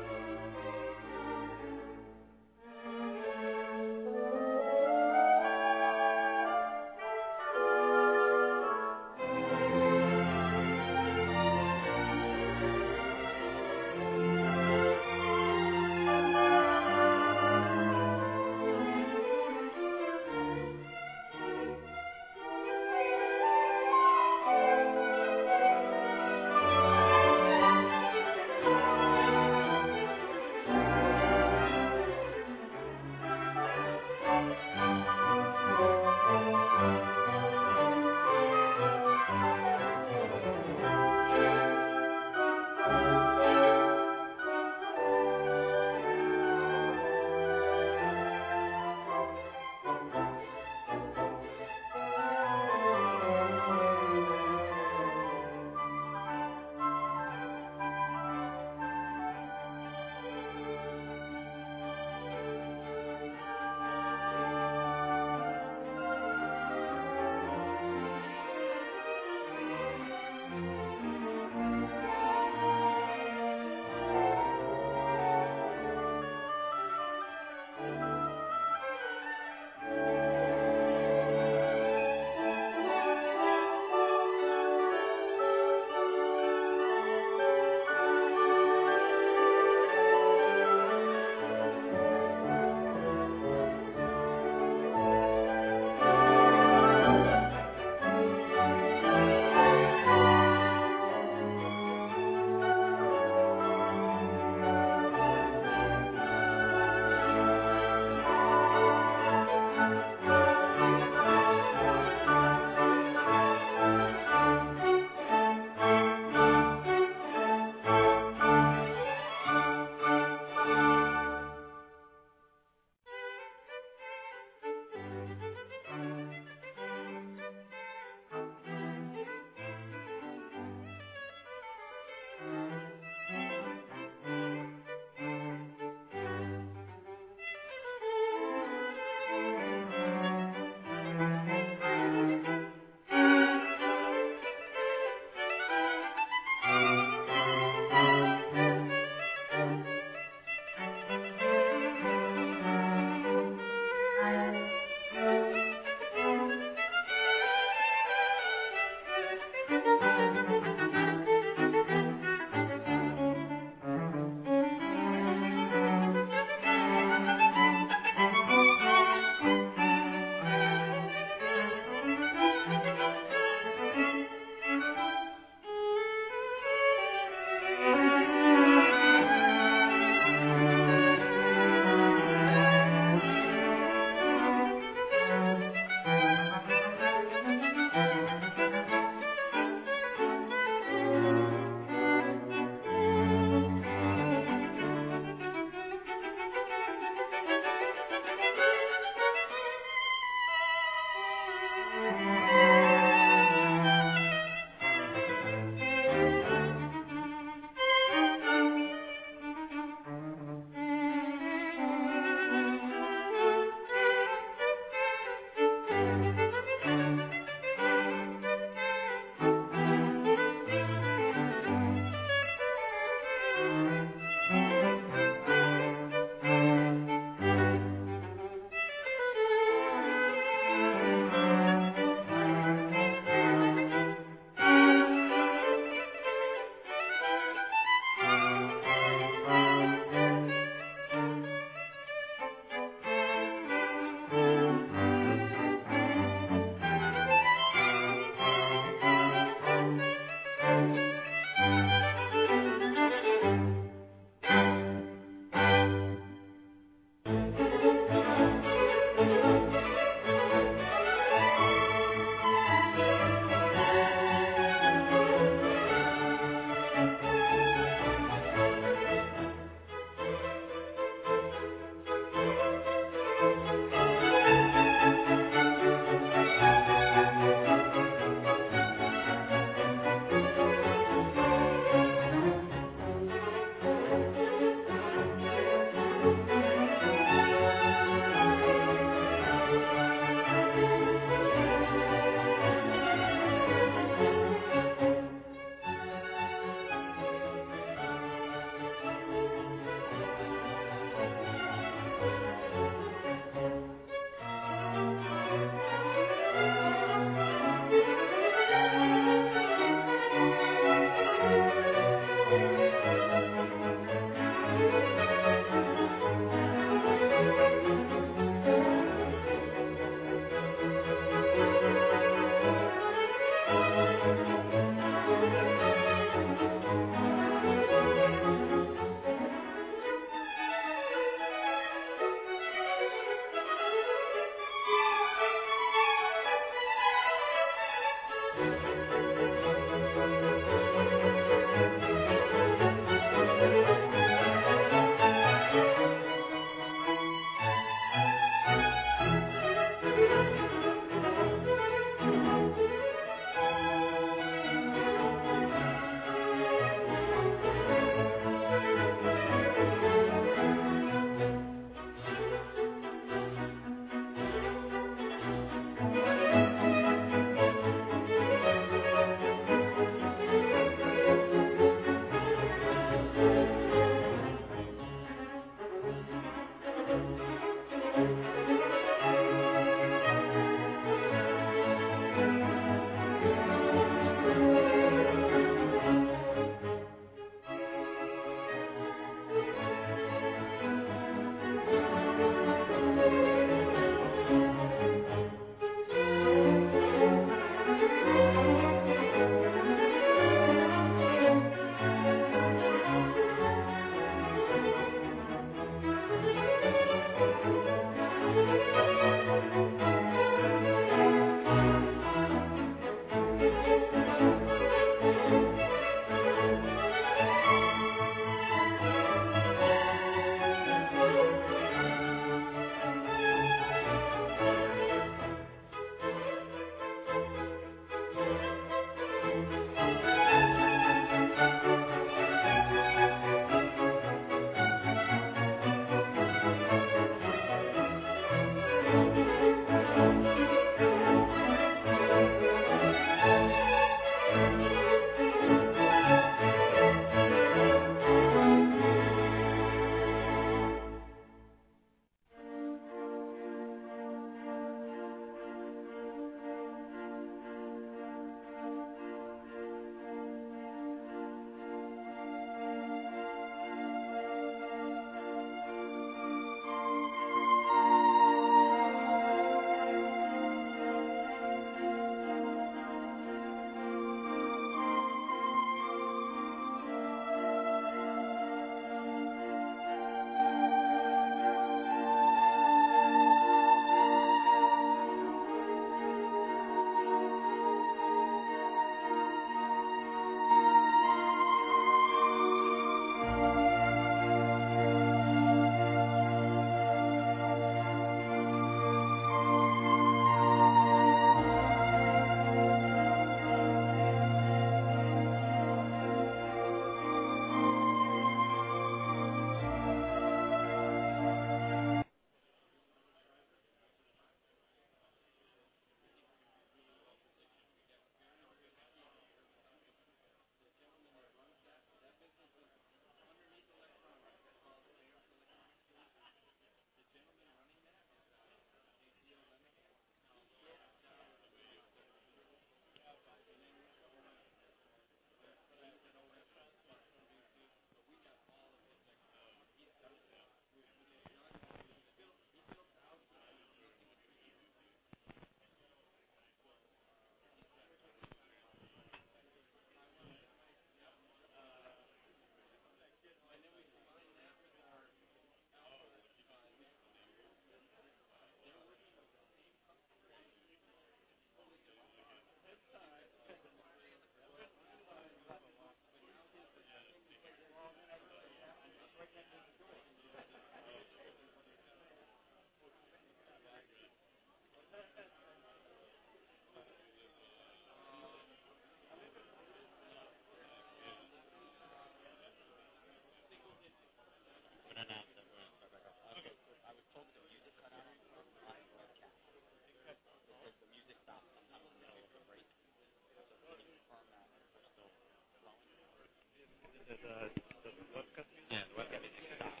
on. The webcasting? Yeah, the webcasting stopped.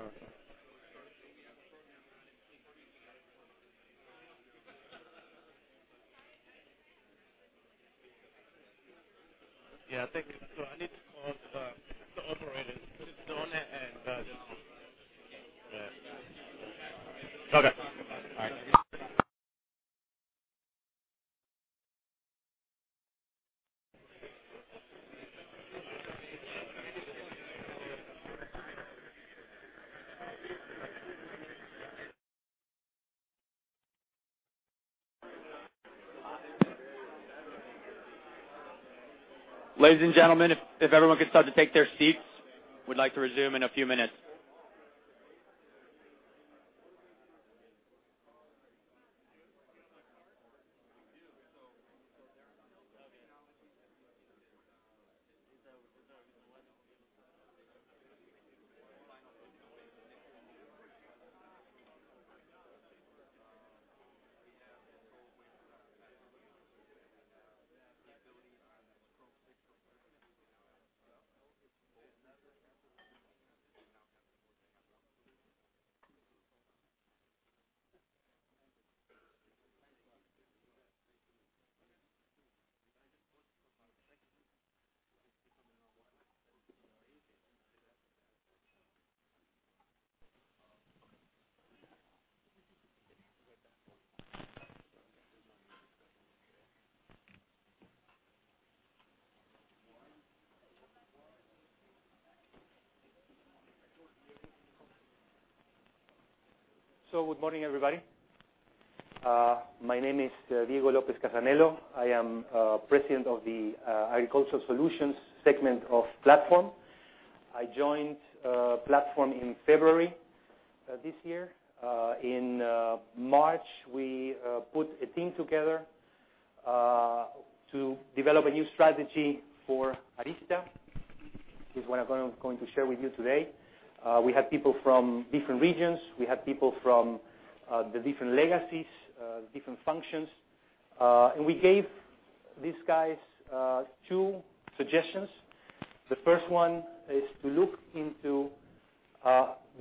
Oh. Yeah, thank you. I need to call the operator, Donna and Yeah. Okay. All right. Ladies and gentlemen, if everyone could start to take their seats, we'd like to resume in a few minutes. Good morning, everybody. My name is Diego Lopez Casanello. I am President of the Agricultural Solutions segment of Platform. I joined Platform in February this year. In March, we put a team together to develop a new strategy for Arysta, which is what I'm going to share with you today. We have people from different regions. We have people from the different legacies, different functions, and we gave these guys two suggestions. The first one is to look into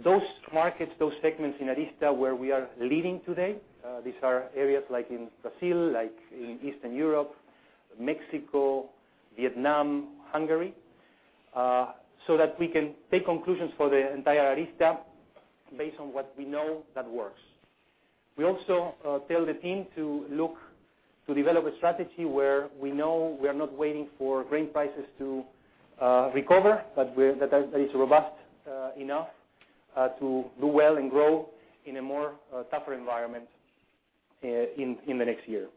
those markets, those segments in Arysta, where we are leading today. These are areas like in Brazil, like in Eastern Europe, Mexico, Vietnam, Hungary, so that we can take conclusions for the entire Arysta based on what we know that works. We also tell the team to look to develop a strategy where we know we are not waiting for grain prices to recover, but that is robust enough to do well and grow in a more tougher environment in the next year.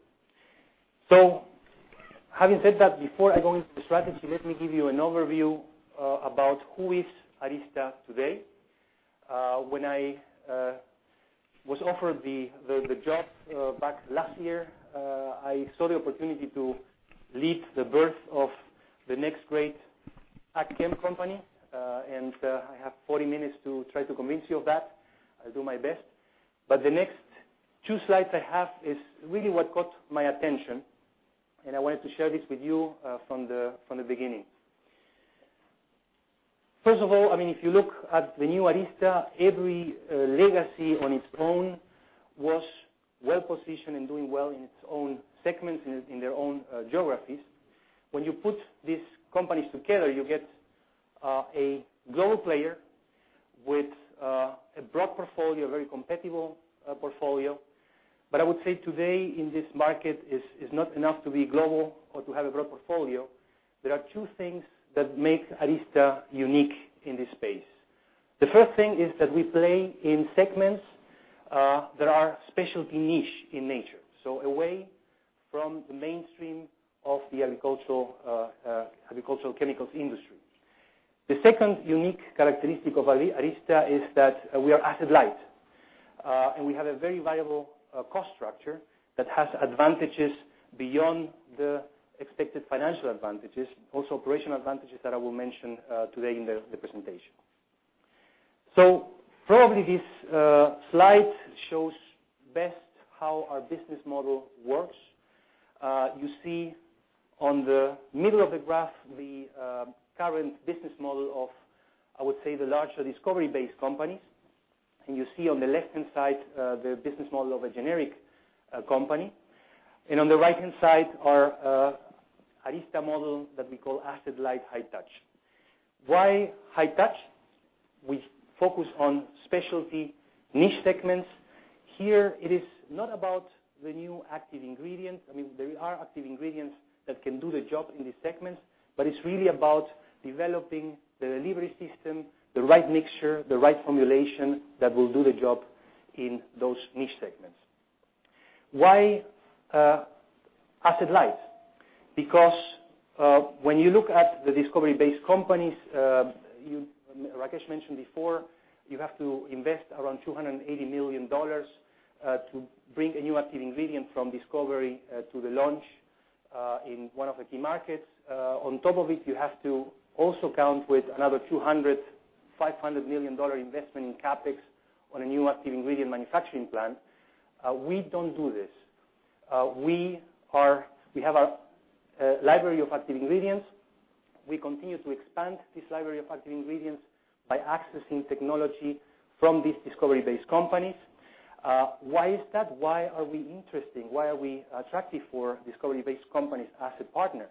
Having said that, before I go into the strategy, let me give you an overview about who is Arysta today. When I was offered the job back last year, I saw the opportunity to lead the birth of the next great ag chem company, and I have 40 minutes to try to convince you of that. I'll do my best. The next two slides I have is really what caught my attention, and I wanted to share this with you from the beginning. First of all, if you look at the new Arysta, every legacy on its own was well-positioned and doing well in its own segments, in their own geographies. When you put these companies together, you get a global player with a broad portfolio, a very competitive portfolio. I would say today in this market, it is not enough to be global or to have a broad portfolio. There are two things that make Arysta unique in this space. The first thing is that we play in segments that are specialty niche in nature, away from the mainstream of the agricultural chemicals industry. The second unique characteristic of Arysta is that we are asset-light, and we have a very viable cost structure that has advantages beyond the expected financial advantages, also operational advantages that I will mention today in the presentation. Probably this slide shows best how our business model works. You see on the middle of the graph, the current business model of, I would say, the larger discovery-based companies, and you see on the left-hand side, the business model of a generic company. On the right-hand side, our Arysta model that we call asset-light, high-touch. Why high-touch? We focus on specialty niche segments. Here, it is not about the new active ingredient. There are active ingredients that can do the job in these segments, but it is really about developing the delivery system, the right mixture, the right formulation that will do the job in those niche segments. Why asset-light? Because when you look at the discovery-based companies, Rakesh mentioned before, you have to invest around $280 million to bring a new active ingredient from discovery to the launch in one of the key markets. On top of it, you have to also count with another $200 million-$500 million investment in CapEx on a new active ingredient manufacturing plant. We don't do this. We have our library of active ingredients. We continue to expand this library of active ingredients by accessing technology from these discovery-based companies. Why is that? Why are we interesting? Why are we attractive for discovery-based companies as a partner?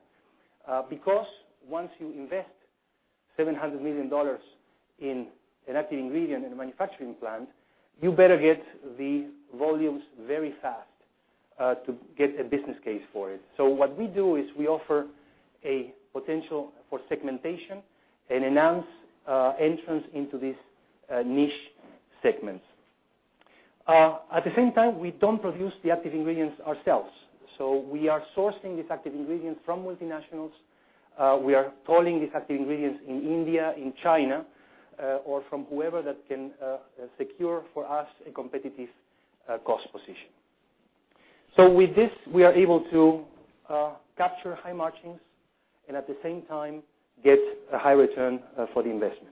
Because once you invest $700 million in an active ingredient in a manufacturing plant, you better get the volumes very fast to get a business case for it. What we do is we offer a potential for segmentation and announce entrance into these niche segments. At the same time, we don't produce the active ingredients ourselves. We are sourcing these active ingredients from multinationals. We are calling these active ingredients in India, in China, or from whoever that can secure for us a competitive cost position. With this, we are able to capture high margins and at the same time get a high return for the investment.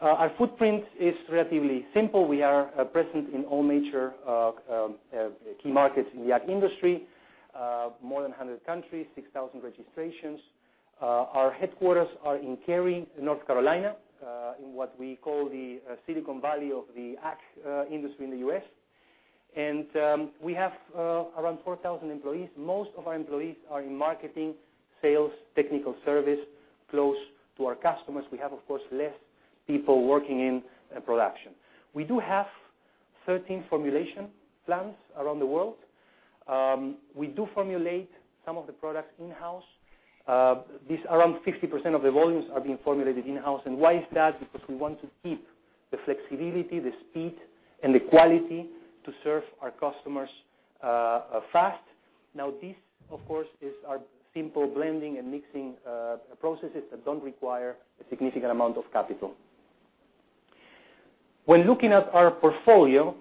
Our footprint is relatively simple. We are present in all major key markets in the ag industry. More than 100 countries, 6,000 registrations. Our headquarters are in Cary, North Carolina, in what we call the Silicon Valley of the ag industry in the U.S. We have around 4,000 employees. Most of our employees are in marketing, sales, technical service, close to our customers. We have, of course, less people working in production. We do have 13 formulation plants around the world. We do formulate some of the products in-house. Around 50% of the volumes are being formulated in-house. Why is that? We want to keep the flexibility, the speed, and the quality to serve our customers fast. This, of course, is our simple blending and mixing processes that don't require a significant amount of capital. Looking at our portfolio,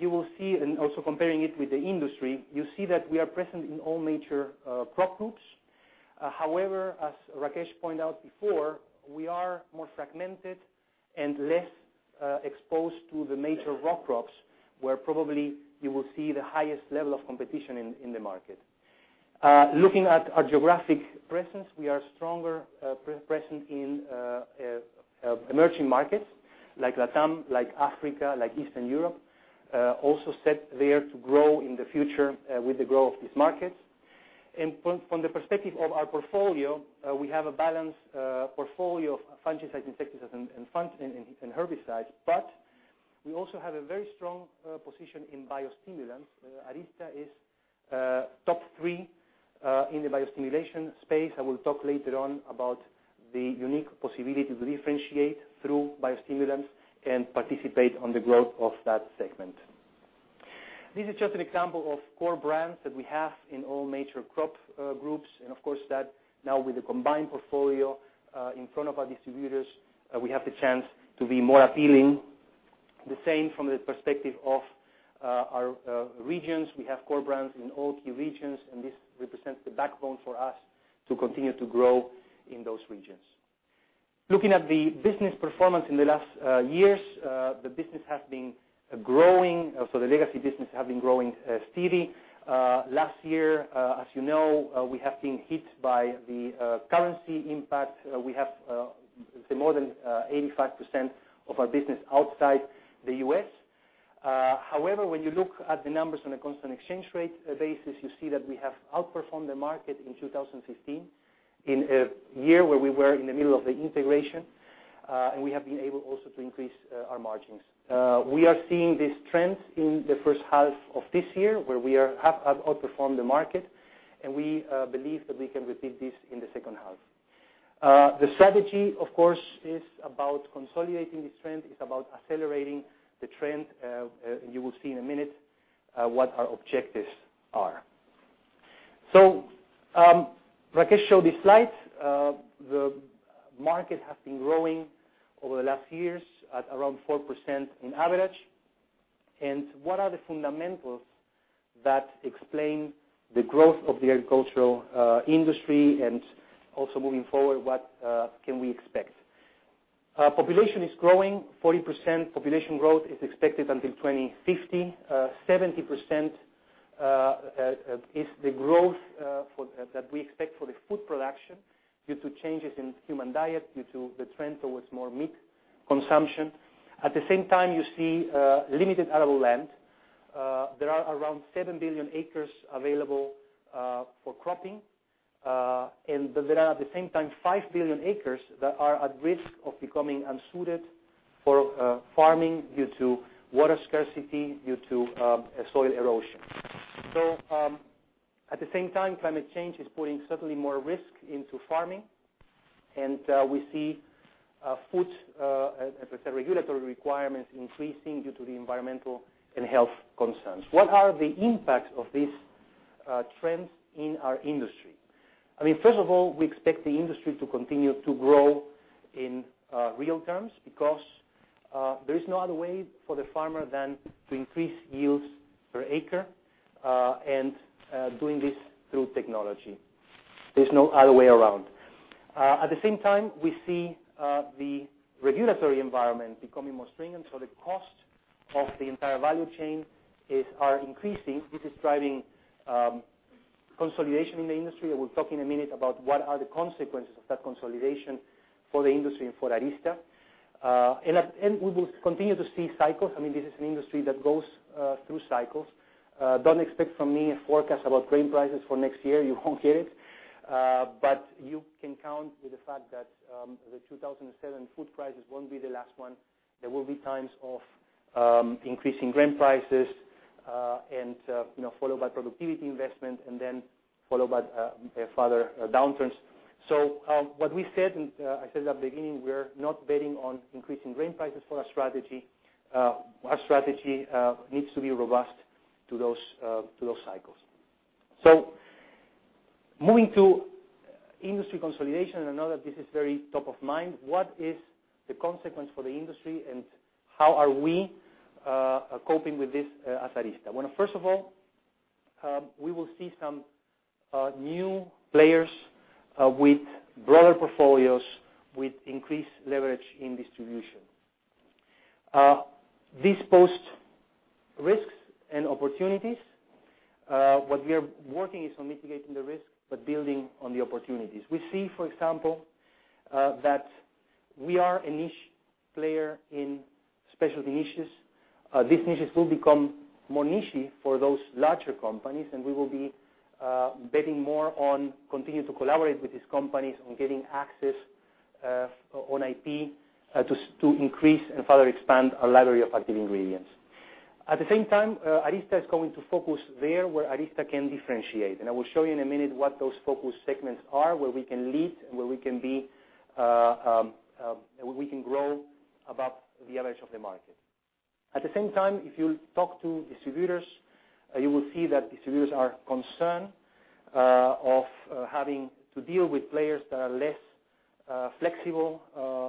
you will see, and also comparing it with the industry, you see that we are present in all major crop groups. As Rakesh pointed out before, we are more fragmented and less exposed to the major row crops where probably you will see the highest level of competition in the market. Looking at our geographic presence, we are stronger present in emerging markets like LATAM, like Africa, like Eastern Europe. Also set there to grow in the future with the growth of these markets. From the perspective of our portfolio, we have a balanced portfolio of fungicides, insecticides, and herbicides, but we also have a very strong position in biostimulants. Arysta is top three in the biostimulation space. I will talk later on about the unique possibility to differentiate through biostimulants and participate on the growth of that segment. This is just an example of core brands that we have in all major crop groups, and of course that now with the combined portfolio in front of our distributors, we have the chance to be more appealing. The same from the perspective of our regions. We have core brands in all key regions, and this represents the backbone for us to continue to grow in those regions. Looking at the business performance in the last years, the business has been growing. The legacy business have been growing steady. Last year, as you know, we have been hit by the currency impact. We have more than 85% of our business outside the U.S. When you look at the numbers on a constant exchange rate basis, you see that we have outperformed the market in 2015, in a year where we were in the middle of the integration. We have been able also to increase our margins. We are seeing this trend in the first half of this year, where we have outperformed the market, and we believe that we can repeat this in the second half. The strategy, of course, is about consolidating this trend. It's about accelerating the trend. You will see in a minute what our objectives are. Rakesh showed this slide. The market has been growing over the last years at around 4% on average. What are the fundamentals that explain the growth of the agricultural industry and also moving forward, what can we expect? Population is growing. 40% population growth is expected until 2050. 70% is the growth that we expect for the food production due to changes in human diet, due to the trend towards more meat consumption. At the same time, you see limited arable land. There are around seven billion acres available for cropping. There are, at the same time, five billion acres that are at risk of becoming unsuited for farming due to water scarcity, due to soil erosion. At the same time, climate change is putting certainly more risk into farming. We see food, as I said, regulatory requirements increasing due to the environmental and health concerns. What are the impacts of these trends in our industry? First of all, we expect the industry to continue to grow in real terms because there is no other way for the farmer than to increase yields per acre, and doing this through technology. There is no other way around. At the same time, we see the regulatory environment becoming more stringent, the cost of the entire value chain are increasing. This is driving consolidation in the industry. We will talk in a minute about what are the consequences of that consolidation for the industry and for Arysta. We will continue to see cycles. This is an industry that goes through cycles. Don't expect from me a forecast about grain prices for next year. You won't get it. You can count with the fact that the 2007 food prices won't be the last one. There will be times of increasing grain prices, followed by productivity investment, and then followed by further downturns. What we said, and I said at the beginning, we are not betting on increasing grain prices for our strategy. Our strategy needs to be robust to those cycles. Moving to industry consolidation, I know that this is very top of mind. What is the consequence for the industry, and how are we coping with this as Arysta? Well, first of all, we will see some new players with broader portfolios with increased leverage in distribution. This poses risks and opportunities. What we are working on is mitigating the risk but building on the opportunities. We see, for example, that we are a niche player in specialty niches. These niches will become more niche for those larger companies, we will be betting more on continuing to collaborate with these companies on getting access on IP to increase and further expand our library of active ingredients. At the same time, Arysta is going to focus where Arysta can differentiate. I will show you in a minute what those focus segments are, where we can lead, and where we can grow above the average of the market. At the same time, if you talk to distributors, you will see that distributors are concerned of having to deal with players that are less flexible,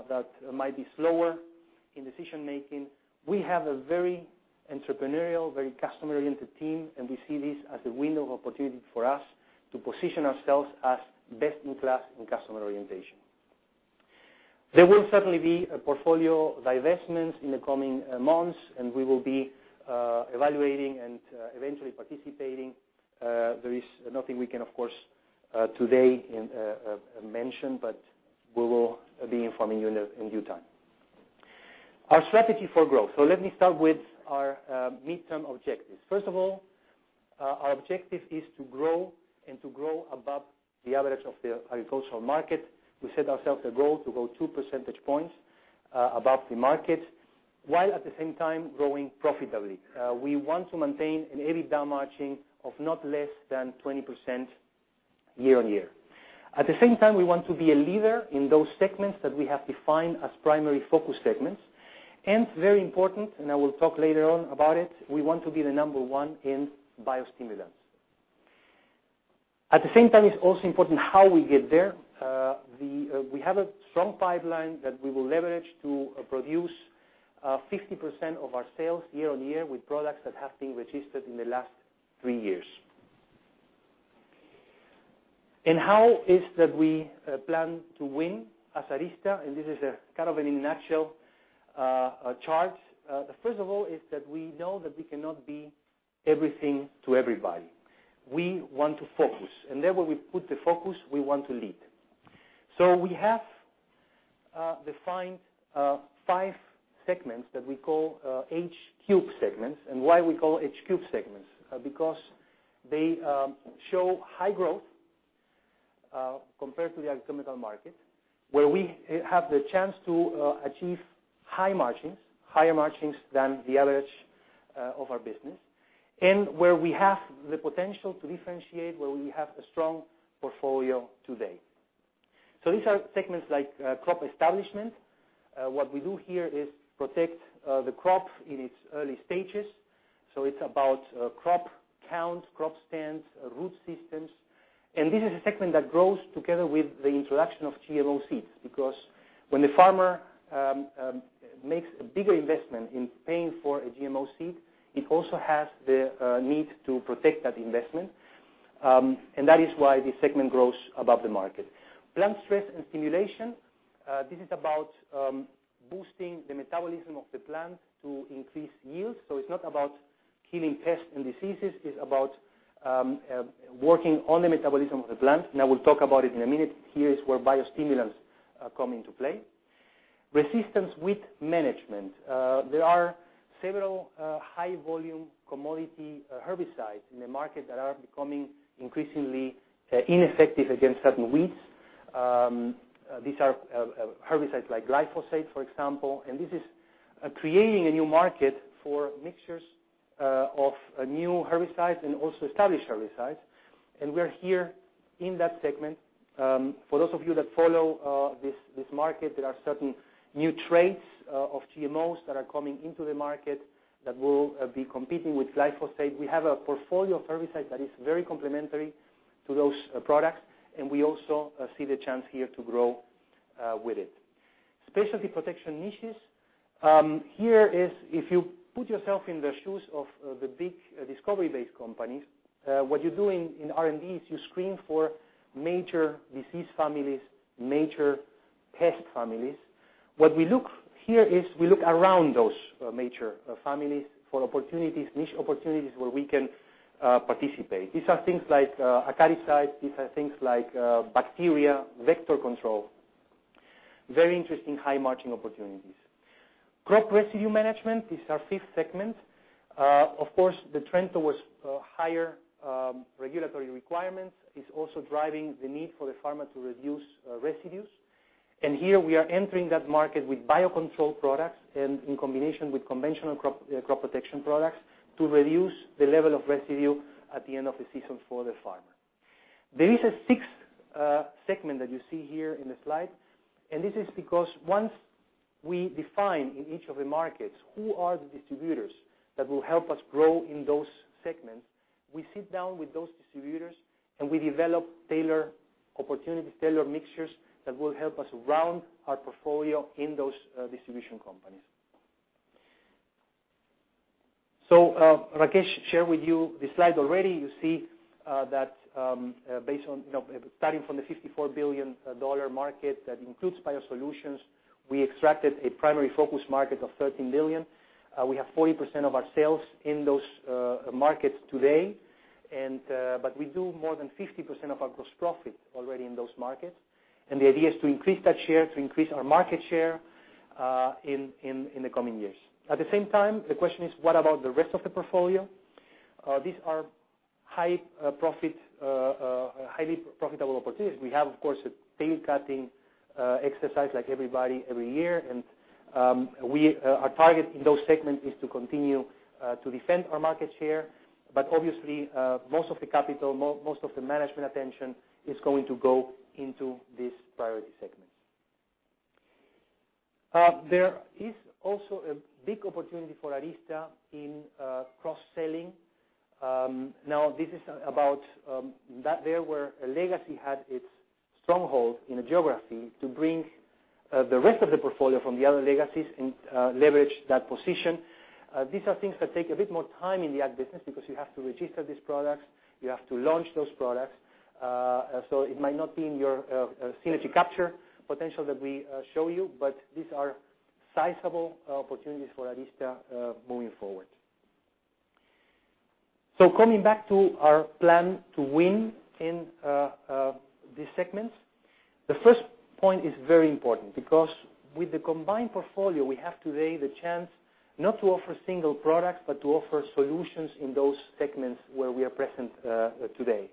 that might be slower in decision-making. We have a very entrepreneurial, very customer-oriented team, we see this as a window of opportunity for us to position ourselves as best in class in customer orientation. There will certainly be portfolio divestments in the coming months, we will be evaluating and eventually participating. There is nothing we can, of course, today mention, we will be informing you in due time. Our strategy for growth. Let me start with our midterm objectives. First of all, our objective is to grow and to grow above the average of the agricultural market. We set ourselves a goal to grow two percentage points above the market, while at the same time growing profitably. We want to maintain an EBITDA margin of not less than 20% year-on-year. At the same time, we want to be a leader in those segments that we have defined as primary focus segments. Very important, and I will talk later on about it, we want to be the number one in biostimulants. At the same time, it's also important how we get there. We have a strong pipeline that we will leverage to produce 50% of our sales year-over-year with products that have been registered in the last three years. How is it that we plan to win as Arysta? This is a kind of an initial chart. First of all, we know that we cannot be everything to everybody. We want to focus, and there where we put the focus, we want to lead. We have defined five segments that we call H³ segments. Why we call H³ segments? Because they show high growth compared to the ag chemical market, where we have the chance to achieve high margins, higher margins than the average of our business. Where we have the potential to differentiate, where we have a strong portfolio today. These are segments like crop establishment. What we do here is protect the crop in its early stages. It's about crop count, crop stands, root systems. This is a segment that grows together with the introduction of GMO seeds, because when the farmer makes a bigger investment in paying for a GMO seed, it also has the need to protect that investment. That is why this segment grows above the market. Plant stress and stimulation. This is about boosting the metabolism of the plant to increase yield. It's not about killing pests and diseases. It's about working on the metabolism of the plant. I will talk about it in a minute. Here is where biostimulants come into play. Resistance weed management. There are several high-volume commodity herbicides in the market that are becoming increasingly ineffective against certain weeds. These are herbicides like glyphosate, for example, this is creating a new market for mixtures of new herbicides and also established herbicides. We are here in that segment. For those of you that follow this market, there are certain new traits of GMOs that are coming into the market that will be competing with glyphosate. We have a portfolio of herbicides that is very complementary to those products, we also see the chance here to grow with it. Specialty protection niches. Here is if you put yourself in the shoes of the big discovery-based companies. What you do in R&D is you screen for major disease families, major pest families. What we look at here is we look around those major families for opportunities, niche opportunities where we can participate. These are things like acaricide. These are things like bacteria, vector control. Very interesting, high-margin opportunities. Crop residue management is our fifth segment. Of course, the trend towards higher regulatory requirements is also driving the need for the farmer to reduce residues. Here we are entering that market with biocontrol products and in combination with conventional crop protection products to reduce the level of residue at the end of the season for the farmer. There is a sixth segment that you see here in the slide, this is because once we define in each of the markets who are the distributors that will help us grow in those segments. We sit down with those distributors and we develop tailor opportunities, tailor mixtures that will help us round our portfolio in those distribution companies. Rakesh shared with you this slide already. You see that starting from the $54 billion market that includes biosolutions, we extracted a primary focus market of $13 billion. We have 40% of our sales in those markets today, but we do more than 50% of our gross profit already in those markets. The idea is to increase that share, to increase our market share in the coming years. At the same time, the question is, what about the rest of the portfolio? These are highly profitable opportunities. We have, of course, a tail cutting exercise like everybody every year. Our target in those segments is to continue to defend our market share. Obviously, most of the capital, most of the management attention is going to go into these priority segments. There is also a big opportunity for Arysta in cross-selling. This is about that there where legacy had its stronghold in a geography to bring the rest of the portfolio from the other legacies and leverage that position. These are things that take a bit more time in the ag business because you have to register these products, you have to launch those products. It might not be in your synergy capture potential that we show you, but these are sizable opportunities for Arysta moving forward. Coming back to our plan to win in these segments. The first point is very important because with the combined portfolio, we have today the chance not to offer single products, but to offer solutions in those segments where we are present today.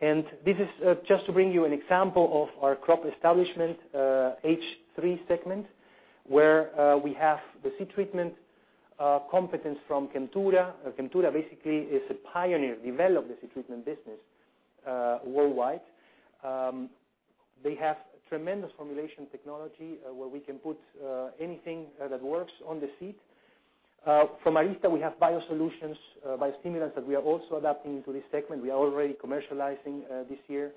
This is just to bring you an example of our crop establishment H³ segment, where we have the seed treatment competence from Chemtura. Chemtura basically is a pioneer, developed the seed treatment business worldwide. They have tremendous formulation technology where we can put anything that works on the seed. From Arysta, we have biosolutions, biostimulants that we are also adapting into this segment. We are already commercializing this year,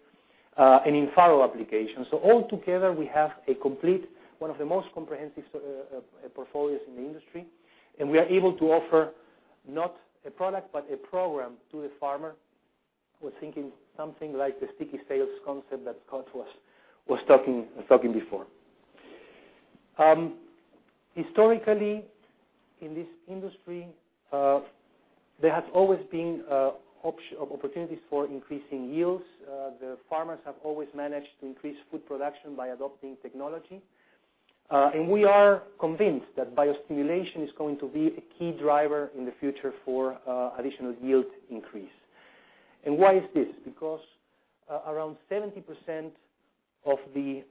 and in-furrow applications. All together, we have a complete, one of the most comprehensive portfolios in the industry, and we are able to offer not a product, but a program to the farmer. We're thinking something like the sticky sales concept that Scot was talking before. Historically, in this industry, there has always been opportunities for increasing yields. The farmers have always managed to increase food production by adopting technology. We are convinced that biostimulation is going to be a key driver in the future for additional yield increase. Why is this? Because around 70% of the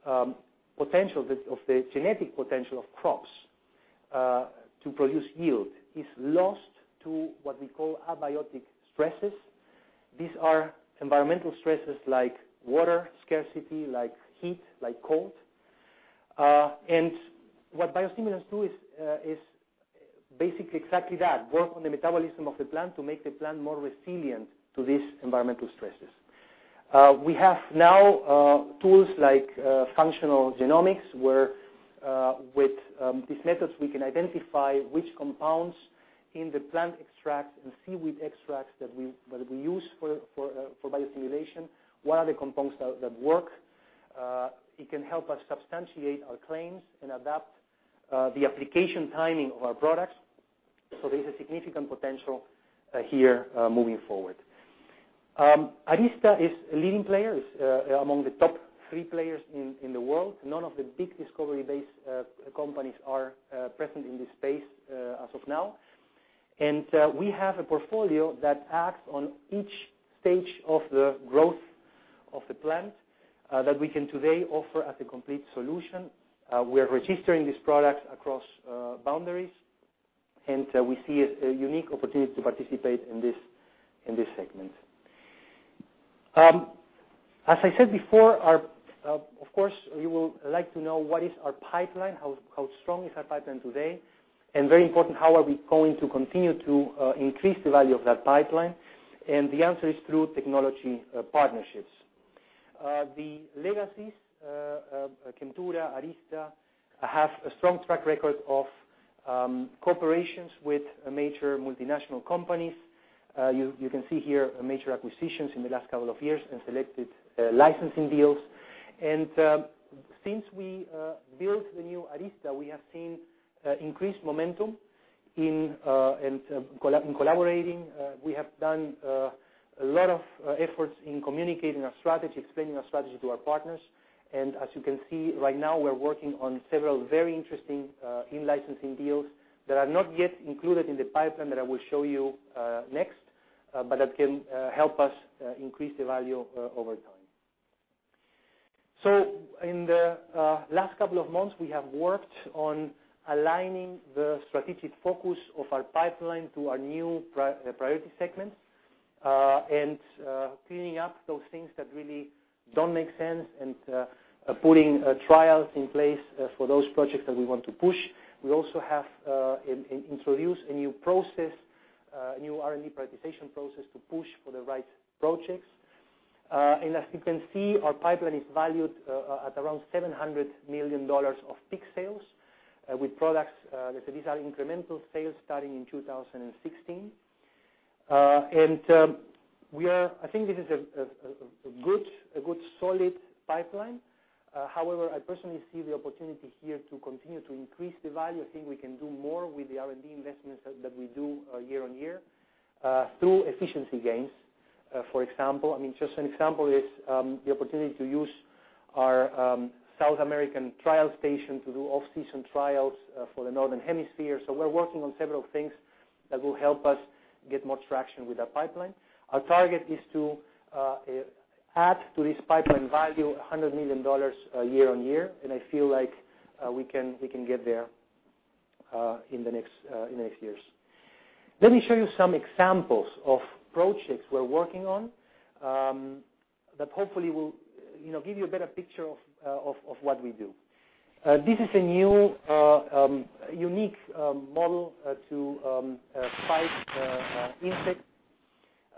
genetic potential of crops to produce yield is lost to what we call abiotic stresses. These are environmental stresses like water scarcity, like heat, like cold. What biostimulants do is basically exactly that, work on the metabolism of the plant to make the plant more resilient to these environmental stresses. We have now tools like functional genomics, where with these methods, we can identify which compounds in the plant extracts and seaweed extracts that we use for biostimulation, what are the compounds that work. It can help us substantiate our claims and adapt the application timing of our products. There's a significant potential here moving forward. Arysta is a leading player, is among the top three players in the world. None of the big discovery-based companies are present in this space as of now. We have a portfolio that acts on each stage of the growth of the plant that we can today offer as a complete solution. We are registering these products across boundaries, and we see a unique opportunity to participate in this segment. As I said before, of course, you will like to know what is our pipeline, how strong is our pipeline today, and very important, how are we going to continue to increase the value of that pipeline? The answer is through technology partnerships. The legacies, Chemtura, Arysta, have a strong track record of cooperations with major multinational companies. You can see here major acquisitions in the last couple of years and selected licensing deals. Since we built the new Arysta, we have seen increased momentum in collaborating. We have done a lot of efforts in communicating our strategy, explaining our strategy to our partners. As you can see right now, we're working on several very interesting in-licensing deals that are not yet included in the pipeline that I will show you next, but that can help us increase the value over time. In the last couple of months, we have worked on aligning the strategic focus of our pipeline to our new priority segments And cleaning up those things that really don't make sense and putting trials in place for those projects that we want to push. We also have introduced a new R&D prioritization process to push for the right projects. As you can see, our pipeline is valued at around $700 million of peak sales, with products. These are incremental sales starting in 2016. I think this is a good solid pipeline. However, I personally see the opportunity here to continue to increase the value. I think we can do more with the R&D investments that we do year-on-year through efficiency gains. For example, just an example is the opportunity to use our South American trial station to do off-season trials for the Northern Hemisphere. We're working on several things that will help us get more traction with that pipeline. Our target is to add to this pipeline value $100 million a year-on-year. I feel like we can get there in the next years. Let me show you some examples of projects we're working on that hopefully will give you a better picture of what we do. This is a new, unique model to fight insects.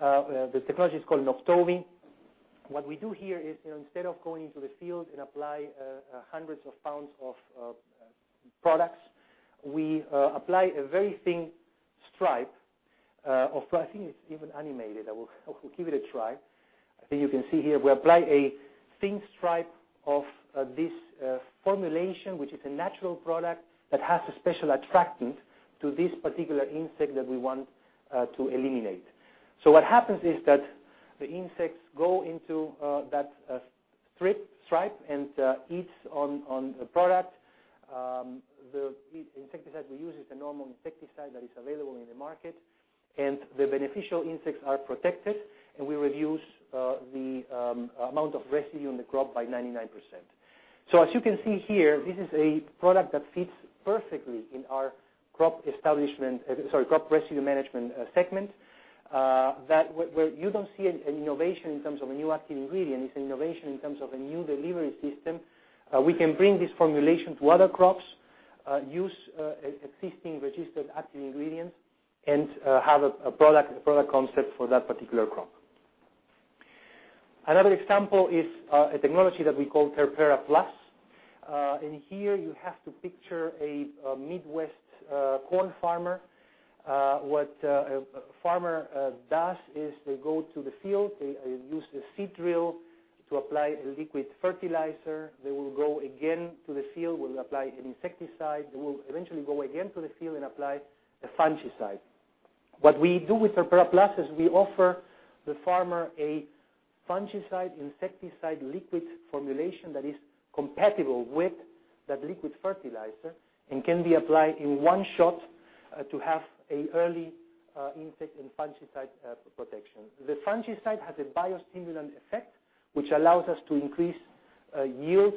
The technology is called [Nopdovi]. What we do here is, instead of going into the field and apply hundreds of pounds of products, we apply a very thin stripe of I think it's even animated. I will give it a try. I think you can see here we apply a thin stripe of this formulation, which is a natural product that has a special attractant to this particular insect that we want to eliminate. What happens is that the insects go into that stripe and eats on the product. The insecticide we use is a normal insecticide that is available in the market, and the beneficial insects are protected, and we reduce the amount of residue in the crop by 99%. As you can see here, this is a product that fits perfectly in our crop residue management segment. Where you don't see an innovation in terms of a new active ingredient. It's an innovation in terms of a new delivery system. We can bring this formulation to other crops, use existing registered active ingredients, and have a product concept for that particular crop. Another example is a technology that we call TEPERA PLUS. Here you have to picture a Midwest corn farmer. What a farmer does is they go to the field, they use the seed drill to apply a liquid fertilizer. They will go again to the field, will apply an insecticide. They will eventually go again to the field and apply a fungicide. What we do with TEPERA PLUS is we offer the farmer a fungicide, insecticide liquid formulation that is compatible with that liquid fertilizer and can be applied in one shot to have an early insect and fungicide protection. The fungicide has a biostimulant effect, which allows us to increase yields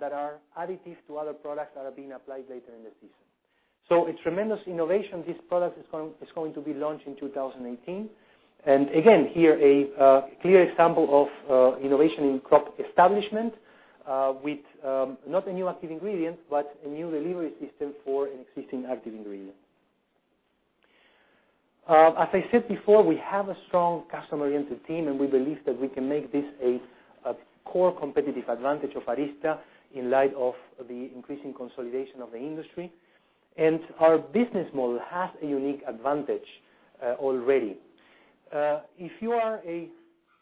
that are additive to other products that are being applied later in the season. A tremendous innovation. This product is going to be launched in 2018. Again, here a clear example of innovation in crop establishment with not a new active ingredient, but a new delivery system for an existing active ingredient. As I said before, we have a strong customer-oriented team, and we believe that we can make this a core competitive advantage of Arysta in light of the increasing consolidation of the industry. Our business model has a unique advantage already. If you are a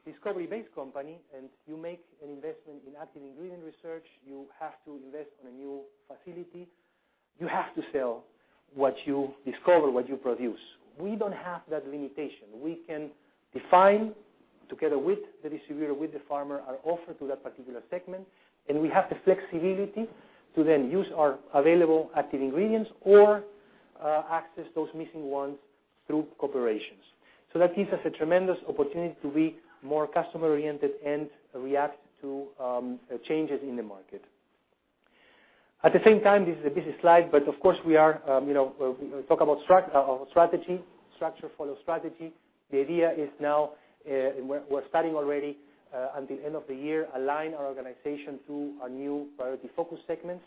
discovery-based company and you make an investment in active ingredient research, you have to invest on a new facility. You have to sell what you discover, what you produce. We don't have that limitation. We can define together with the distributor, with the farmer, our offer to that particular segment, and we have the flexibility to then use our available active ingredients or access those missing ones through corporations. That gives us a tremendous opportunity to be more customer-oriented and react to changes in the market. At the same time, this is a busy slide, of course we talk about strategy. Structure follows strategy. The idea is now, we're starting already until end of the year, align our organization through our new priority focus segments.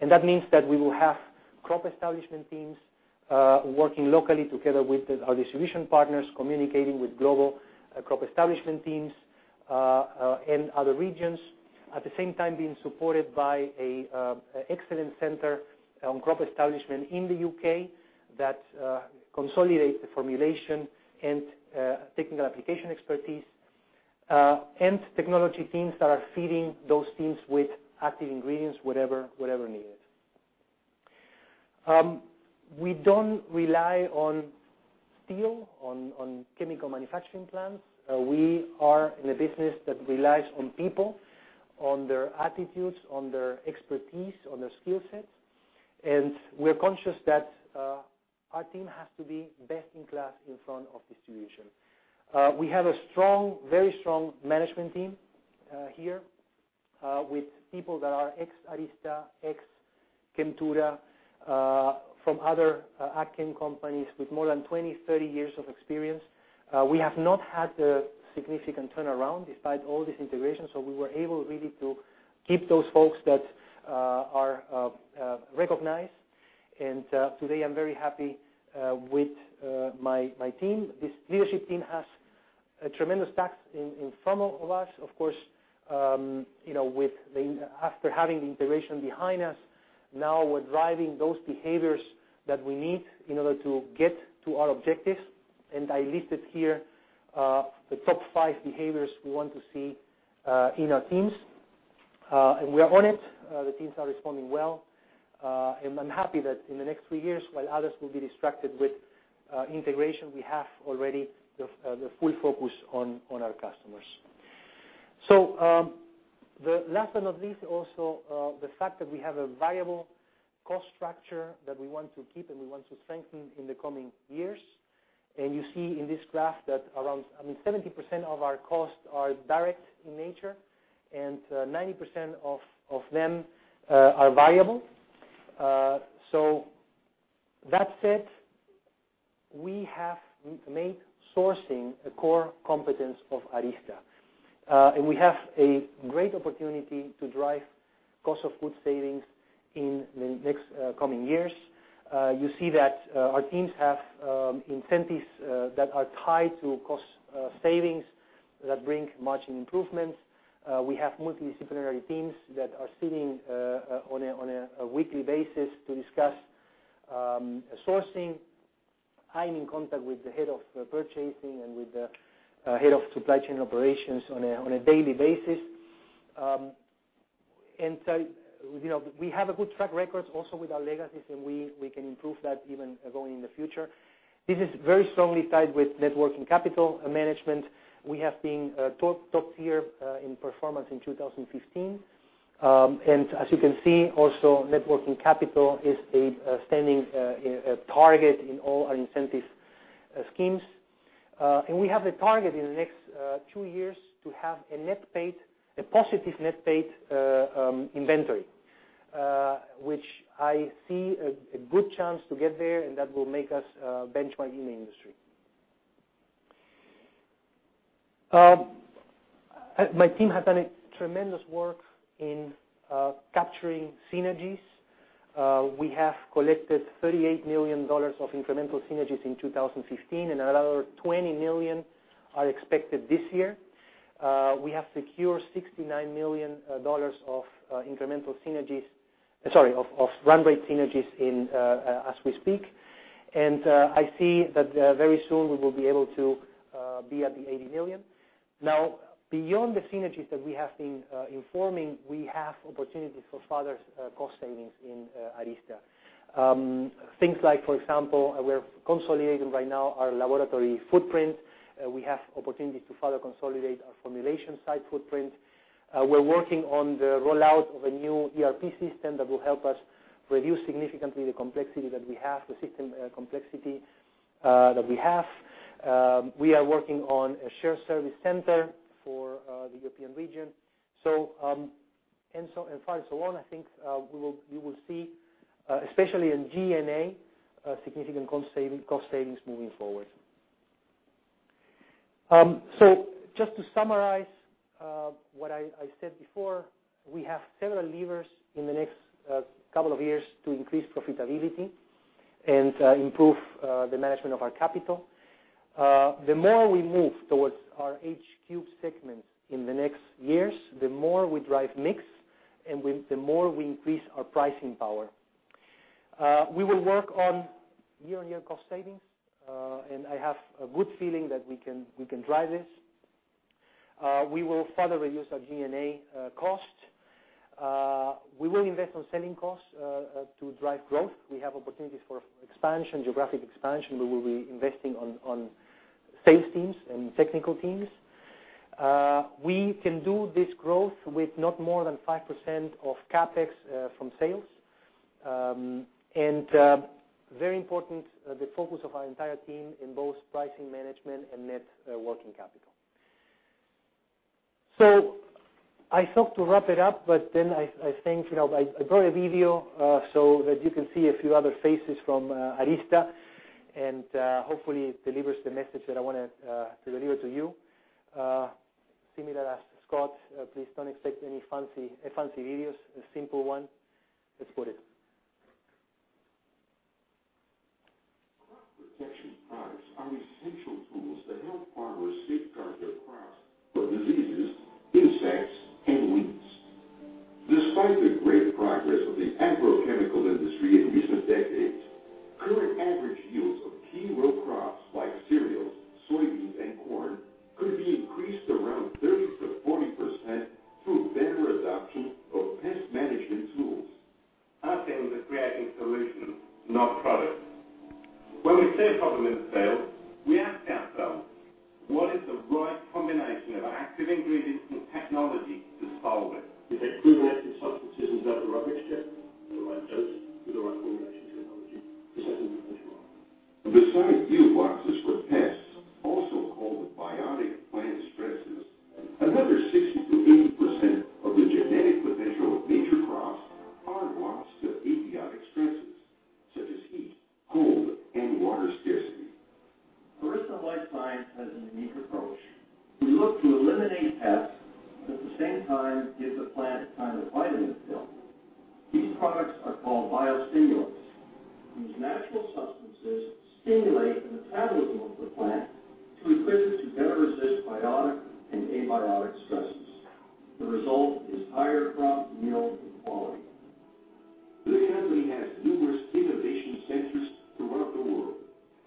That means that we will have crop establishment teams working locally together with our distribution partners, communicating with global crop establishment teams in other regions. At the same time, being supported by an excellence center on crop establishment in the U.K. that consolidates the formulation and technical application expertise. Technology teams that are feeding those teams with active ingredients, whatever needed. We don't rely on steel, on chemical manufacturing plants. We are in a business that relies on people, on their attitudes, on their expertise, on their skill sets. We are conscious that our team has to be best in class in front of distribution. We have a very strong management team here. With people that are ex-Arysta, ex-Chemtura, from other Ag-chem companies with more than 20, 30 years of experience. We have not had a significant turnaround despite all this integration, so we were able really to keep those folks that are recognized. Today I'm very happy with my team. This leadership team has a tremendous task in front of us. Of course, after having the integration behind us, now we're driving those behaviors that we need in order to get to our objectives. I listed here the top five behaviors we want to see in our teams. We are on it. The teams are responding well. I am happy that in the next three years, while others will be distracted with integration, we have already the full focus on our customers. The last but not least, also the fact that we have a viable cost structure that we want to keep and we want to strengthen in the coming years. You see in this graph that around 70% of our costs are direct in nature, and 90% of them are variable. That said, we have made sourcing a core competence of Arysta. We have a great opportunity to drive cost of goods savings in the next coming years. You see that our teams have incentives that are tied to cost savings that bring margin improvements. We have multidisciplinary teams that are sitting on a weekly basis to discuss sourcing. I am in contact with the head of purchasing and with the head of supply chain operations on a daily basis. We have a good track record also with our legacies, and we can improve that even going in the future. This is very strongly tied with net working capital management. We have been top tier in performance in 2015. As you can see, also, net working capital is a standing target in all our incentive schemes. We have a target in the next two years to have a positive net paid inventory, which I see a good chance to get there, and that will make us a benchmark in the industry. My team has done tremendous work in capturing synergies. We have collected $38 million of incremental synergies in 2015, and another $20 million are expected this year. We have secured $69 million of run rate synergies as we speak. I see that very soon we will be able to be at the $80 million. Beyond the synergies that we have been informing, we have opportunities for further cost savings in Arysta. Things like, for example, we are consolidating right now our laboratory footprint. We have opportunities to further consolidate our formulation site footprint. We are working on the rollout of a new ERP system that will help us reduce significantly the system complexity that we have. We are working on a shared service center for the European region. Far so on, I think you will see, especially in G&A, significant cost savings moving forward. Just to summarize what I said before, we have several levers in the next couple of years to increase profitability and improve the management of our capital. The more we move towards our HQ segments in the next years, the more we drive mix and the more we increase our pricing power. We will work on year-on-year cost savings, and I have a good feeling that we can drive this. We will further reduce our G&A costs. We will invest on selling costs to drive growth. We have opportunities for geographic expansion. We will be investing on sales teams and technical teams. We can do this growth with not more than 5% of CapEx from sales. Very important, the focus of our entire team in both pricing management and net working capital. I sought to wrap it up. I think I got a video so that you can see a few other faces from Arysta, and hopefully it delivers the message that I want to deliver to you. Similar as Scot, please don't expect any fancy videos, a simple one. Let's put it. Crop protection products are essential tools that help farmers safeguard their crops from diseases, insects, and weeds. Despite the great progress of the agrochemical industry in recent decades, current average yields of key row crops like cereals, soybeans, and corn could be increased around 30%-40% through better adoption of pest management tools. Our thing is creating solutions, not products. When we see a problem in sales, we ask ourselves, what is the right combination of active ingredients and technology to solve it? We take proven active substances and build a rubbish kit at the right dose with the right formulation technology. Beside yield losses for pests, also called biotic plant stresses, another 60%-80% of the genetic potential of major crops are lost to abiotic stresses, such as heat, cold, and water scarcity. Arysta LifeScience has a unique approach. We look to eliminate pests, but at the same time, give the plant a kind of vitamin pill. These products are called biostimulants. These natural substances stimulate the metabolism of the plant to equip it to better resist biotic and abiotic stresses. The result is higher crop yield and quality. The company has numerous innovation centers throughout the world,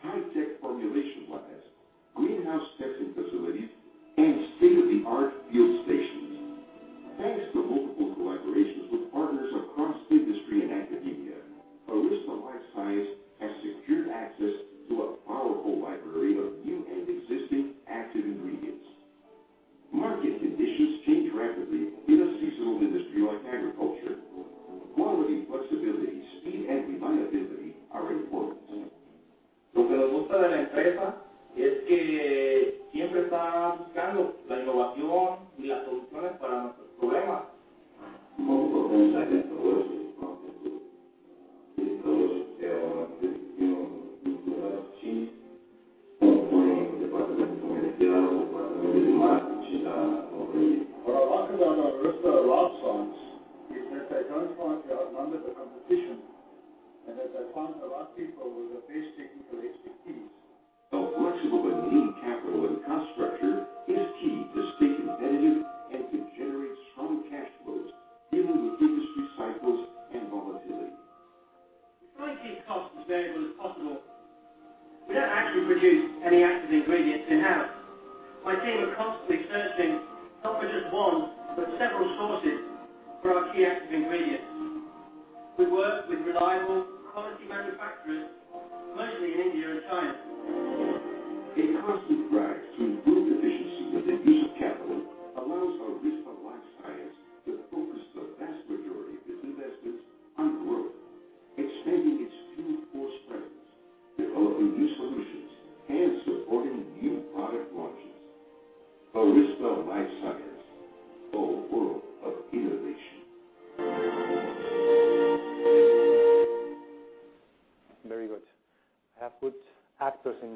high-tech formulation labs, greenhouse testing facilities, and state-of-the-art field stations. Thanks to multiple collaborations with partners across industry and academia, Arysta LifeScience has secured access to a powerful library of new and existing active ingredients. Market conditions change rapidly in a seasonal industry like agriculture. Quality, flexibility, speed, and reliability are important. What I like about Arysta LifeScience is that I don't want to outnumber the competition, that I found the right people with the best technical expertise. A flexible but lean capital and cost structure is key to stay competitive and to generate strong cash flows, even with industry cycles and volatility. We try and keep costs as variable as possible. We don't actually produce any active ingredients in-house. My team are constantly searching, not for just one, but several sources for our key active ingredients. We work with reliable quality manufacturers, mostly in India and China. A constant drive to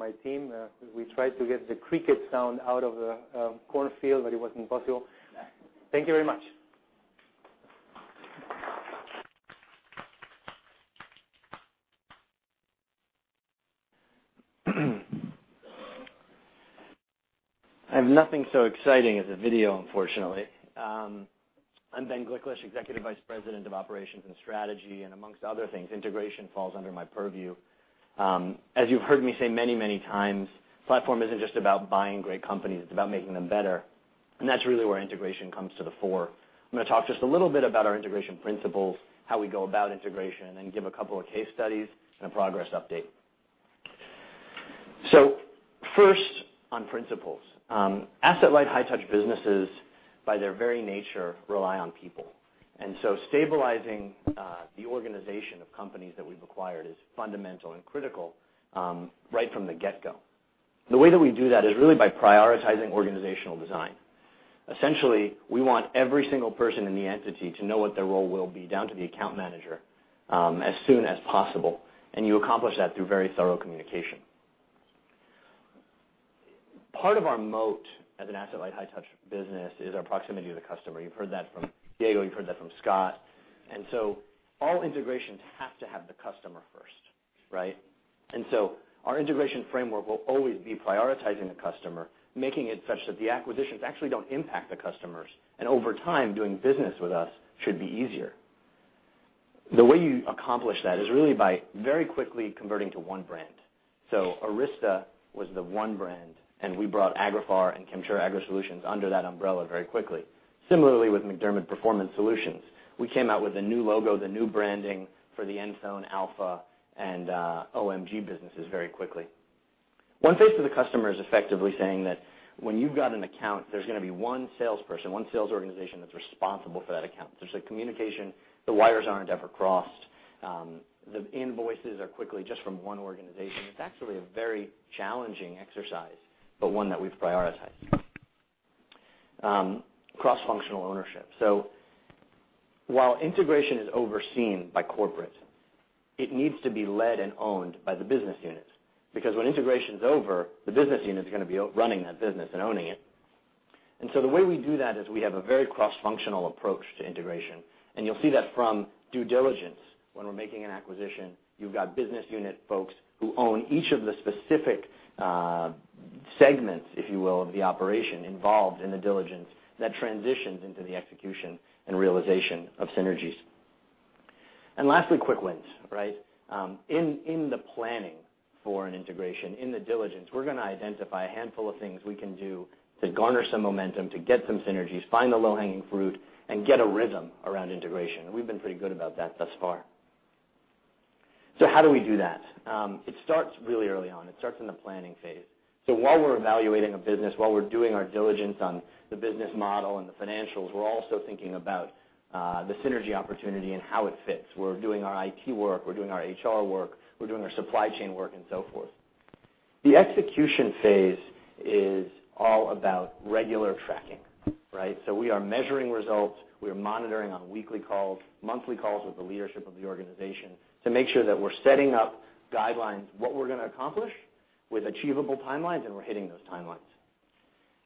improve efficiency with the use of capital allows Arysta LifeScience to focus the vast majority of its investments on growth, expanding its field force presence, developing new solutions, and supporting new product launches. Arysta LifeScience, a world of innovation. Very good. I have good actors in my team. We tried to get the cricket sound out of the cornfield, but it was impossible. Thank you very much. I have nothing so exciting as a video, unfortunately. I'm Ben Gliklich, Executive Vice President of Operations and Strategy, and amongst other things, integration falls under my purview. As you've heard me say many times, Platform isn't just about buying great companies, it's about making them better, and that's really where integration comes to the fore. I'm going to talk just a little bit about our integration principles, how we go about integration, and give a couple of case studies and a progress update. First on principles. Asset-light, high-touch businesses, by their very nature, rely on people. Stabilizing the organization of companies that we've acquired is fundamental and critical right from the get-go. The way that we do that is really by prioritizing organizational design. Essentially, we want every single person in the entity to know what their role will be, down to the account manager, as soon as possible, and you accomplish that through very thorough communication. Part of our moat as an asset-light, high-touch business is our proximity to the customer. You've heard that from Diego, you've heard that from Scot. All integrations have to have the customer first, right? Our integration framework will always be prioritizing the customer, making it such that the acquisitions actually don't impact the customers, and over time, doing business with us should be easier. The way you accomplish that is really by very quickly converting to one brand. Arysta was the one brand, and we brought Agriphar and Chemtura AgroSolutions under that umbrella very quickly. Similarly, with MacDermid Performance Solutions, we came out with a new logo, the new branding for the Enthone, Alpha, and OMG businesses very quickly. One face of the customer is effectively saying that when you've got an account, there's going to be one salesperson, one sales organization that's responsible for that account. Communication, the wires aren't ever crossed. The invoices are quickly just from one organization. It's actually a very challenging exercise, but one that we've prioritized. Cross-functional ownership. While integration is overseen by corporate, it needs to be led and owned by the business units, because when integration's over, the business unit's going to be running that business and owning it. The way we do that is we have a very cross-functional approach to integration, and you'll see that from due diligence when we're making an acquisition. You've got business unit folks who own each of the specific segments, if you will, of the operation involved in the diligence that transitions into the execution and realization of synergies. Lastly, quick wins, right? In the planning for an integration, in the diligence, we're going to identify a handful of things we can do to garner some momentum, to get some synergies, find the low-hanging fruit, and get a rhythm around integration. We've been pretty good about that thus far. How do we do that? It starts really early on. It starts in the planning phase. While we're evaluating a business, while we're doing our diligence on the business model and the financials, we're also thinking about the synergy opportunity and how it fits. We're doing our IT work. We're doing our HR work. We're doing our supply chain work and so forth. The execution phase is all about regular tracking, right? We are measuring results. We are monitoring on weekly calls, monthly calls with the leadership of the organization to make sure that we're setting up guidelines, what we're going to accomplish with achievable timelines, and we're hitting those timelines.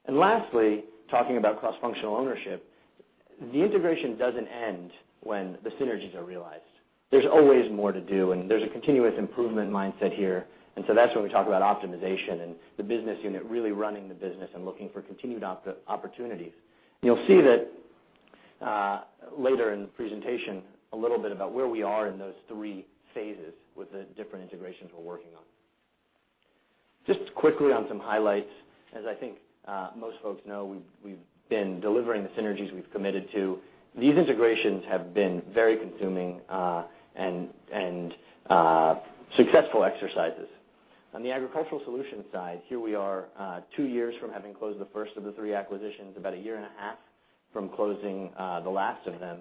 Lastly, talking about cross-functional ownership, the integration doesn't end when the synergies are realized. There's always more to do, and there's a continuous improvement mindset here. That's when we talk about optimization and the business unit really running the business and looking for continued opportunities. You'll see that later in the presentation a little bit about where we are in those three phases with the different integrations we're working on. Just quickly on some highlights, as I think most folks know, we've been delivering the synergies we've committed to. These integrations have been very consuming and successful exercises. On the Agricultural Solutions side, here we are two years from having closed the first of the three acquisitions, about a year and a half from closing the last of them,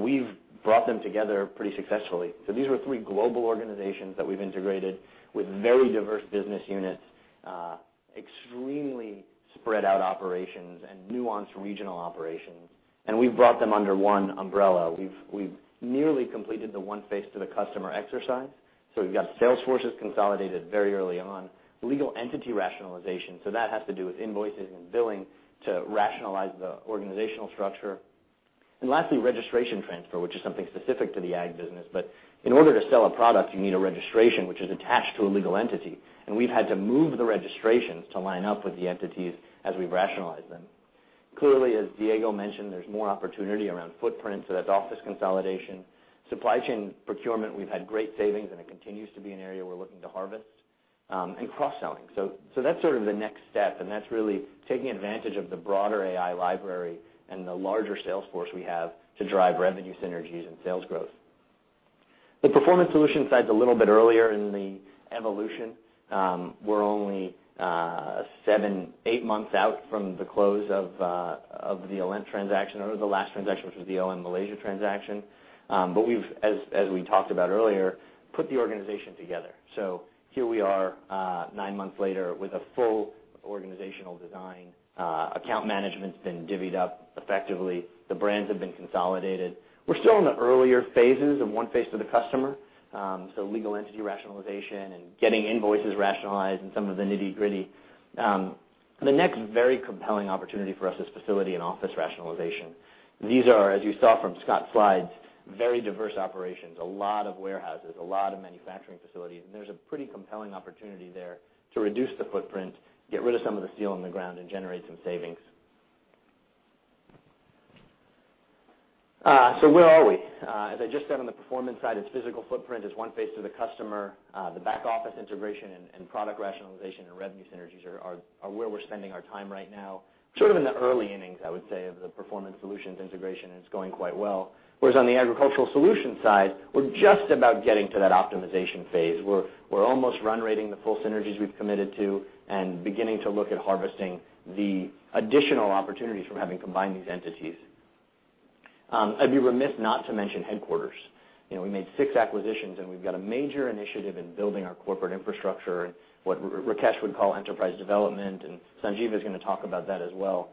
we've brought them together pretty successfully. These were three global organizations that we've integrated with very diverse business units, extremely spread out operations, and nuanced regional operations. We've brought them under one umbrella. We've nearly completed the one face to the customer exercise. We've got sales forces consolidated very early on. Legal entity rationalization. That has to do with invoices and billing to rationalize the organizational structure. Lastly, registration transfer, which is something specific to the Ag business. In order to sell a product, you need a registration, which is attached to a legal entity. We've had to move the registrations to line up with the entities as we rationalize them. Clearly, as Diego mentioned, there's more opportunity around footprint. That's office consolidation. Supply chain procurement, we've had great savings, and it continues to be an area we're looking to harvest. Cross-selling. That's sort of the next step, and that's really taking advantage of the broader AI library and the larger sales force we have to drive revenue synergies and sales growth. The Performance Solutions side's a little bit earlier in the evolution. We're only seven, eight months out from the close of the Alent transaction, or the last transaction, which was the OMG Malaysia transaction. We've, as we talked about earlier, put the organization together. Here we are, nine months later with a full organizational design. Account management's been divvied up effectively. The brands have been consolidated. We're still in the earlier phases of one face to the customer. Legal entity rationalization and getting invoices rationalized and some of the nitty-gritty. The next very compelling opportunity for us is facility and office rationalization. These are, as you saw from Scot's slides, very diverse operations, a lot of warehouses, a lot of manufacturing facilities, and there's a pretty compelling opportunity there to reduce the footprint, get rid of some of the steel in the ground, and generate some savings. Where are we? As I just said on the Performance side, it's physical footprint is one face to the customer. The back-office integration and product rationalization and revenue synergies are where we're spending our time right now, sort of in the early innings, I would say, of the Performance Solutions integration, and it's going quite well. On the Agricultural Solutions side, we're just about getting to that optimization phase. We're almost run rating the full synergies we've committed to and beginning to look at harvesting the additional opportunities from having combined these entities. I'd be remiss not to mention headquarters. We made six acquisitions, and we've got a major initiative in building our corporate infrastructure and what Rakesh would call enterprise development, and Sanjiv is going to talk about that as well.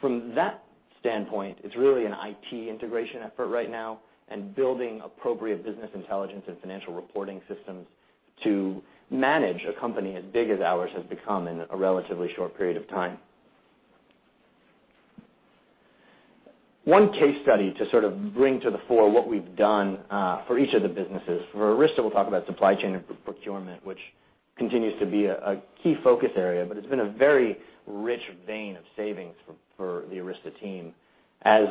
From that standpoint, it's really an IT integration effort right now and building appropriate business intelligence and financial reporting systems to manage a company as big as ours has become in a relatively short period of time. One case study to sort of bring to the fore what we've done for each of the businesses. For Arysta, we'll talk about supply chain and procurement, which continues to be a key focus area. But it's been a very rich vein of savings for the Arysta team. As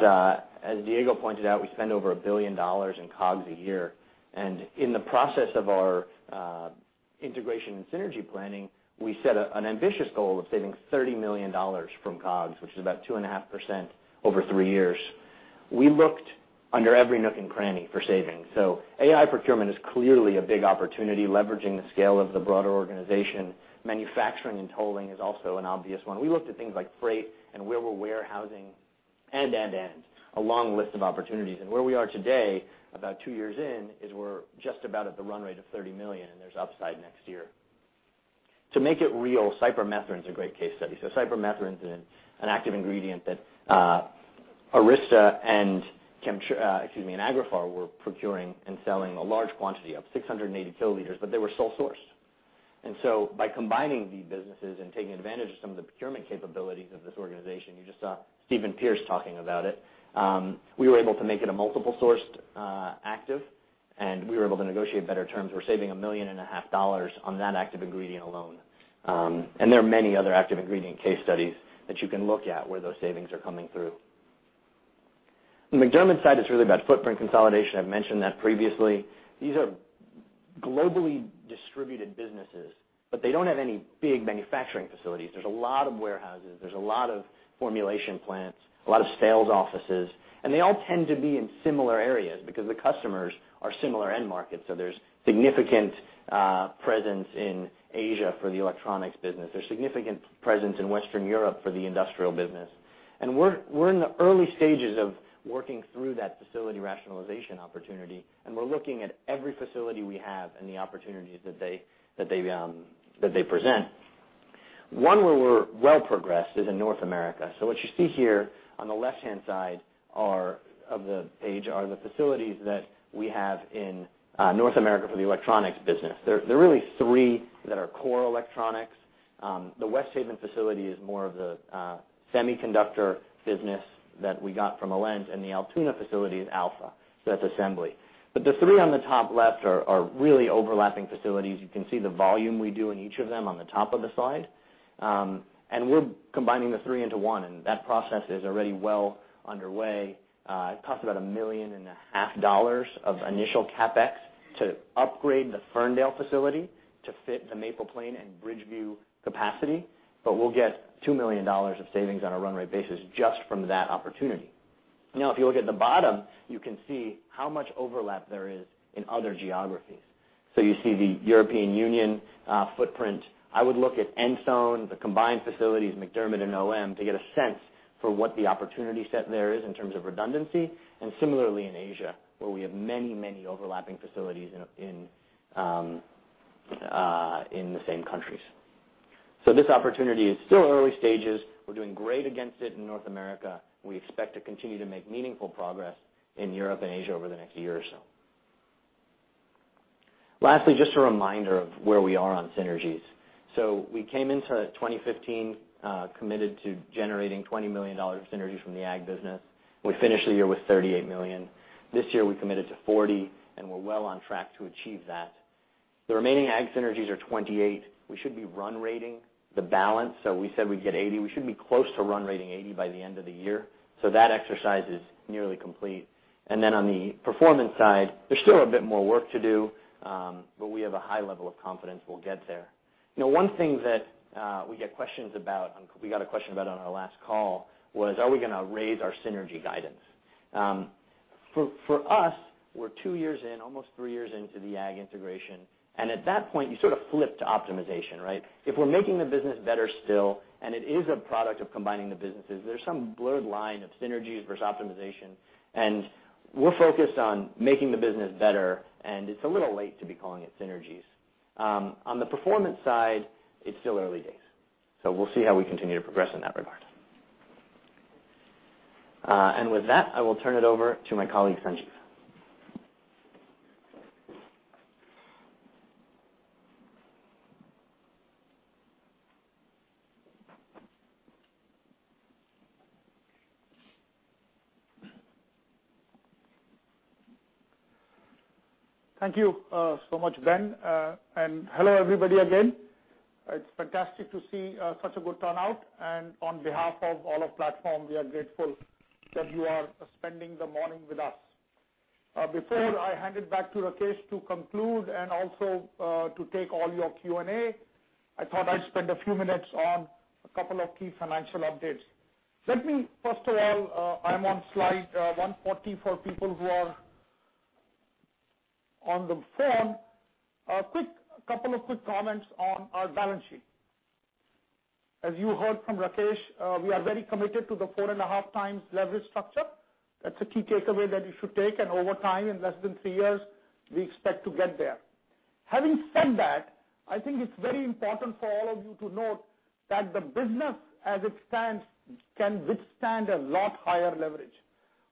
Diego pointed out, we spend over $1 billion in COGS a year, and in the process of our integration and synergy planning, we set an ambitious goal of saving $30 million from COGS, which is about 2.5% over three years. We looked under every nook and cranny for savings. AI procurement is clearly a big opportunity, leveraging the scale of the broader organization. Manufacturing and tolling is also an obvious one. We looked at things like freight and where we're warehousing. A long list of opportunities. And where we are today, about two years in, is we're just about at the run rate of $30 million, and there's upside next year. To make it real, cypermethrin is a great case study. cypermethrin is an active ingredient that Arysta and Agriphar were procuring and selling a large quantity of 680 kiloliters, but they were sole sourced. And so by combining the businesses and taking advantage of some of the procurement capabilities of this organization, you just saw Stephen Pearce talking about it. We were able to make it a multiple sourced active, and we were able to negotiate better terms. We're saving $1.5 million on that active ingredient alone. And there are many other active ingredient case studies that you can look at where those savings are coming through. On the MacDermid side, it's really about footprint consolidation. I've mentioned that previously. These are globally distributed businesses, but they don't have any big manufacturing facilities. There's a lot of warehouses, there's a lot of formulation plants, a lot of sales offices, and they all tend to be in similar areas because the customers are similar end markets. So there's significant presence in Asia for the electronics business. There's significant presence in Western Europe for the industrial business. And we're in the early stages of working through that facility rationalization opportunity, and we're looking at every facility we have and the opportunities that they present. One where we're well progressed is in North America. So what you see here on the left-hand side of the page are the facilities that we have in North America for the electronics business. There are really three that are core electronics. The West Haven facility is more of the semiconductor business that we got from Alent, and the Altoona facility is Alpha, so that's assembly. The three on the top left are really overlapping facilities. You can see the volume we do in each of them on the top of the slide. We're combining the three into one, and that process is already well underway. It costs about $1.5 million of initial CapEx to upgrade the Ferndale facility to fit the Maple Plain and Bridgeview capacity, but we'll get $2 million of savings on a run rate basis just from that opportunity. If you look at the bottom, you can see how much overlap there is in other geographies. You see the European Union footprint. I would look at Enthone, the combined facilities, MacDermid and OMG, to get a sense for what the opportunity set there is in terms of redundancy, and similarly in Asia, where we have many overlapping facilities in the same countries. This opportunity is still early stages. We're doing great against it in North America. We expect to continue to make meaningful progress in Europe and Asia over the next year or so. Lastly, just a reminder of where we are on synergies. We came into 2015, committed to generating $20 million of synergies from the ag business. We finished the year with $38 million. This year, we committed to $40 million, and we're well on track to achieve that. The remaining ag synergies are $28 million. We should be run rating the balance. We said we'd get $80 million. We should be close to run rating $80 million by the end of the year. That exercise is nearly complete. On the performance side, there's still a bit more work to do, but we have a high level of confidence we'll get there. One thing that we get questions about, and we got a question about on our last call, was are we going to raise our synergy guidance? For us, we're 2 years in, almost 3 years into the ag integration, and at that point, you sort of flip to optimization, right? If we're making the business better still, and it is a product of combining the businesses, there's some blurred line of synergies versus optimization, and we're focused on making the business better, and it's a little late to be calling it synergies. On the performance side, it's still early days. We'll see how we continue to progress in that regard. With that, I will turn it over to my colleague, Sanjiv. Thank you so much, Ben. Hello, everybody again. It's fantastic to see such a good turnout. On behalf of all of Platform, we are grateful that you are spending the morning with us. Before I hand it back to Rakesh to conclude and also to take all your Q&A, I thought I'd spend a few minutes on a couple of key financial updates. Let me first of all, I'm on slide 140 for people who are on the phone. A couple of quick comments on our balance sheet. As you heard from Rakesh, we are very committed to the 4.5 times leverage structure. That's a key takeaway that you should take, and over time, in less than 3 years, we expect to get there. Having said that, I think it is very important for all of you to note that the business as it stands can withstand a lot higher leverage.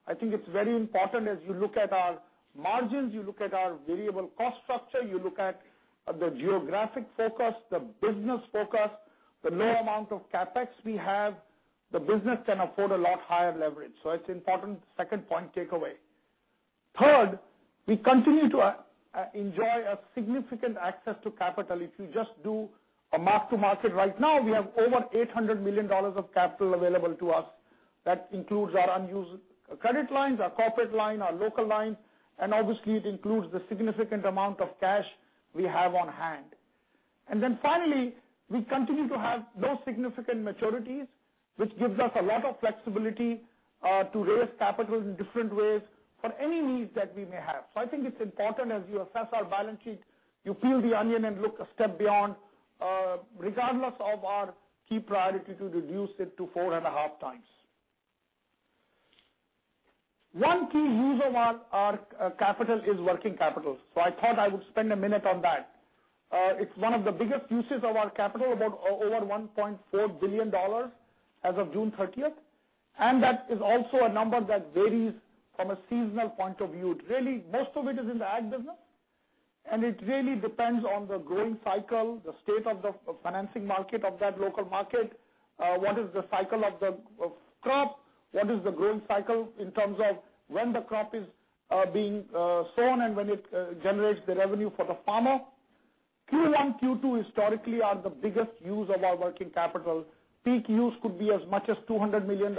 I think it is very important as you look at our margins, you look at our variable cost structure, you look at the geographic focus, the business focus, the low amount of CapEx we have, the business can afford a lot higher leverage. That is important, second point takeaway. Third, we continue to enjoy a significant access to capital. If you just do a mark to market right now, we have over $800 million of capital available to us. That includes our unused credit lines, our corporate line, our local line, and obviously, it includes the significant amount of cash we have on hand. Finally, we continue to have no significant maturities, which gives us a lot of flexibility to raise capitals in different ways for any needs that we may have. I think it is important as you assess our balance sheet, you peel the onion and look a step beyond, regardless of our key priority to reduce it to four and a half times. One key use of our capital is working capital. I thought I would spend a minute on that. It is one of the biggest uses of our capital, about over $1.4 billion as of June 30th, and that is also a number that varies from a seasonal point of view. Really, most of it is in the ag business, and it really depends on the growing cycle, the state of the financing market of that local market. What is the cycle of crop? What is the growing cycle in terms of when the crop is being sown and when it generates the revenue for the farmer? Q1, Q2 historically are the biggest use of our working capital. Peak use could be as much as $200 million.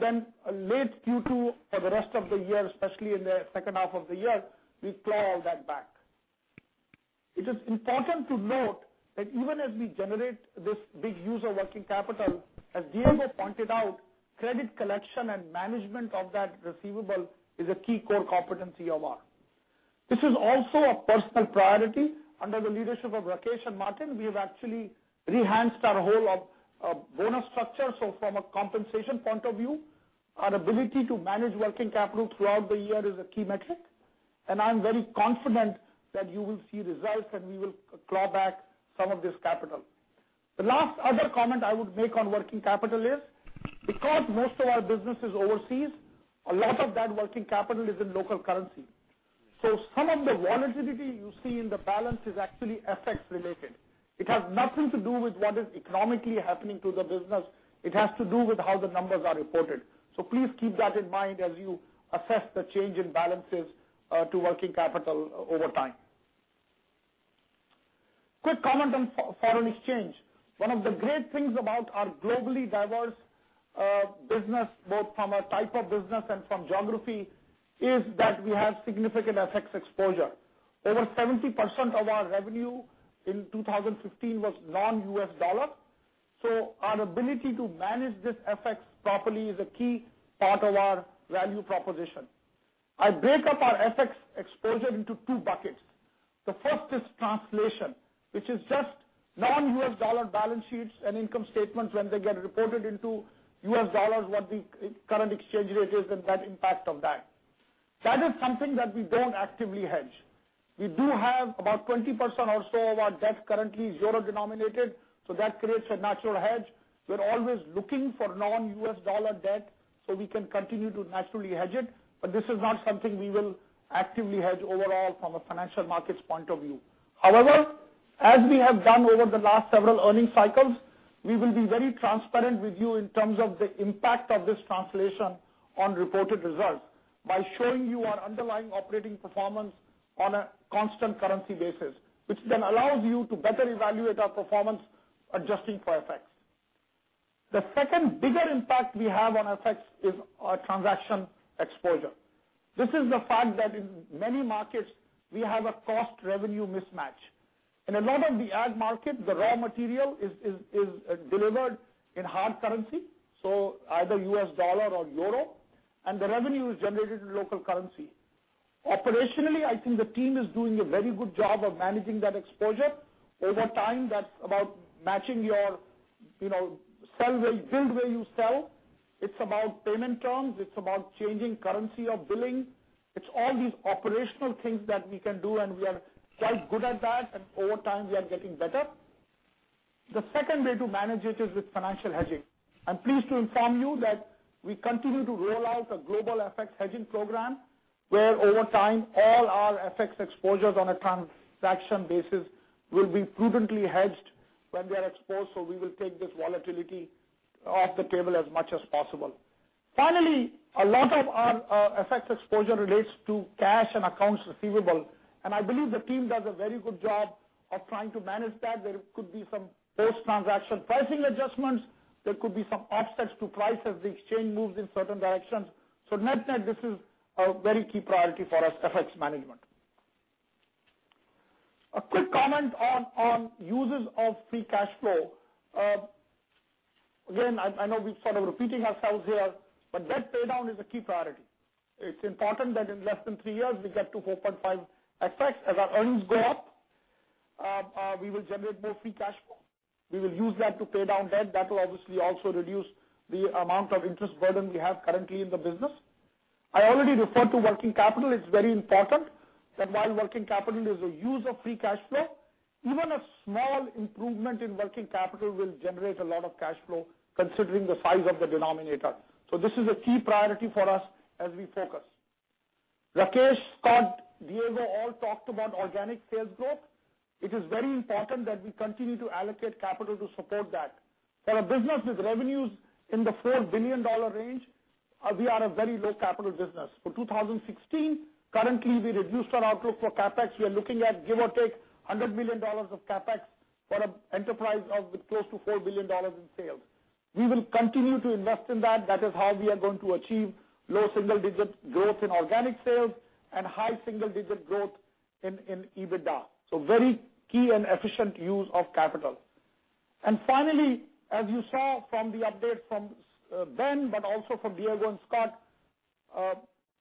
Then late Q2 or the rest of the year, especially in the second half of the year, we claw all that back. It is important to note that even as we generate this big use of working capital, as Diego pointed out, credit collection and management of that receivable is a key core competency of ours. This is also a personal priority. Under the leadership of Rakesh and Martin, we have actually re-enhanced our whole bonus structure. From a compensation point of view, our ability to manage working capital throughout the year is a key metric. I am very confident that you will see results, and we will claw back some of this capital. The last other comment I would make on working capital is because most of our business is overseas, a lot of that working capital is in local currency. So some of the volatility you see in the balance is actually FX related. It has nothing to do with what is economically happening to the business. It has to do with how the numbers are reported. So please keep that in mind as you assess the change in balances to working capital over time. Quick comment on foreign exchange. One of the great things about our globally diverse business, both from a type of business and from geography, is that we have significant FX exposure. Over 70% of our revenue in 2015 was non-US dollar. Our ability to manage this FX properly is a key part of our value proposition. I break up our FX exposure into two buckets. The first is translation, which is just non-US dollar balance sheets and income statements when they get reported into US dollars, what the current exchange rate is and that impact of that. That is something that we don't actively hedge. We do have about 20% or so of our debt currently euro-denominated, so that creates a natural hedge. We are always looking for non-US dollar debt so we can continue to naturally hedge it. This is not something we will actively hedge overall from a financial markets point of view. However, as we have done over the last several earning cycles, we will be very transparent with you in terms of the impact of this translation on reported results by showing you our underlying operating performance on a constant currency basis, which allows you to better evaluate our performance adjusting for FX. The second bigger impact we have on FX is our transaction exposure. This is the fact that in many markets, we have a cost-revenue mismatch. In a lot of the Ag market, the raw material is delivered in hard currency, so either US dollar or EUR, and the revenue is generated in local currency. Operationally, I think the team is doing a very good job of managing that exposure. Over time, that's about matching your sell where you build where you sell. It's about payment terms. It's about changing currency of billing. It's all these operational things that we can do, and we are quite good at that, and over time we are getting better. The second way to manage it is with financial hedging. I'm pleased to inform you that we continue to roll out a global FX hedging program, where over time, all our FX exposures on a transaction basis will be prudently hedged when we are exposed. We will take this volatility off the table as much as possible. Finally, a lot of our FX exposure relates to cash and accounts receivable, and I believe the team does a very good job of trying to manage that. There could be some post-transaction pricing adjustments. There could be some offsets to price as the exchange moves in certain directions. Net-net, this is a very key priority for us, FX management. A quick comment on uses of free cash flow. Again, I know we're sort of repeating ourselves here, debt paydown is a key priority. It's important that in less than three years, we get to 4.5x. As our earnings go up, we will generate more free cash flow. We will use that to pay down debt. That will obviously also reduce the amount of interest burden we have currently in the business. I already referred to working capital. It's very important that while working capital is a use of free cash flow, even a small improvement in working capital will generate a lot of cash flow considering the size of the denominator. This is a key priority for us as we focus. Rakesh, Scot, Diego all talked about organic sales growth. It is very important that we continue to allocate capital to support that. For a business with revenues in the $4 billion range, we are a very low-capital business. For 2016, currently, we reduced our outlook for CapEx. We are looking at give or take $100 million of CapEx for an enterprise of close to $4 billion in sales. We will continue to invest in that. That is how we are going to achieve low single-digit growth in organic sales and high single-digit growth in EBITDA. Very key and efficient use of capital. Finally, as you saw from the update from Ben, but also from Diego and Scot,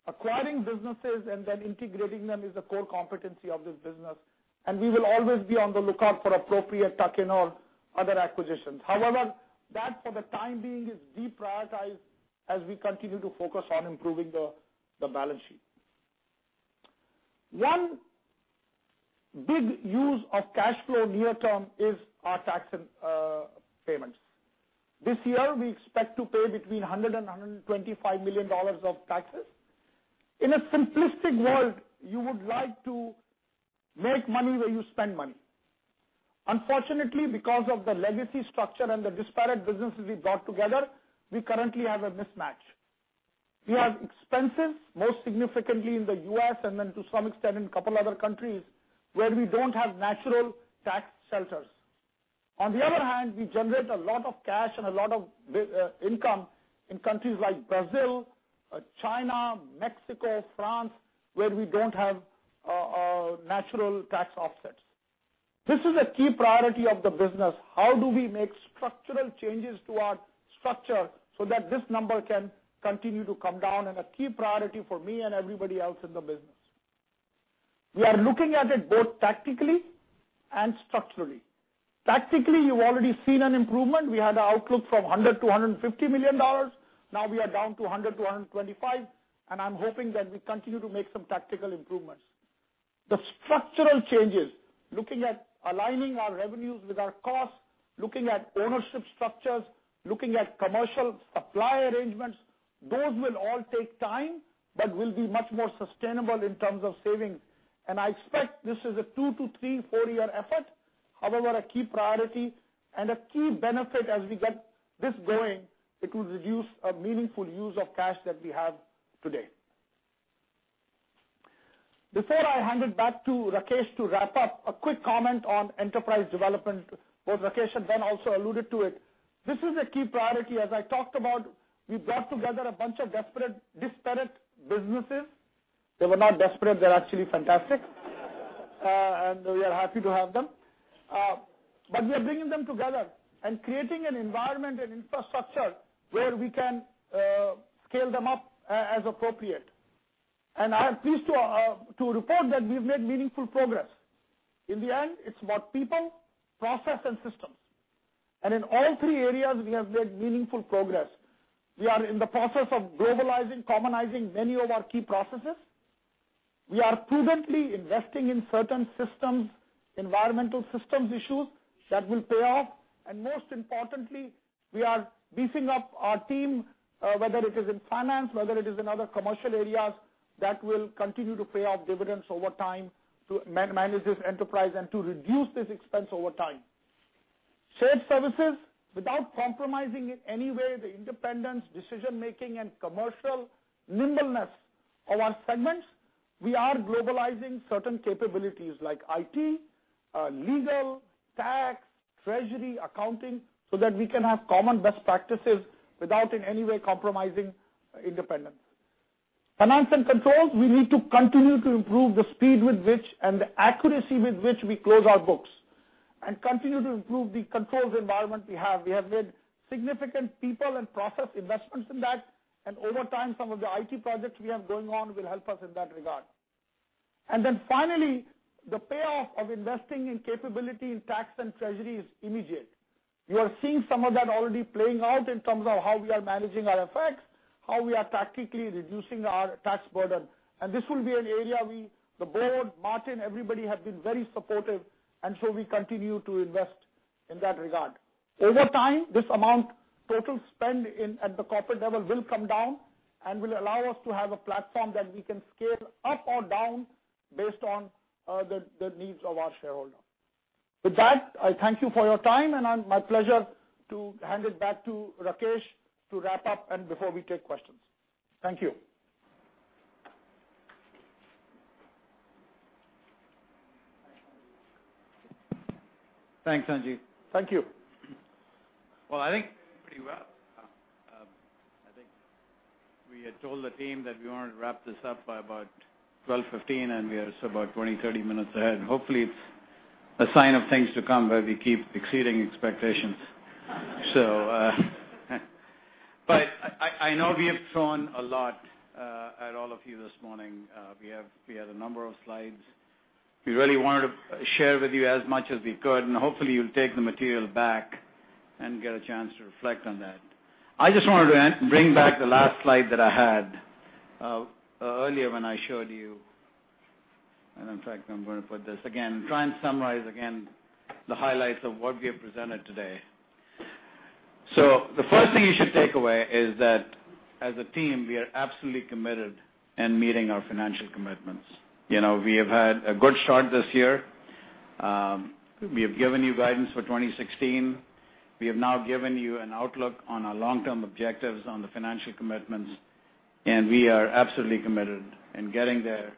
acquiring businesses and then integrating them is the core competency of this business, and we will always be on the lookout for appropriate tuck-in or other acquisitions. That for the time being is deprioritized as we continue to focus on improving the balance sheet. One big use of cash flow near term is our tax payments. This year, we expect to pay between $100 million and $125 million of taxes. In a simplistic world, you would like to make money where you spend money. Because of the legacy structure and the disparate businesses we brought together, we currently have a mismatch. We have expenses, most significantly in the U.S. and then to some extent in a couple other countries, where we don't have natural tax shelters. We generate a lot of cash and a lot of income in countries like Brazil, China, Mexico, France, where we don't have natural tax offsets. This is a key priority of the business. How do we make structural changes to our structure so that this number can continue to come down? A key priority for me and everybody else in the business. We are looking at it both tactically and structurally. Tactically, you've already seen an improvement. We had an outlook from $100 million to $150 million. Now we are down to $100 million to $125 million, and I'm hoping that we continue to make some tactical improvements. The structural changes, looking at aligning our revenues with our costs, looking at ownership structures, looking at commercial supply arrangements, those will all take time, but will be much more sustainable in terms of saving. I expect this is a two to three, four-year effort. A key priority and a key benefit as we get this going, it will reduce a meaningful use of cash that we have today. Before I hand it back to Rakesh to wrap up, a quick comment on enterprise development, both Rakesh and Ben also alluded to it. This is a key priority as I talked about, we brought together a bunch of disparate businesses. They were not desperate, they're actually fantastic. We are happy to have them. We are bringing them together and creating an environment and infrastructure where we can scale them up as appropriate. I am pleased to report that we've made meaningful progress. In the end, it's about people, process, and systems. In all three areas, we have made meaningful progress. We are in the process of globalizing, commonizing many of our key processes. We are prudently investing in certain systems, environmental systems issues that will pay off. Most importantly, we are beefing up our team, whether it is in finance, whether it is in other commercial areas, that will continue to pay off dividends over time to manage this enterprise and to reduce this expense over time. Shared services, without compromising in any way the independence, decision-making, and commercial nimbleness of our segments, we are globalizing certain capabilities like IT, legal, tax, treasury, accounting, so that we can have common best practices without in any way compromising independence. Finance and controls, we need to continue to improve the speed with which and the accuracy with which we close our books, and continue to improve the controls environment we have. We have made significant people and process investments in that, and over time, some of the IT projects we have going on will help us in that regard. Finally, the payoff of investing in capability in tax and treasury is immediate. You are seeing some of that already playing out in terms of how we are managing our FX, how we are tactically reducing our tax burden. This will be an area we, the board, Martin, everybody have been very supportive, we continue to invest in that regard. Over time, this amount total spend at the corporate level will come down and will allow us to have a platform that we can scale up or down based on the needs of our shareholder. With that, I thank you for your time, and my pleasure to hand it back to Rakesh to wrap up and before we take questions. Thank you. Thanks, Sanjiv. Thank you. Well, I think pretty well. I think we had told the team that we wanted to wrap this up by about 12:15, we are just about 20, 30 minutes ahead. Hopefully, it's a sign of things to come where we keep exceeding expectations. I know we have thrown a lot at all of you this morning. We had a number of slides. We really wanted to share with you as much as we could, hopefully, you'll take the material back and get a chance to reflect on that. I just wanted to bring back the last slide that I had earlier when I showed you. In fact, I'm going to put this again and try and summarize again the highlights of what we have presented today. The first thing you should take away is that as a team, we are absolutely committed in meeting our financial commitments. We have had a good start this year. We have given you guidance for 2016. We have now given you an outlook on our long-term objectives on the financial commitments, we are absolutely committed in getting there.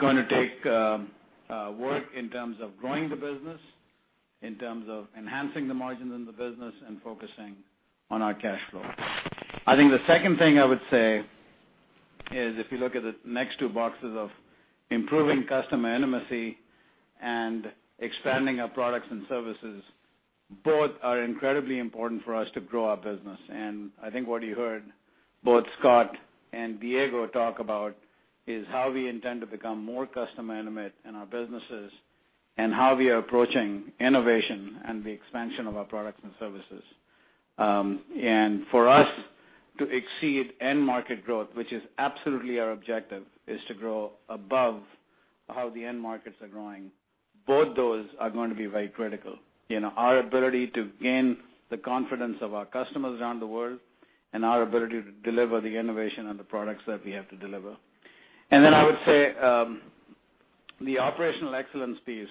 Going to take work in terms of growing the business, in terms of enhancing the margins in the business, focusing on our cash flow. I think the second thing I would say is if you look at the next two boxes of improving customer intimacy and expanding our products and services, both are incredibly important for us to grow our business. I think what you heard both Scot and Diego talk about is how we intend to become more customer intimate in our businesses and how we are approaching innovation and the expansion of our products and services. For us to exceed end market growth, which is absolutely our objective, is to grow above how the end markets are growing. Both those are going to be very critical. Our ability to gain the confidence of our customers around the world and our ability to deliver the innovation and the products that we have to deliver. I would say, the operational excellence piece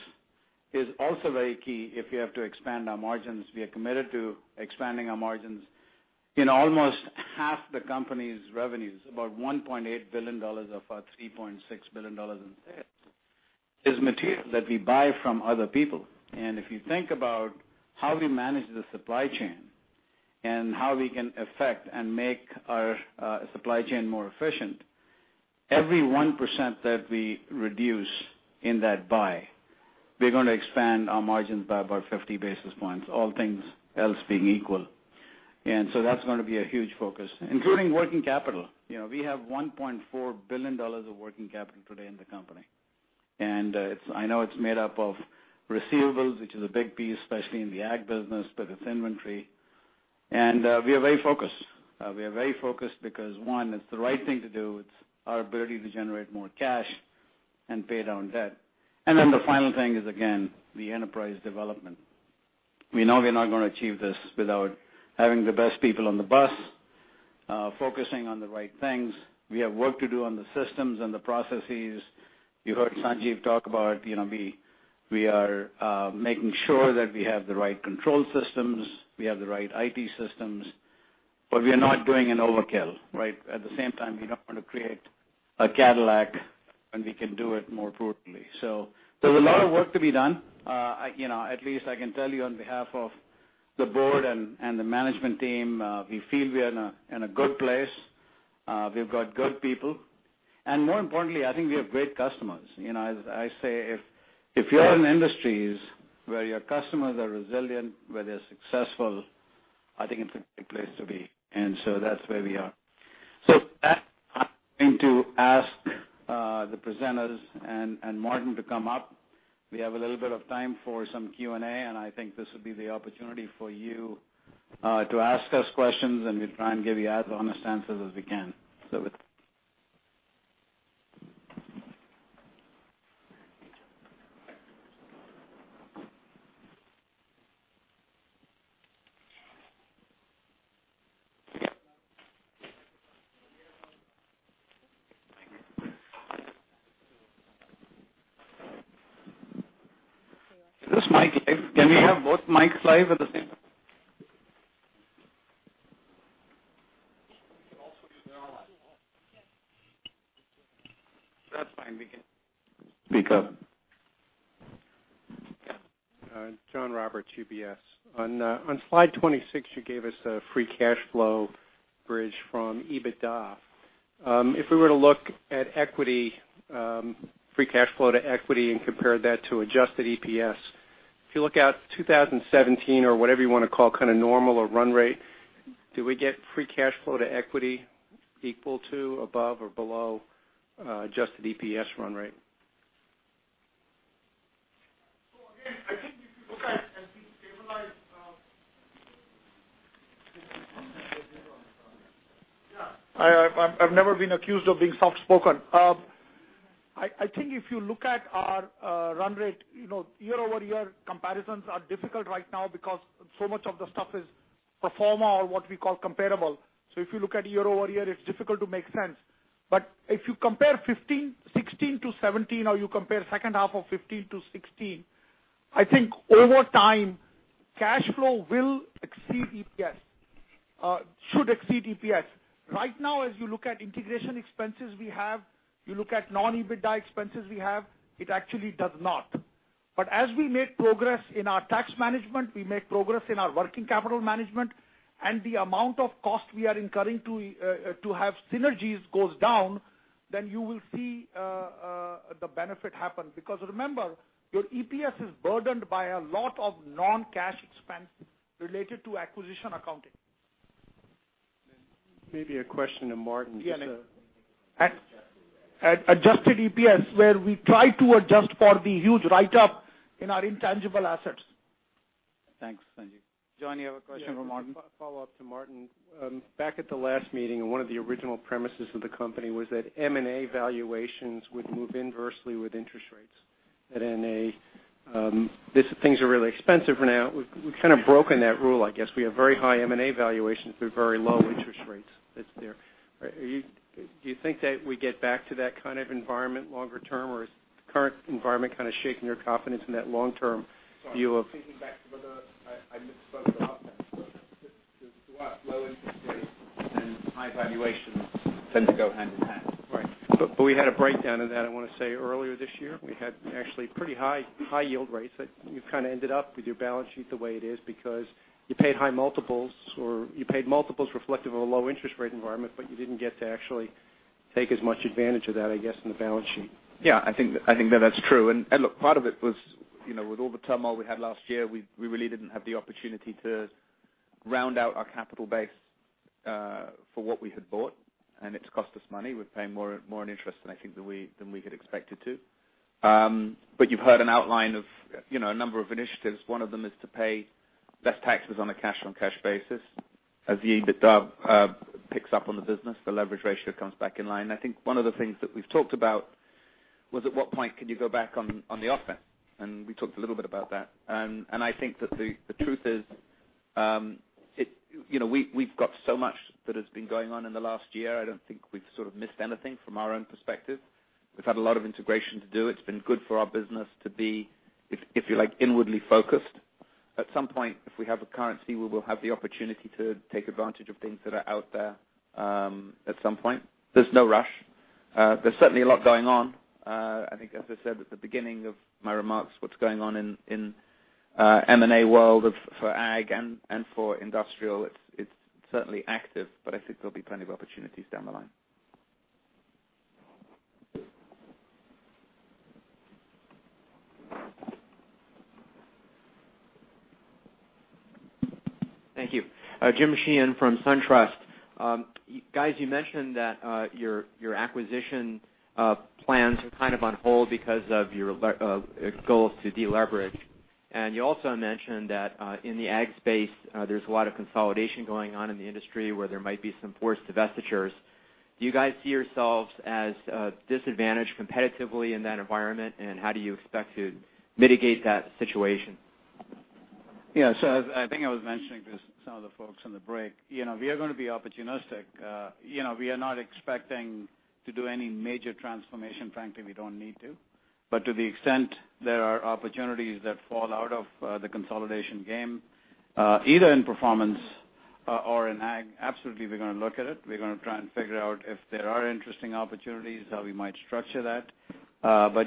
is also very key if we have to expand our margins. We are committed to expanding our margins. In almost half the company's revenues, about $1.8 billion of our $3.6 billion in sales is material that we buy from other people. If you think about how we manage the supply chain and how we can affect and make our supply chain more efficient, every 1% that we reduce in that buy, we're going to expand our margins by about 50 basis points, all things else being equal. That's going to be a huge focus, including working capital. We have $1.4 billion of working capital today in the company, I know it's made up of receivables, which is a big piece, especially in the ag business, but it's inventory. We are very focused. We are very focused because, one, it's the right thing to do. It's our ability to generate more cash and pay down debt. The final thing is, again, the enterprise development. We know we're not going to achieve this without having the best people on the bus focusing on the right things. We have work to do on the systems and the processes. You heard Sanjiv talk about we are making sure that we have the right control systems, we have the right IT systems, but we are not doing an overkill, right? At the same time, we don't want to create a Cadillac when we can do it more affordably. There's a lot of work to be done. At least I can tell you on behalf of the board and the management team, we feel we are in a good place. We've got good people, and more importantly, I think we have great customers. As I say, if you're in industries where your customers are resilient, where they're successful, I think it's a good place to be. That's where we are. With that, I'm going to ask the presenters and Martin to come up. We have a little bit of time for some Q&A, and I think this would be the opportunity for you to ask us questions, and we'll try and give you as honest answers as we can. Is this mic live? Can we have both mics live at the same time? We can also use their line. That's fine. We can speak up. John Roberts, UBS. On Slide 26, you gave us a free cash flow bridge from EBITDA. If we were to look at free cash flow to equity and compare that to adjusted EPS, if you look out 2017 or whatever you want to call kind of normal or run rate, do we get free cash flow to equity equal to, above or below adjusted EPS run rate? Again, I've never been accused of being soft-spoken. I think if you look at our run rate, year-over-year comparisons are difficult right now because so much of the stuff is pro forma or what we call comparable. If you look at year-over-year, it's difficult to make sense. If you compare 2016 to 2017, or you compare second half of 2015 to 2016, I think over time, cash flow should exceed EPS. Right now, as you look at integration expenses we have, you look at non-EBITDA expenses we have, it actually does not. As we make progress in our tax management, we make progress in our working capital management, and the amount of cost we are incurring to have synergies goes down, you will see the benefit happen. Remember, your EPS is burdened by a lot of non-cash expenses related to acquisition accounting. Maybe a question to Martin. Yeah. Adjusted EPS, where we try to adjust for the huge write-up in our intangible assets. Thanks, Sanjiv. John, you have a question for Martin? Yeah. Follow-up to Martin. Back at the last meeting, and one of the original premises of the company was that M&A valuations would move inversely with interest rates [at NA]. Things are really expensive right now. We've kind of broken that rule, I guess. We have very high M&A valuations through very low interest rates that's there. Do you think that we get back to that kind of environment longer term, or is the current environment kind of shaking your confidence in that long-term view of? Sorry. I'm thinking back to whether I misspoke about that. Low interest rates and high valuations tend to go hand in hand. Right. We had a breakdown of that, I want to say, earlier this year. We had actually pretty high yield rates. You kind of ended up with your balance sheet the way it is because you paid high multiples, or you paid multiples reflective of a low interest rate environment, but you didn't get to actually take as much advantage of that, I guess, in the balance sheet. Yeah, I think that's true. Look, part of it was with all the turmoil we had last year, we really didn't have the opportunity to round out our capital base for what we had bought, and it's cost us money. We're paying more in interest than I think we had expected to. You've heard an outline of a number of initiatives. One of them is to pay less taxes on a cash-on-cash basis. As the EBITDA picks up on the business, the leverage ratio comes back in line. I think one of the things that we've talked about was at what point can you go back on the offense, and we talked a little bit about that. I think that the truth is we've got so much that has been going on in the last year, I don't think we've sort of missed anything from our own perspective. We've had a lot of integration to do. It's been good for our business to be, if you like, inwardly focused. At some point, if we have the currency, we will have the opportunity to take advantage of things that are out there at some point. There's no rush. There's certainly a lot going on. I think, as I said at the beginning of my remarks, what's going on in M&A world for ag and for industrial, it's certainly active, but I think there'll be plenty of opportunities down the line. Thank you. Jim Sheehan from SunTrust. Guys, you mentioned that your acquisition plans are kind of on hold because of your goal to deleverage. You also mentioned that in the ag space, there's a lot of consolidation going on in the industry where there might be some forced divestitures. Do you guys see yourselves as disadvantaged competitively in that environment, and how do you expect to mitigate that situation? Yeah. I think I was mentioning to some of the folks on the break, we are going to be opportunistic. We are not expecting to do any major transformation. Frankly, we don't need to. To the extent there are opportunities that fall out of the consolidation game, either in performance or in ag, absolutely, we're going to look at it. We're going to try and figure out if there are interesting opportunities, how we might structure that.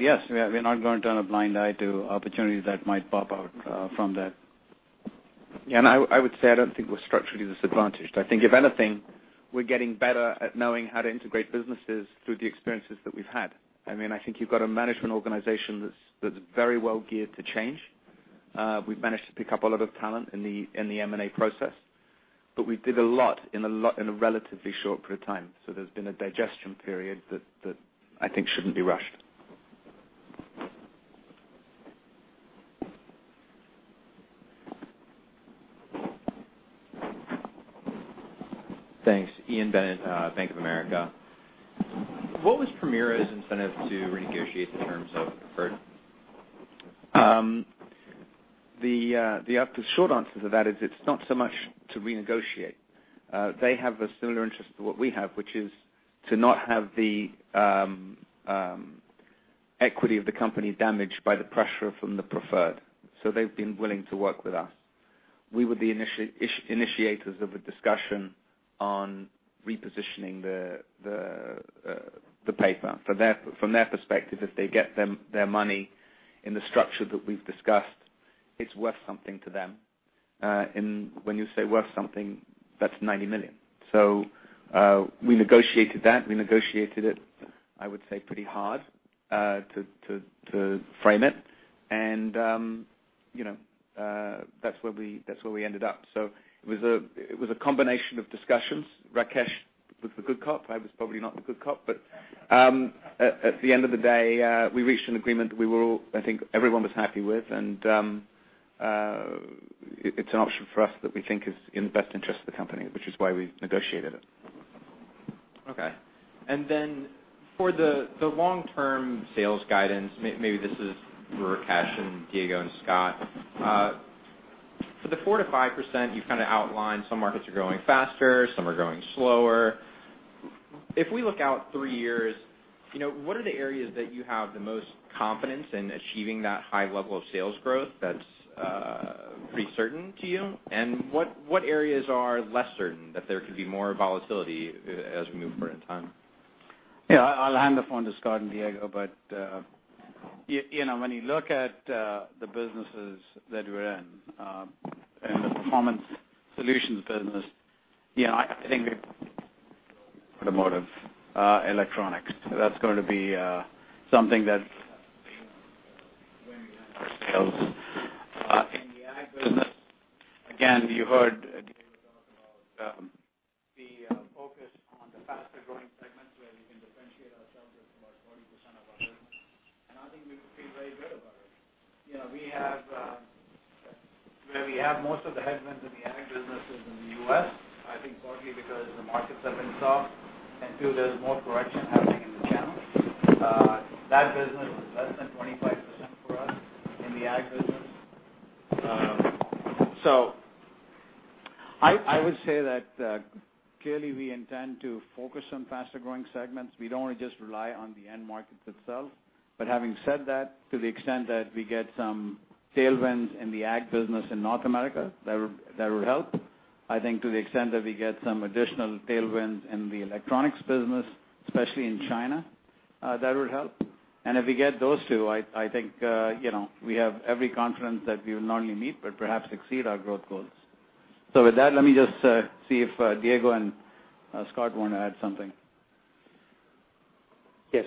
Yes, we're not going to turn a blind eye to opportunities that might pop out from that. Yeah, I would say, I don't think we're structurally disadvantaged. I think if anything, we're getting better at knowing how to integrate businesses through the experiences that we've had. I think you've got a management organization that's very well geared to change. We've managed to pick up a lot of talent in the M&A process, we did a lot in a relatively short period of time. There's been a digestion period that I think shouldn't be rushed. Thanks. Ian Bennett, Bank of America. What was Permira's incentive to renegotiate the terms of preferred? The short answer to that is it's not so much to renegotiate. They have a similar interest to what we have, which is to not have the equity of the company damaged by the pressure from the preferred. They've been willing to work with us. We were the initiators of a discussion on repositioning the paper. From their perspective, if they get their money in the structure that we've discussed, it's worth something to them. When you say worth something, that's $90 million. We negotiated that. We negotiated it, I would say, pretty hard to frame it. That's where we ended up. It was a combination of discussions. Rakesh was the good cop. I was probably not the good cop. Okay. At the end of the day, we reached an agreement we were all, I think everyone was happy with, it's an option for us that we think is in the best interest of the company, which is why we negotiated it. Okay. For the long-term sales guidance, maybe this is for Rakesh and Diego and Scot. For the 4%-5%, you've kind of outlined some markets are growing faster, some are growing slower. If we look out three years, what are the areas that you have the most confidence in achieving that high level of sales growth that's pretty certain to you? What areas are less certain that there could be more volatility as we move forward in time? Yeah, I'll hand the phone to Scot and Diego. When you look at the businesses that we're in the Performance Solutions business, I think automotive, electronics, that's going to be something that's our sales. In the ag business, again, you heard Diego talk about the focus on the faster-growing segments where we can differentiate ourselves. That's about 40% of our business. I think we feel very good about it. Where we have most of the headwinds in the ag business is in the U.S., I think partly because the markets have been soft, and two, there's more correction happening in the channel. That business is less than 25% for us in the ag business. I would say that clearly we intend to focus on faster-growing segments. We don't want to just rely on the end markets itself. Having said that, to the extent that we get some tailwinds in the ag business in North America, that would help. I think to the extent that we get some additional tailwinds in the electronics business, especially in China, that would help. If we get those two, I think we have every confidence that we will not only meet but perhaps exceed our growth goals. With that, let me just see if Diego and Scot want to add something. Yes.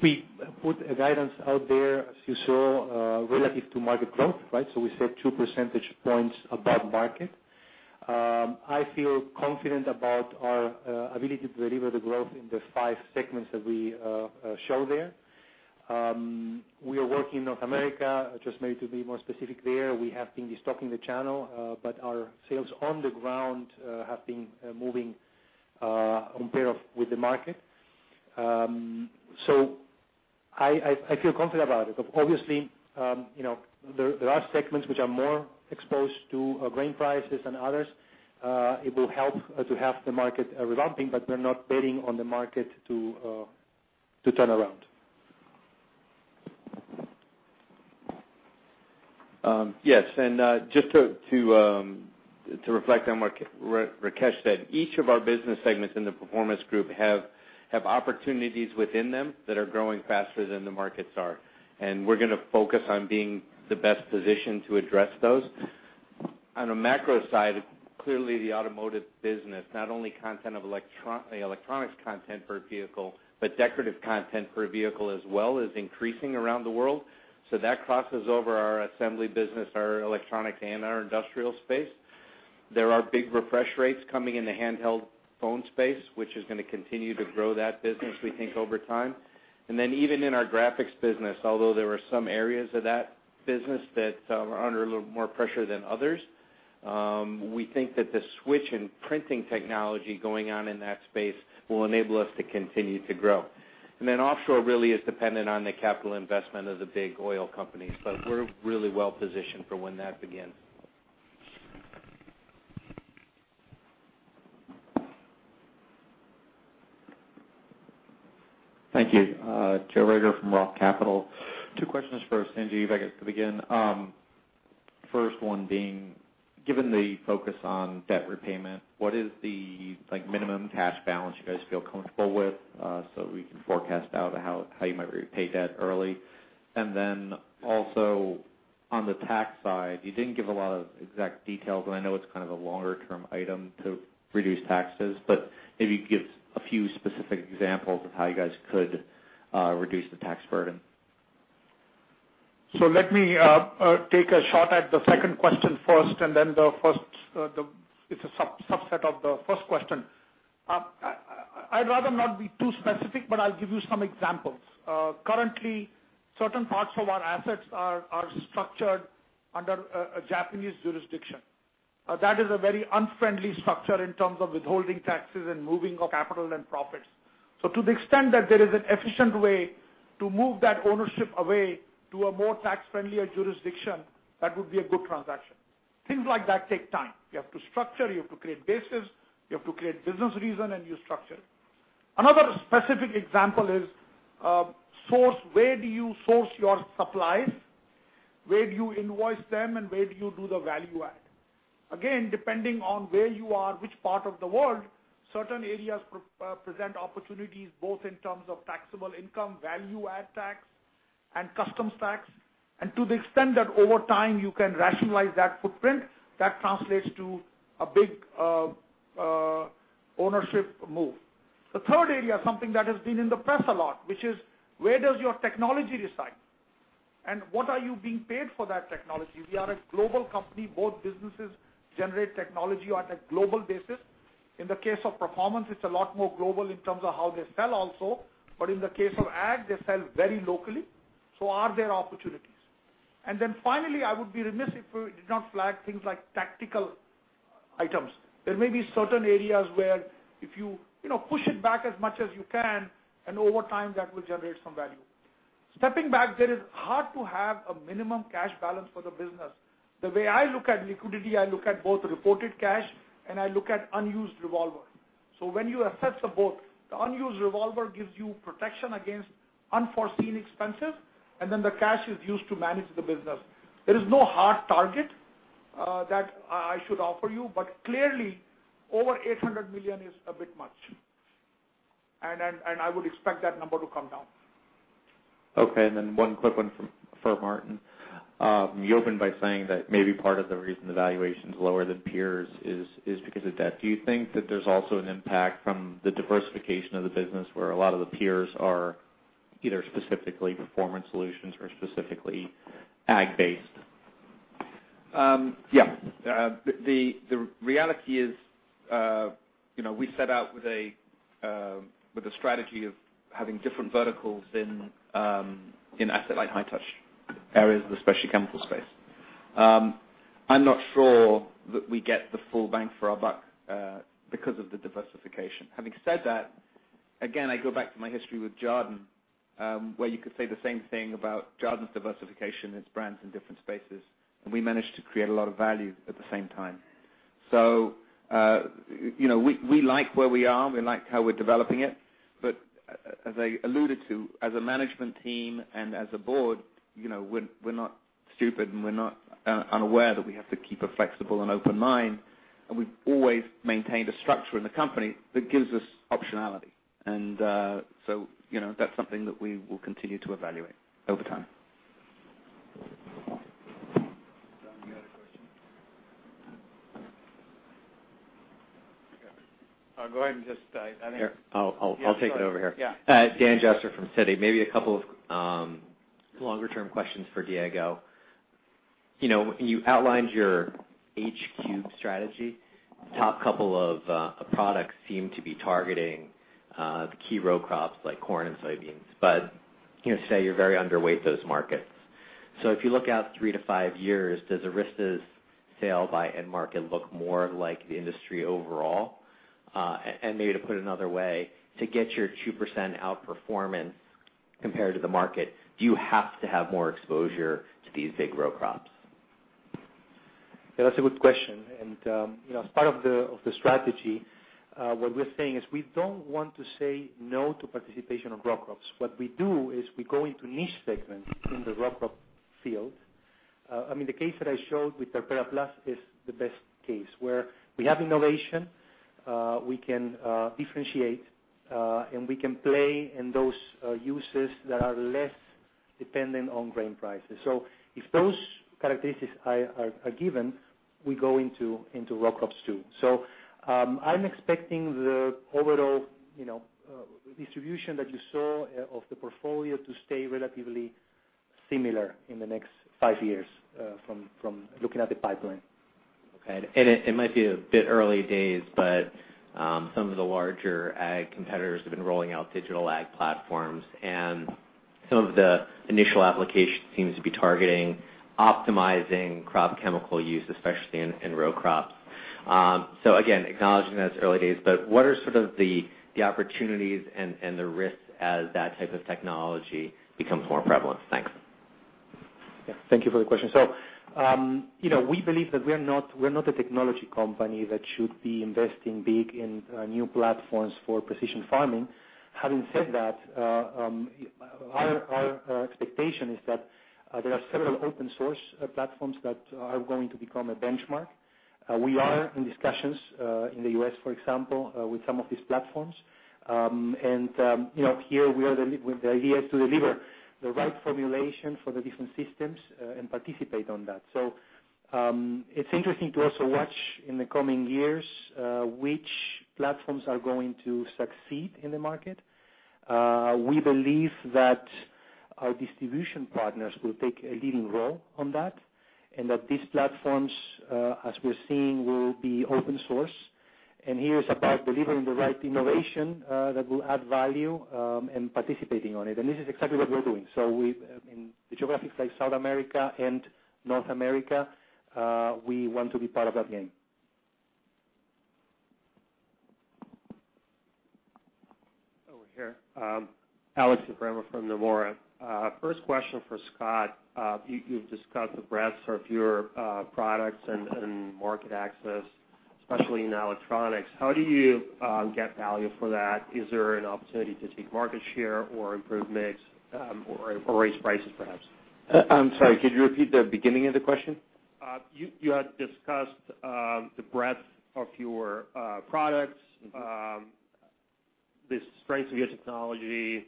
We put guidance out there, as you saw, relative to market growth, right? We said two percentage points above market. I feel confident about our ability to deliver the growth in the five segments that we show there. We are working North America, just maybe to be more specific there. We have been destocking the channel, but our sales on the ground have been moving on par with the market. I feel confident about it. Obviously, there are segments which are more exposed to grain prices than others. It will help to have the market revamping, but we're not betting on the market to turn around. Yes. Just to reflect on what Rakesh said, each of our business segments in the Performance Solutions group have opportunities within them that are growing faster than the markets are. We're going to focus on being the best positioned to address those. On a macro side, clearly the automotive business, not only the electronics content per vehicle, but decorative content per vehicle as well is increasing around the world. That crosses over our assembly business, our electronic, and our industrial space. There are big refresh rates coming in the handheld phone space, which is going to continue to grow that business, we think, over time. Even in our graphics business, although there are some areas of that business that are under a little more pressure than others, we think that the switch in printing technology going on in that space will enable us to continue to grow. Offshore really is dependent on the capital investment of the big oil companies, but we're really well-positioned for when that begins. Thank you. Joe Reagor from Roth Capital. Two questions for Sanjiv, if I could begin. First one being: given the focus on debt repayment, what is the minimum cash balance you guys feel comfortable with, so we can forecast out how you might repay debt early? Also on the tax side, you didn't give a lot of exact details, and I know it's kind of a longer-term item to reduce taxes, but maybe give a few specific examples of how you guys could reduce the tax burden. Let me take a shot at the second question first, and then the first. It's a subset of the first question. I'd rather not be too specific, but I'll give you some examples. Currently, certain parts of our assets are structured under a Japanese jurisdiction. That is a very unfriendly structure in terms of withholding taxes and moving of capital and profits. To the extent that there is an efficient way to move that ownership away to a more tax-friendlier jurisdiction, that would be a good transaction. Things like that take time. You have to structure, you have to create bases, you have to create business reason, and you structure. Another specific example is where do you source your supplies? Where do you invoice them, and where do you do the value add? Again, depending on where you are, which part of the world, certain areas present opportunities, both in terms of taxable income, value-add tax, and customs tax. To the extent that over time you can rationalize that footprint, that translates to a big ownership move. The third area, something that has been in the press a lot, which is: where does your technology reside? What are you being paid for that technology? We are a global company. Both businesses generate technology on a global basis. In the case of Performance, it's a lot more global in terms of how they sell also. In the case of Ag, they sell very locally. Are there opportunities? Finally, I would be remiss if we did not flag things like tactical items. There may be certain areas where if you push it back as much as you can, and over time, that will generate some value. Stepping back, it is hard to have a minimum cash balance for the business. The way I look at liquidity, I look at both reported cash and I look at unused revolver. When you assess the both, the unused revolver gives you protection against unforeseen expenses, and then the cash is used to manage the business. There is no hard target that I should offer you, but clearly over $800 million is a bit much. I would expect that number to come down. Okay. One quick one for Martin. You opened by saying that maybe part of the reason the valuation's lower than peers is because of debt. Do you think that there's also an impact from the diversification of the business, where a lot of the peers are either specifically Performance Solutions or specifically Ag-based? Yeah. The reality is we set out with a strategy of having different verticals in asset-light, high-touch areas, especially chemical space. I'm not sure that we get the full bang for our buck because of the diversification. Having said that, again, I go back to my history with Jarden, where you could say the same thing about Jarden's diversification and its brands in different spaces. We managed to create a lot of value at the same time. We like where we are. We like how we're developing it. As I alluded to, as a management team and as a board, we're not stupid, and we're not unaware that we have to keep a flexible and open mind. We've always maintained a structure in the company that gives us optionality. That's something that we will continue to evaluate over time. John, you got a question? Okay. I'll go ahead and just. I'll take it over here. Yeah. Dan Jesner from Citi. Maybe a couple of longer-term questions for Diego. You outlined your H³ strategy. Top couple of products seem to be targeting the key row crops like corn and soybeans. Say you're very underweight those markets. If you look out 3-5 years, does Arysta's sale by end market look more like the industry overall? Maybe to put it another way, to get your 2% outperformance compared to the market, do you have to have more exposure to these big row crops? That's a good question. As part of the strategy, what we're saying is we don't want to say no to participation of row crops. What we do is we go into niche segments in the row crop field. The case that I showed with TEPERA+ is the best case, where we have innovation, we can differentiate, and we can play in those uses that are less Depending on grain prices. If those characteristics are given, we go into row crops too. I'm expecting the overall distribution that you saw of the portfolio to stay relatively similar in the next five years from looking at the pipeline. Okay. It might be a bit early days, but some of the larger ag competitors have been rolling out digital ag platforms, and some of the initial application seems to be targeting optimizing crop chemical use, especially in row crops. Again, acknowledging that it's early days, but what are sort of the opportunities and the risks as that type of technology becomes more prevalent? Thanks. Yeah. Thank you for the question. We believe that we're not a technology company that should be investing big in new platforms for precision farming. Having said that, our expectation is that there are several open source platforms that are going to become a benchmark. We are in discussions in the U.S., for example, with some of these platforms. Here, the idea is to deliver the right formulation for the different systems and participate on that. It's interesting to also watch in the coming years, which platforms are going to succeed in the market. We believe that our distribution partners will take a leading role on that, and that these platforms, as we're seeing, will be open source. Here it's about delivering the right innovation that will add value, and participating on it. This is exactly what we're doing. In geographies like South America and North America, we want to be part of that game. Over here. Alex Eprahimian from Nomura. First question for Scot. You've discussed the breadth of your products and market access, especially in electronics. How do you get value for that? Is there an opportunity to take market share or improve mix, or raise prices, perhaps? I'm sorry, could you repeat the beginning of the question? You had discussed the breadth of your products the strength of your technology,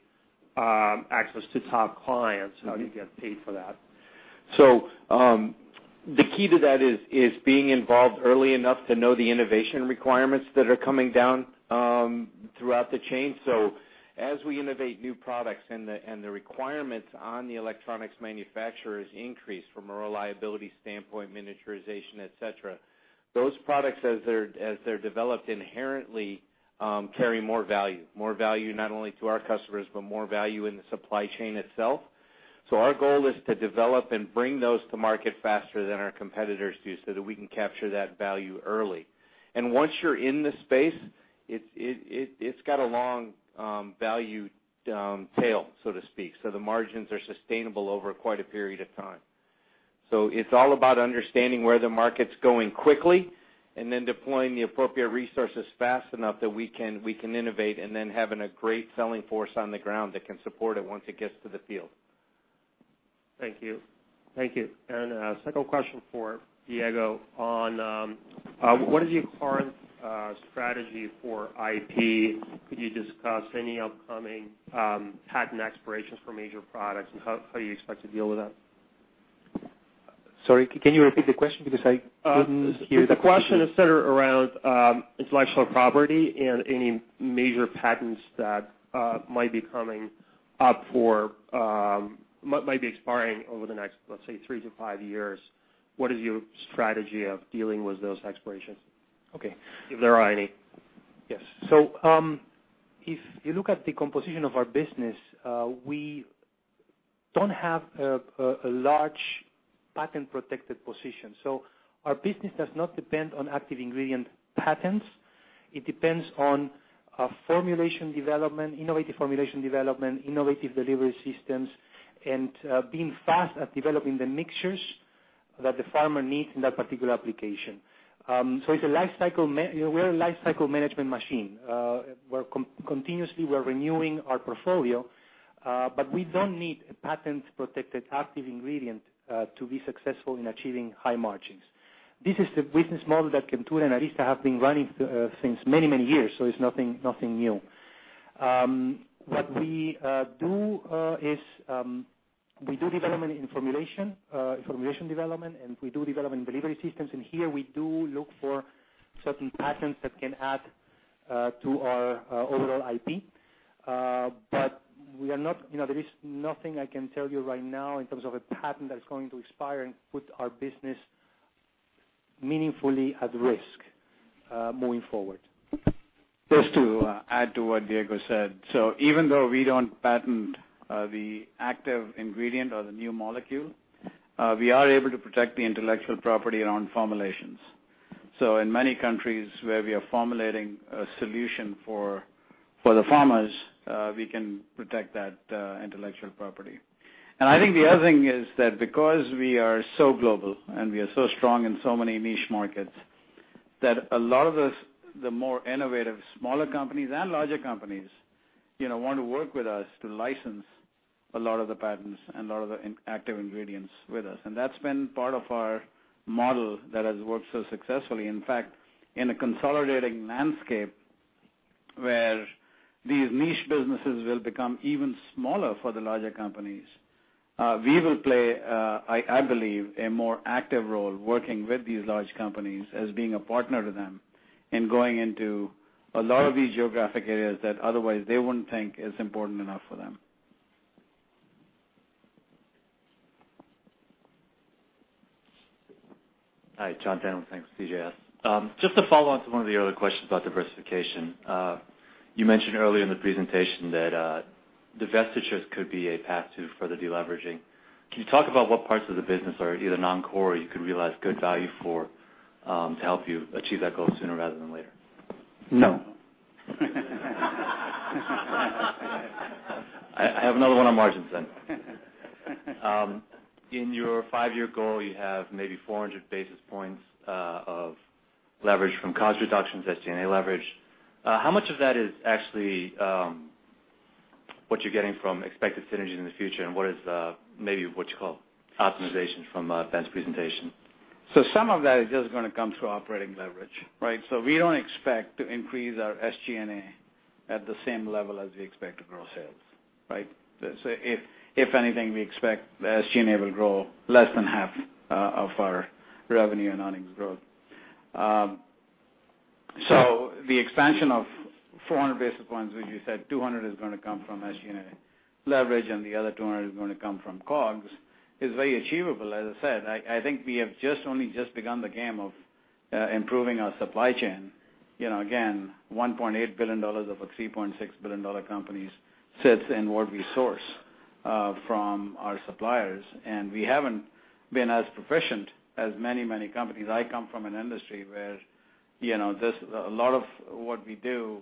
access to top clients. how do you get paid for that? The key to that is being involved early enough to know the innovation requirements that are coming down throughout the chain. As we innovate new products and the requirements on the electronics manufacturers increase from a reliability standpoint, miniaturization, et cetera, those products as they're developed inherently carry more value. More value not only to our customers, but more value in the supply chain itself. Our goal is to develop and bring those to market faster than our competitors do, so that we can capture that value early. Once you're in the space, it's got a long value tail, so to speak. The margins are sustainable over quite a period of time. It's all about understanding where the market's going quickly, and then deploying the appropriate resources fast enough that we can innovate, and then having a great selling force on the ground that can support it once it gets to the field. Thank you. Thank you. Second question for Diego on what is your current strategy for IP? Could you discuss any upcoming patent expirations for major products, and how do you expect to deal with that? Sorry, can you repeat the question because I couldn't hear the- The question is centered around intellectual property and any major patents that Might be expiring over the next, let's say, three to five years. What is your strategy of dealing with those expirations? Okay. If there are any. Yes. If you look at the composition of our business, we don't have a large patent-protected position. Our business does not depend on active ingredient patents. It depends on our formulation development, innovative formulation development, innovative delivery systems, and being fast at developing the mixtures that the farmer needs in that particular application. We're a life cycle management machine. Continuously, we're renewing our portfolio, but we don't need a patent-protected active ingredient to be successful in achieving high margins. This is the business model that Chemtura and Arysta have been running since many years, it's nothing new. What we do is, we do development in formulation development, and we do development in delivery systems. Here we do look for certain patents that can add to our overall IP. There is nothing I can tell you right now in terms of a patent that is going to expire and put our business meaningfully at risk moving forward. Just to add to what Diego said. Even though we don't patent the active ingredient or the new molecule, we are able to protect the intellectual property around formulations. In many countries where we are formulating a solution for the farmers, we can protect that intellectual property. I think the other thing is that because we are so global and we are so strong in so many niche markets, that a lot of the more innovative smaller companies and larger companies want to work with us to license a lot of the patents and a lot of the active ingredients with us. That's been part of our model that has worked so successfully. In fact, in a consolidating landscape where these niche businesses will become even smaller for the larger companies. We will play, I believe, a more active role working with these large companies as being a partner to them in going into a lot of these geographic areas that otherwise they wouldn't think is important enough for them. Hi, John Reynolds with CJS. To follow on to one of the other questions about diversification. You mentioned earlier in the presentation that divestitures could be a path to further deleveraging. Can you talk about what parts of the business are either non-core you could realize good value for to help you achieve that goal sooner rather than later? No. I have another one on margins. In your five-year goal, you have maybe 400 basis points of leverage from cost reductions, SG&A leverage. How much of that is actually what you're getting from expected synergies in the future, and what is maybe what you call optimizations from Ben's presentation? Some of that is just going to come through operating leverage, right? We don't expect to increase our SG&A at the same level as we expect to grow sales. Right? If anything, we expect the SG&A will grow less than half of our revenue and earnings growth. The expansion of 400 basis points, as you said, 200 is going to come from SG&A leverage and the other 200 is going to come from COGS, is very achievable. As I said, I think we have just only just begun the game of improving our supply chain. Again, $1.8 billion of a $3.6 billion companies sits in what we source from our suppliers, and we haven't been as proficient as many companies. I come from an industry where a lot of what we do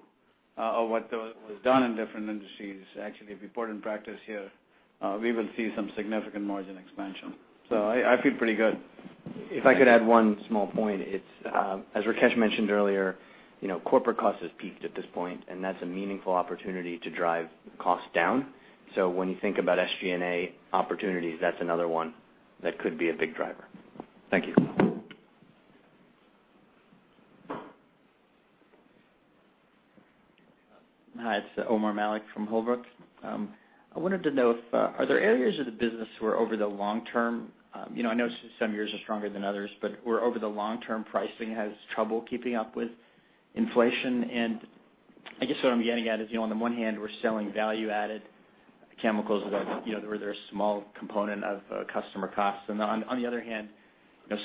or what was done in different industries, actually, if we put in practice here, we will see some significant margin expansion. I feel pretty good. If I could add one small point. As Rakesh mentioned earlier, corporate cost has peaked at this point, and that's a meaningful opportunity to drive cost down. When you think about SG&A opportunities, that's another one that could be a big driver. Thank you. Hi, it's Omar Mallick from Holbrook. I wanted to know, are there areas of the business where over the long term, I know some years are stronger than others, but where over the long term pricing has trouble keeping up with inflation. I guess what I'm getting at is, on the one hand, we're selling value-added chemicals where they're a small component of customer costs. On the other hand,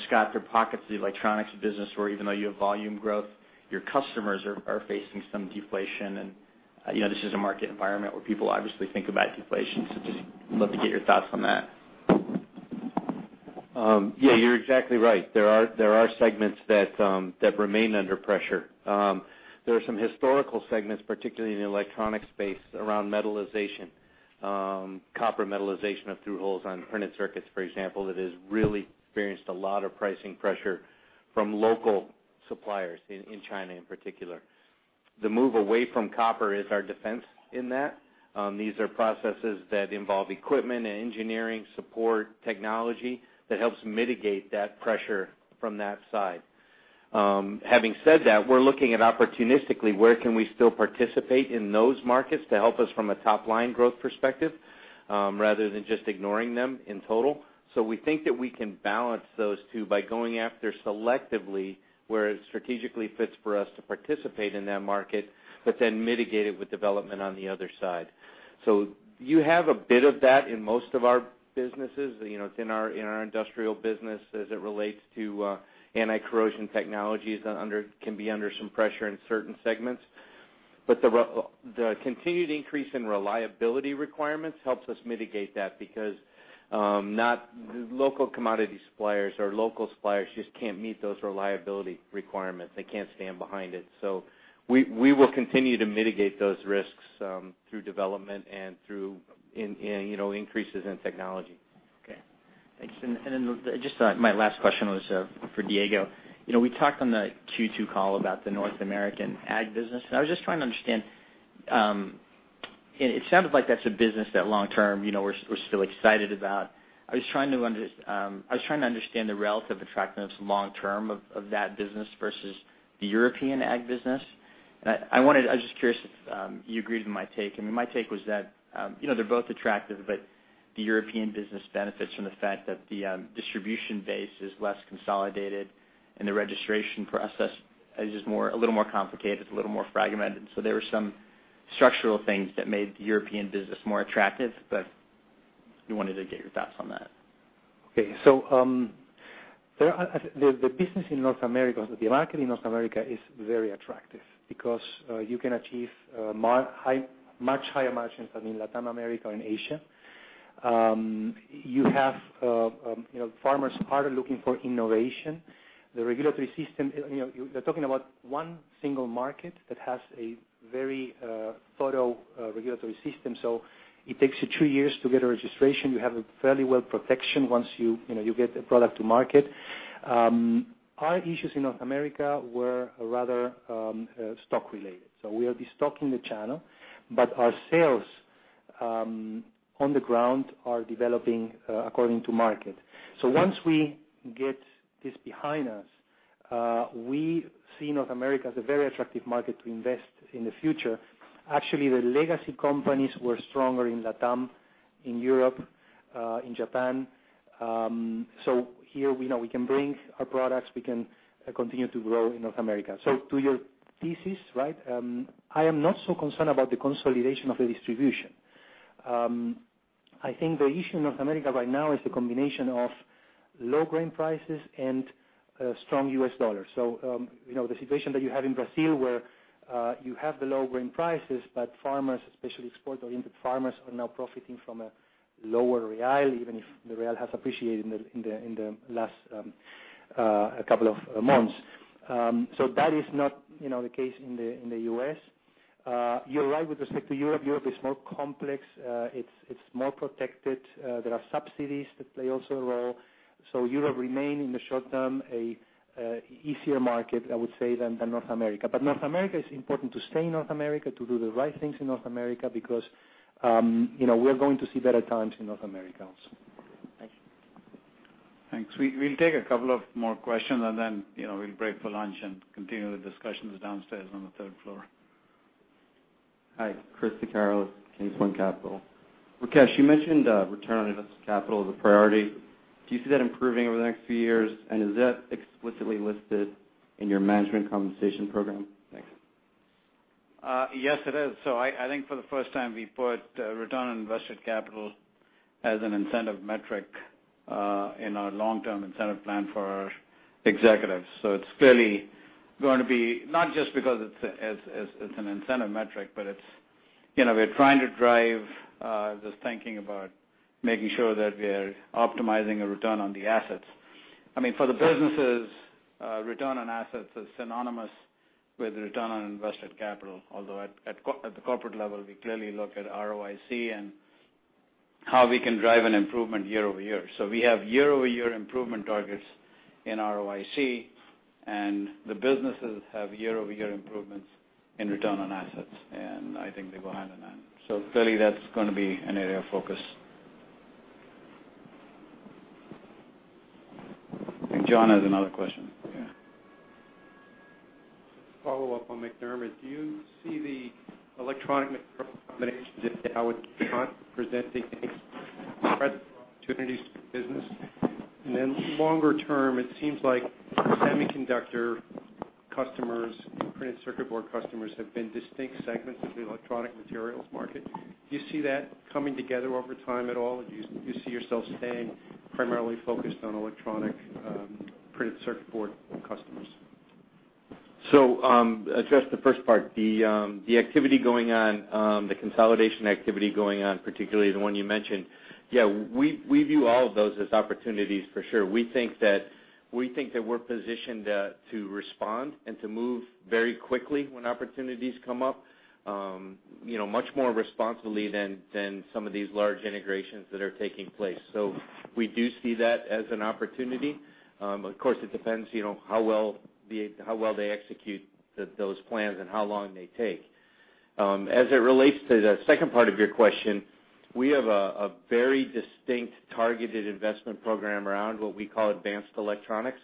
Scot, there are pockets of the electronics business where even though you have volume growth, your customers are facing some deflation. This is a market environment where people obviously think about deflation. Just love to get your thoughts on that. Yeah, you're exactly right. There are segments that remain under pressure. There are some historical segments, particularly in the electronic space around metallization, copper metallization of through-holes on printed circuits, for example, that has really experienced a lot of pricing pressure from local suppliers in China in particular. The move away from copper is our defense in that. These are processes that involve equipment and engineering support technology that helps mitigate that pressure from that side. Having said that, we're looking at opportunistically where can we still participate in those markets to help us from a top-line growth perspective, rather than just ignoring them in total. We think that we can balance those two by going after selectively where it strategically fits for us to participate in that market, but then mitigate it with development on the other side. You have a bit of that in most of our businesses. It's in our industrial business as it relates to anti-corrosion technologies can be under some pressure in certain segments. The continued increase in reliability requirements helps us mitigate that because local commodity suppliers or local suppliers just can't meet those reliability requirements. They can't stand behind it. We will continue to mitigate those risks through development and through increases in technology. Okay. Thanks. Just my last question was for Diego. We talked on the Q2 call about the North American ag business. I was just trying to understand. It sounded like that's a business that long term we're still excited about. I was trying to understand the relative attractiveness long term of that business versus the European ag business. I was just curious if you agreed with my take. My take was that they're both attractive, but the European business benefits from the fact that the distribution base is less consolidated and the registration process is just a little more complicated, it's a little more fragmented. There were some structural things that made the European business more attractive. Just wanted to get your thoughts on that. Okay. The business in North America, the market in North America is very attractive because you can achieve much higher margins than in Latin America and Asia. Farmers are looking for innovation. The regulatory system, you're talking about one single market that has a very thorough regulatory system. It takes you two years to get a registration. You have a fairly well protection once you get the product to market. Our issues in North America were rather stock related. We are de-stocking the channel. Our sales on the ground are developing according to market. Once we get this behind us, we see North America as a very attractive market to invest in the future. Actually, the legacy companies were stronger in LATAM, in Europe, in Japan. Here we know we can bring our products. We can continue to grow in North America. To your thesis, I am not so concerned about the consolidation of the distribution. I think the issue in North America right now is the combination of low grain prices and a strong U.S. dollar. The situation that you have in Brazil where you have the low grain prices, but farmers, especially export-oriented farmers, are now profiting from a lower real, even if the real has appreciated in the last couple of months. That is not the case in the U.S. You're right with respect to Europe. Europe is more complex. It's more protected. There are subsidies that play also a role. Europe remain in the short term, an easier market, I would say, than North America. North America, it's important to stay in North America to do the right things in North America because we're going to see better times in North America also. Thanks. We'll take a couple of more questions, and then we'll break for lunch and continue the discussions downstairs on the third floor. Hi. Chris DeCarlo, Kingsland Capital. Rakesh, you mentioned return on invested capital as a priority. Do you see that improving over the next few years? Is that explicitly listed in your management compensation program? Thanks. Yes, it is. I think for the first time, we put return on invested capital as an incentive metric in our long-term incentive plan for our executives. It's clearly going to be, not just because it's an incentive metric, but we're trying to drive this thinking about making sure that we're optimizing a return on the assets. For the businesses, return on assets is synonymous with return on invested capital. Although at the corporate level, we clearly look at ROIC and how we can drive an improvement year-over-year. We have year-over-year improvement targets in ROIC, and the businesses have year-over-year improvements in return on assets, and I think they go hand in hand. Clearly, that's going to be an area of focus. I think John has another question. Yeah. Follow-up on MacDermid. Do you see the electronic material combinations that they have with KMG presenting any credible opportunities to the business? Longer term, it seems like semiconductor customers, printed circuit board customers have been distinct segments of the electronic materials market. Do you see that coming together over time at all? Do you see yourself staying primarily focused on electronic printed circuit board customers? Address the first part. The consolidation activity going on, particularly the one you mentioned. We view all of those as opportunities for sure. We think that we're positioned to respond and to move very quickly when opportunities come up. Much more responsively than some of these large integrations that are taking place. We do see that as an opportunity. Of course, it depends how well they execute those plans and how long they take. As it relates to the second part of your question, we have a very distinct targeted investment program around what we call advanced electronics,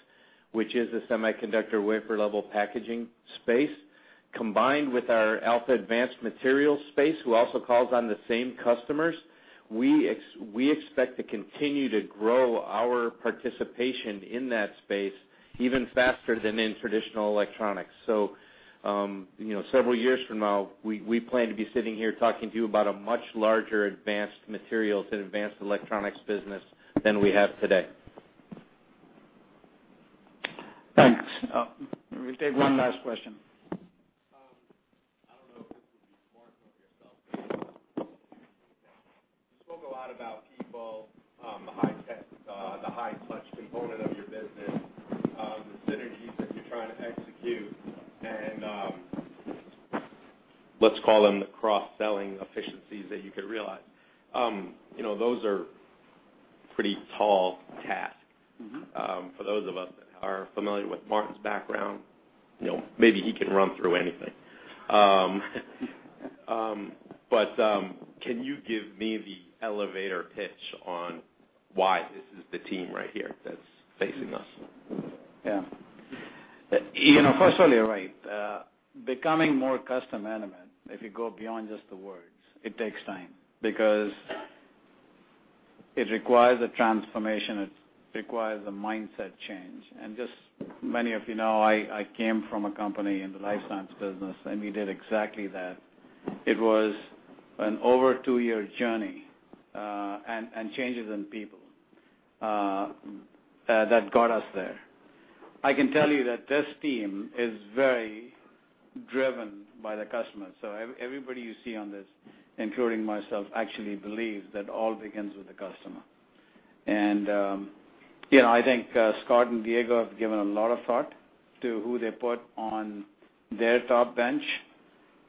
which is the semiconductor wafer-level packaging space. Combined with our Alpha Advanced Materials space, who also calls on the same customers, we expect to continue to grow our participation in that space even faster than in traditional electronics. Several years from now, we plan to be sitting here talking to you about a much larger advanced materials and advanced electronics business than we have today. Thanks. We'll take one last question. I don't know if this will be Martin or yourself. You spoke a lot about people, the high touch component of your business, the synergies that you're trying to execute, and let's call them the cross-selling efficiencies that you could realize. Those are pretty tall tasks. For those of us that are familiar with Martin's background, maybe he can run through anything. Can you give me the elevator pitch on why this is the team right here that's facing us? Yeah. First of all, you're right. Becoming more customer intimate, if you go beyond just the words, it takes time because it requires a transformation. It requires a mindset change. Many of you know, I came from a company in the life science business, and we did exactly that. It was an over two-year journey, and changes in people that got us there. I can tell you that this team is very driven by the customer. Everybody you see on this, including myself, actually believes that all begins with the customer. I think Scot and Diego have given a lot of thought to who they put on their top bench.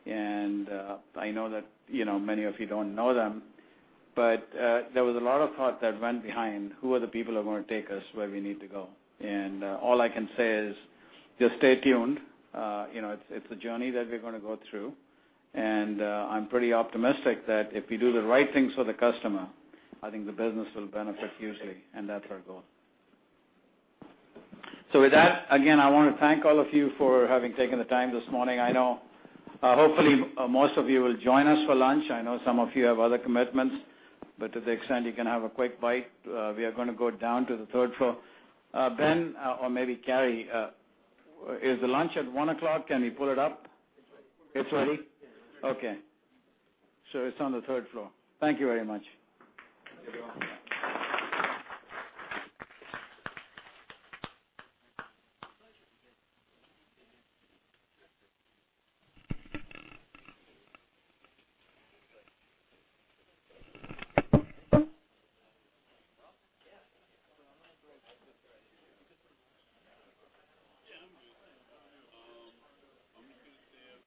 I know that many of you don't know them, but there was a lot of thought that went behind who are the people that are going to take us where we need to go. All I can say is just stay tuned. It's a journey that we're going to go through. I'm pretty optimistic that if we do the right things for the customer, I think the business will benefit hugely, and that's our goal. With that, again, I want to thank all of you for having taken the time this morning. Hopefully, most of you will join us for lunch. I know some of you have other commitments, but to the extent you can have a quick bite, we are going to go down to the third floor. Ben, or maybe Carey, is the lunch at 1:00 P.M.? Can we pull it up? It's ready. It's ready? Yeah. Okay. It's on the third floor. Thank you very much. Thank you.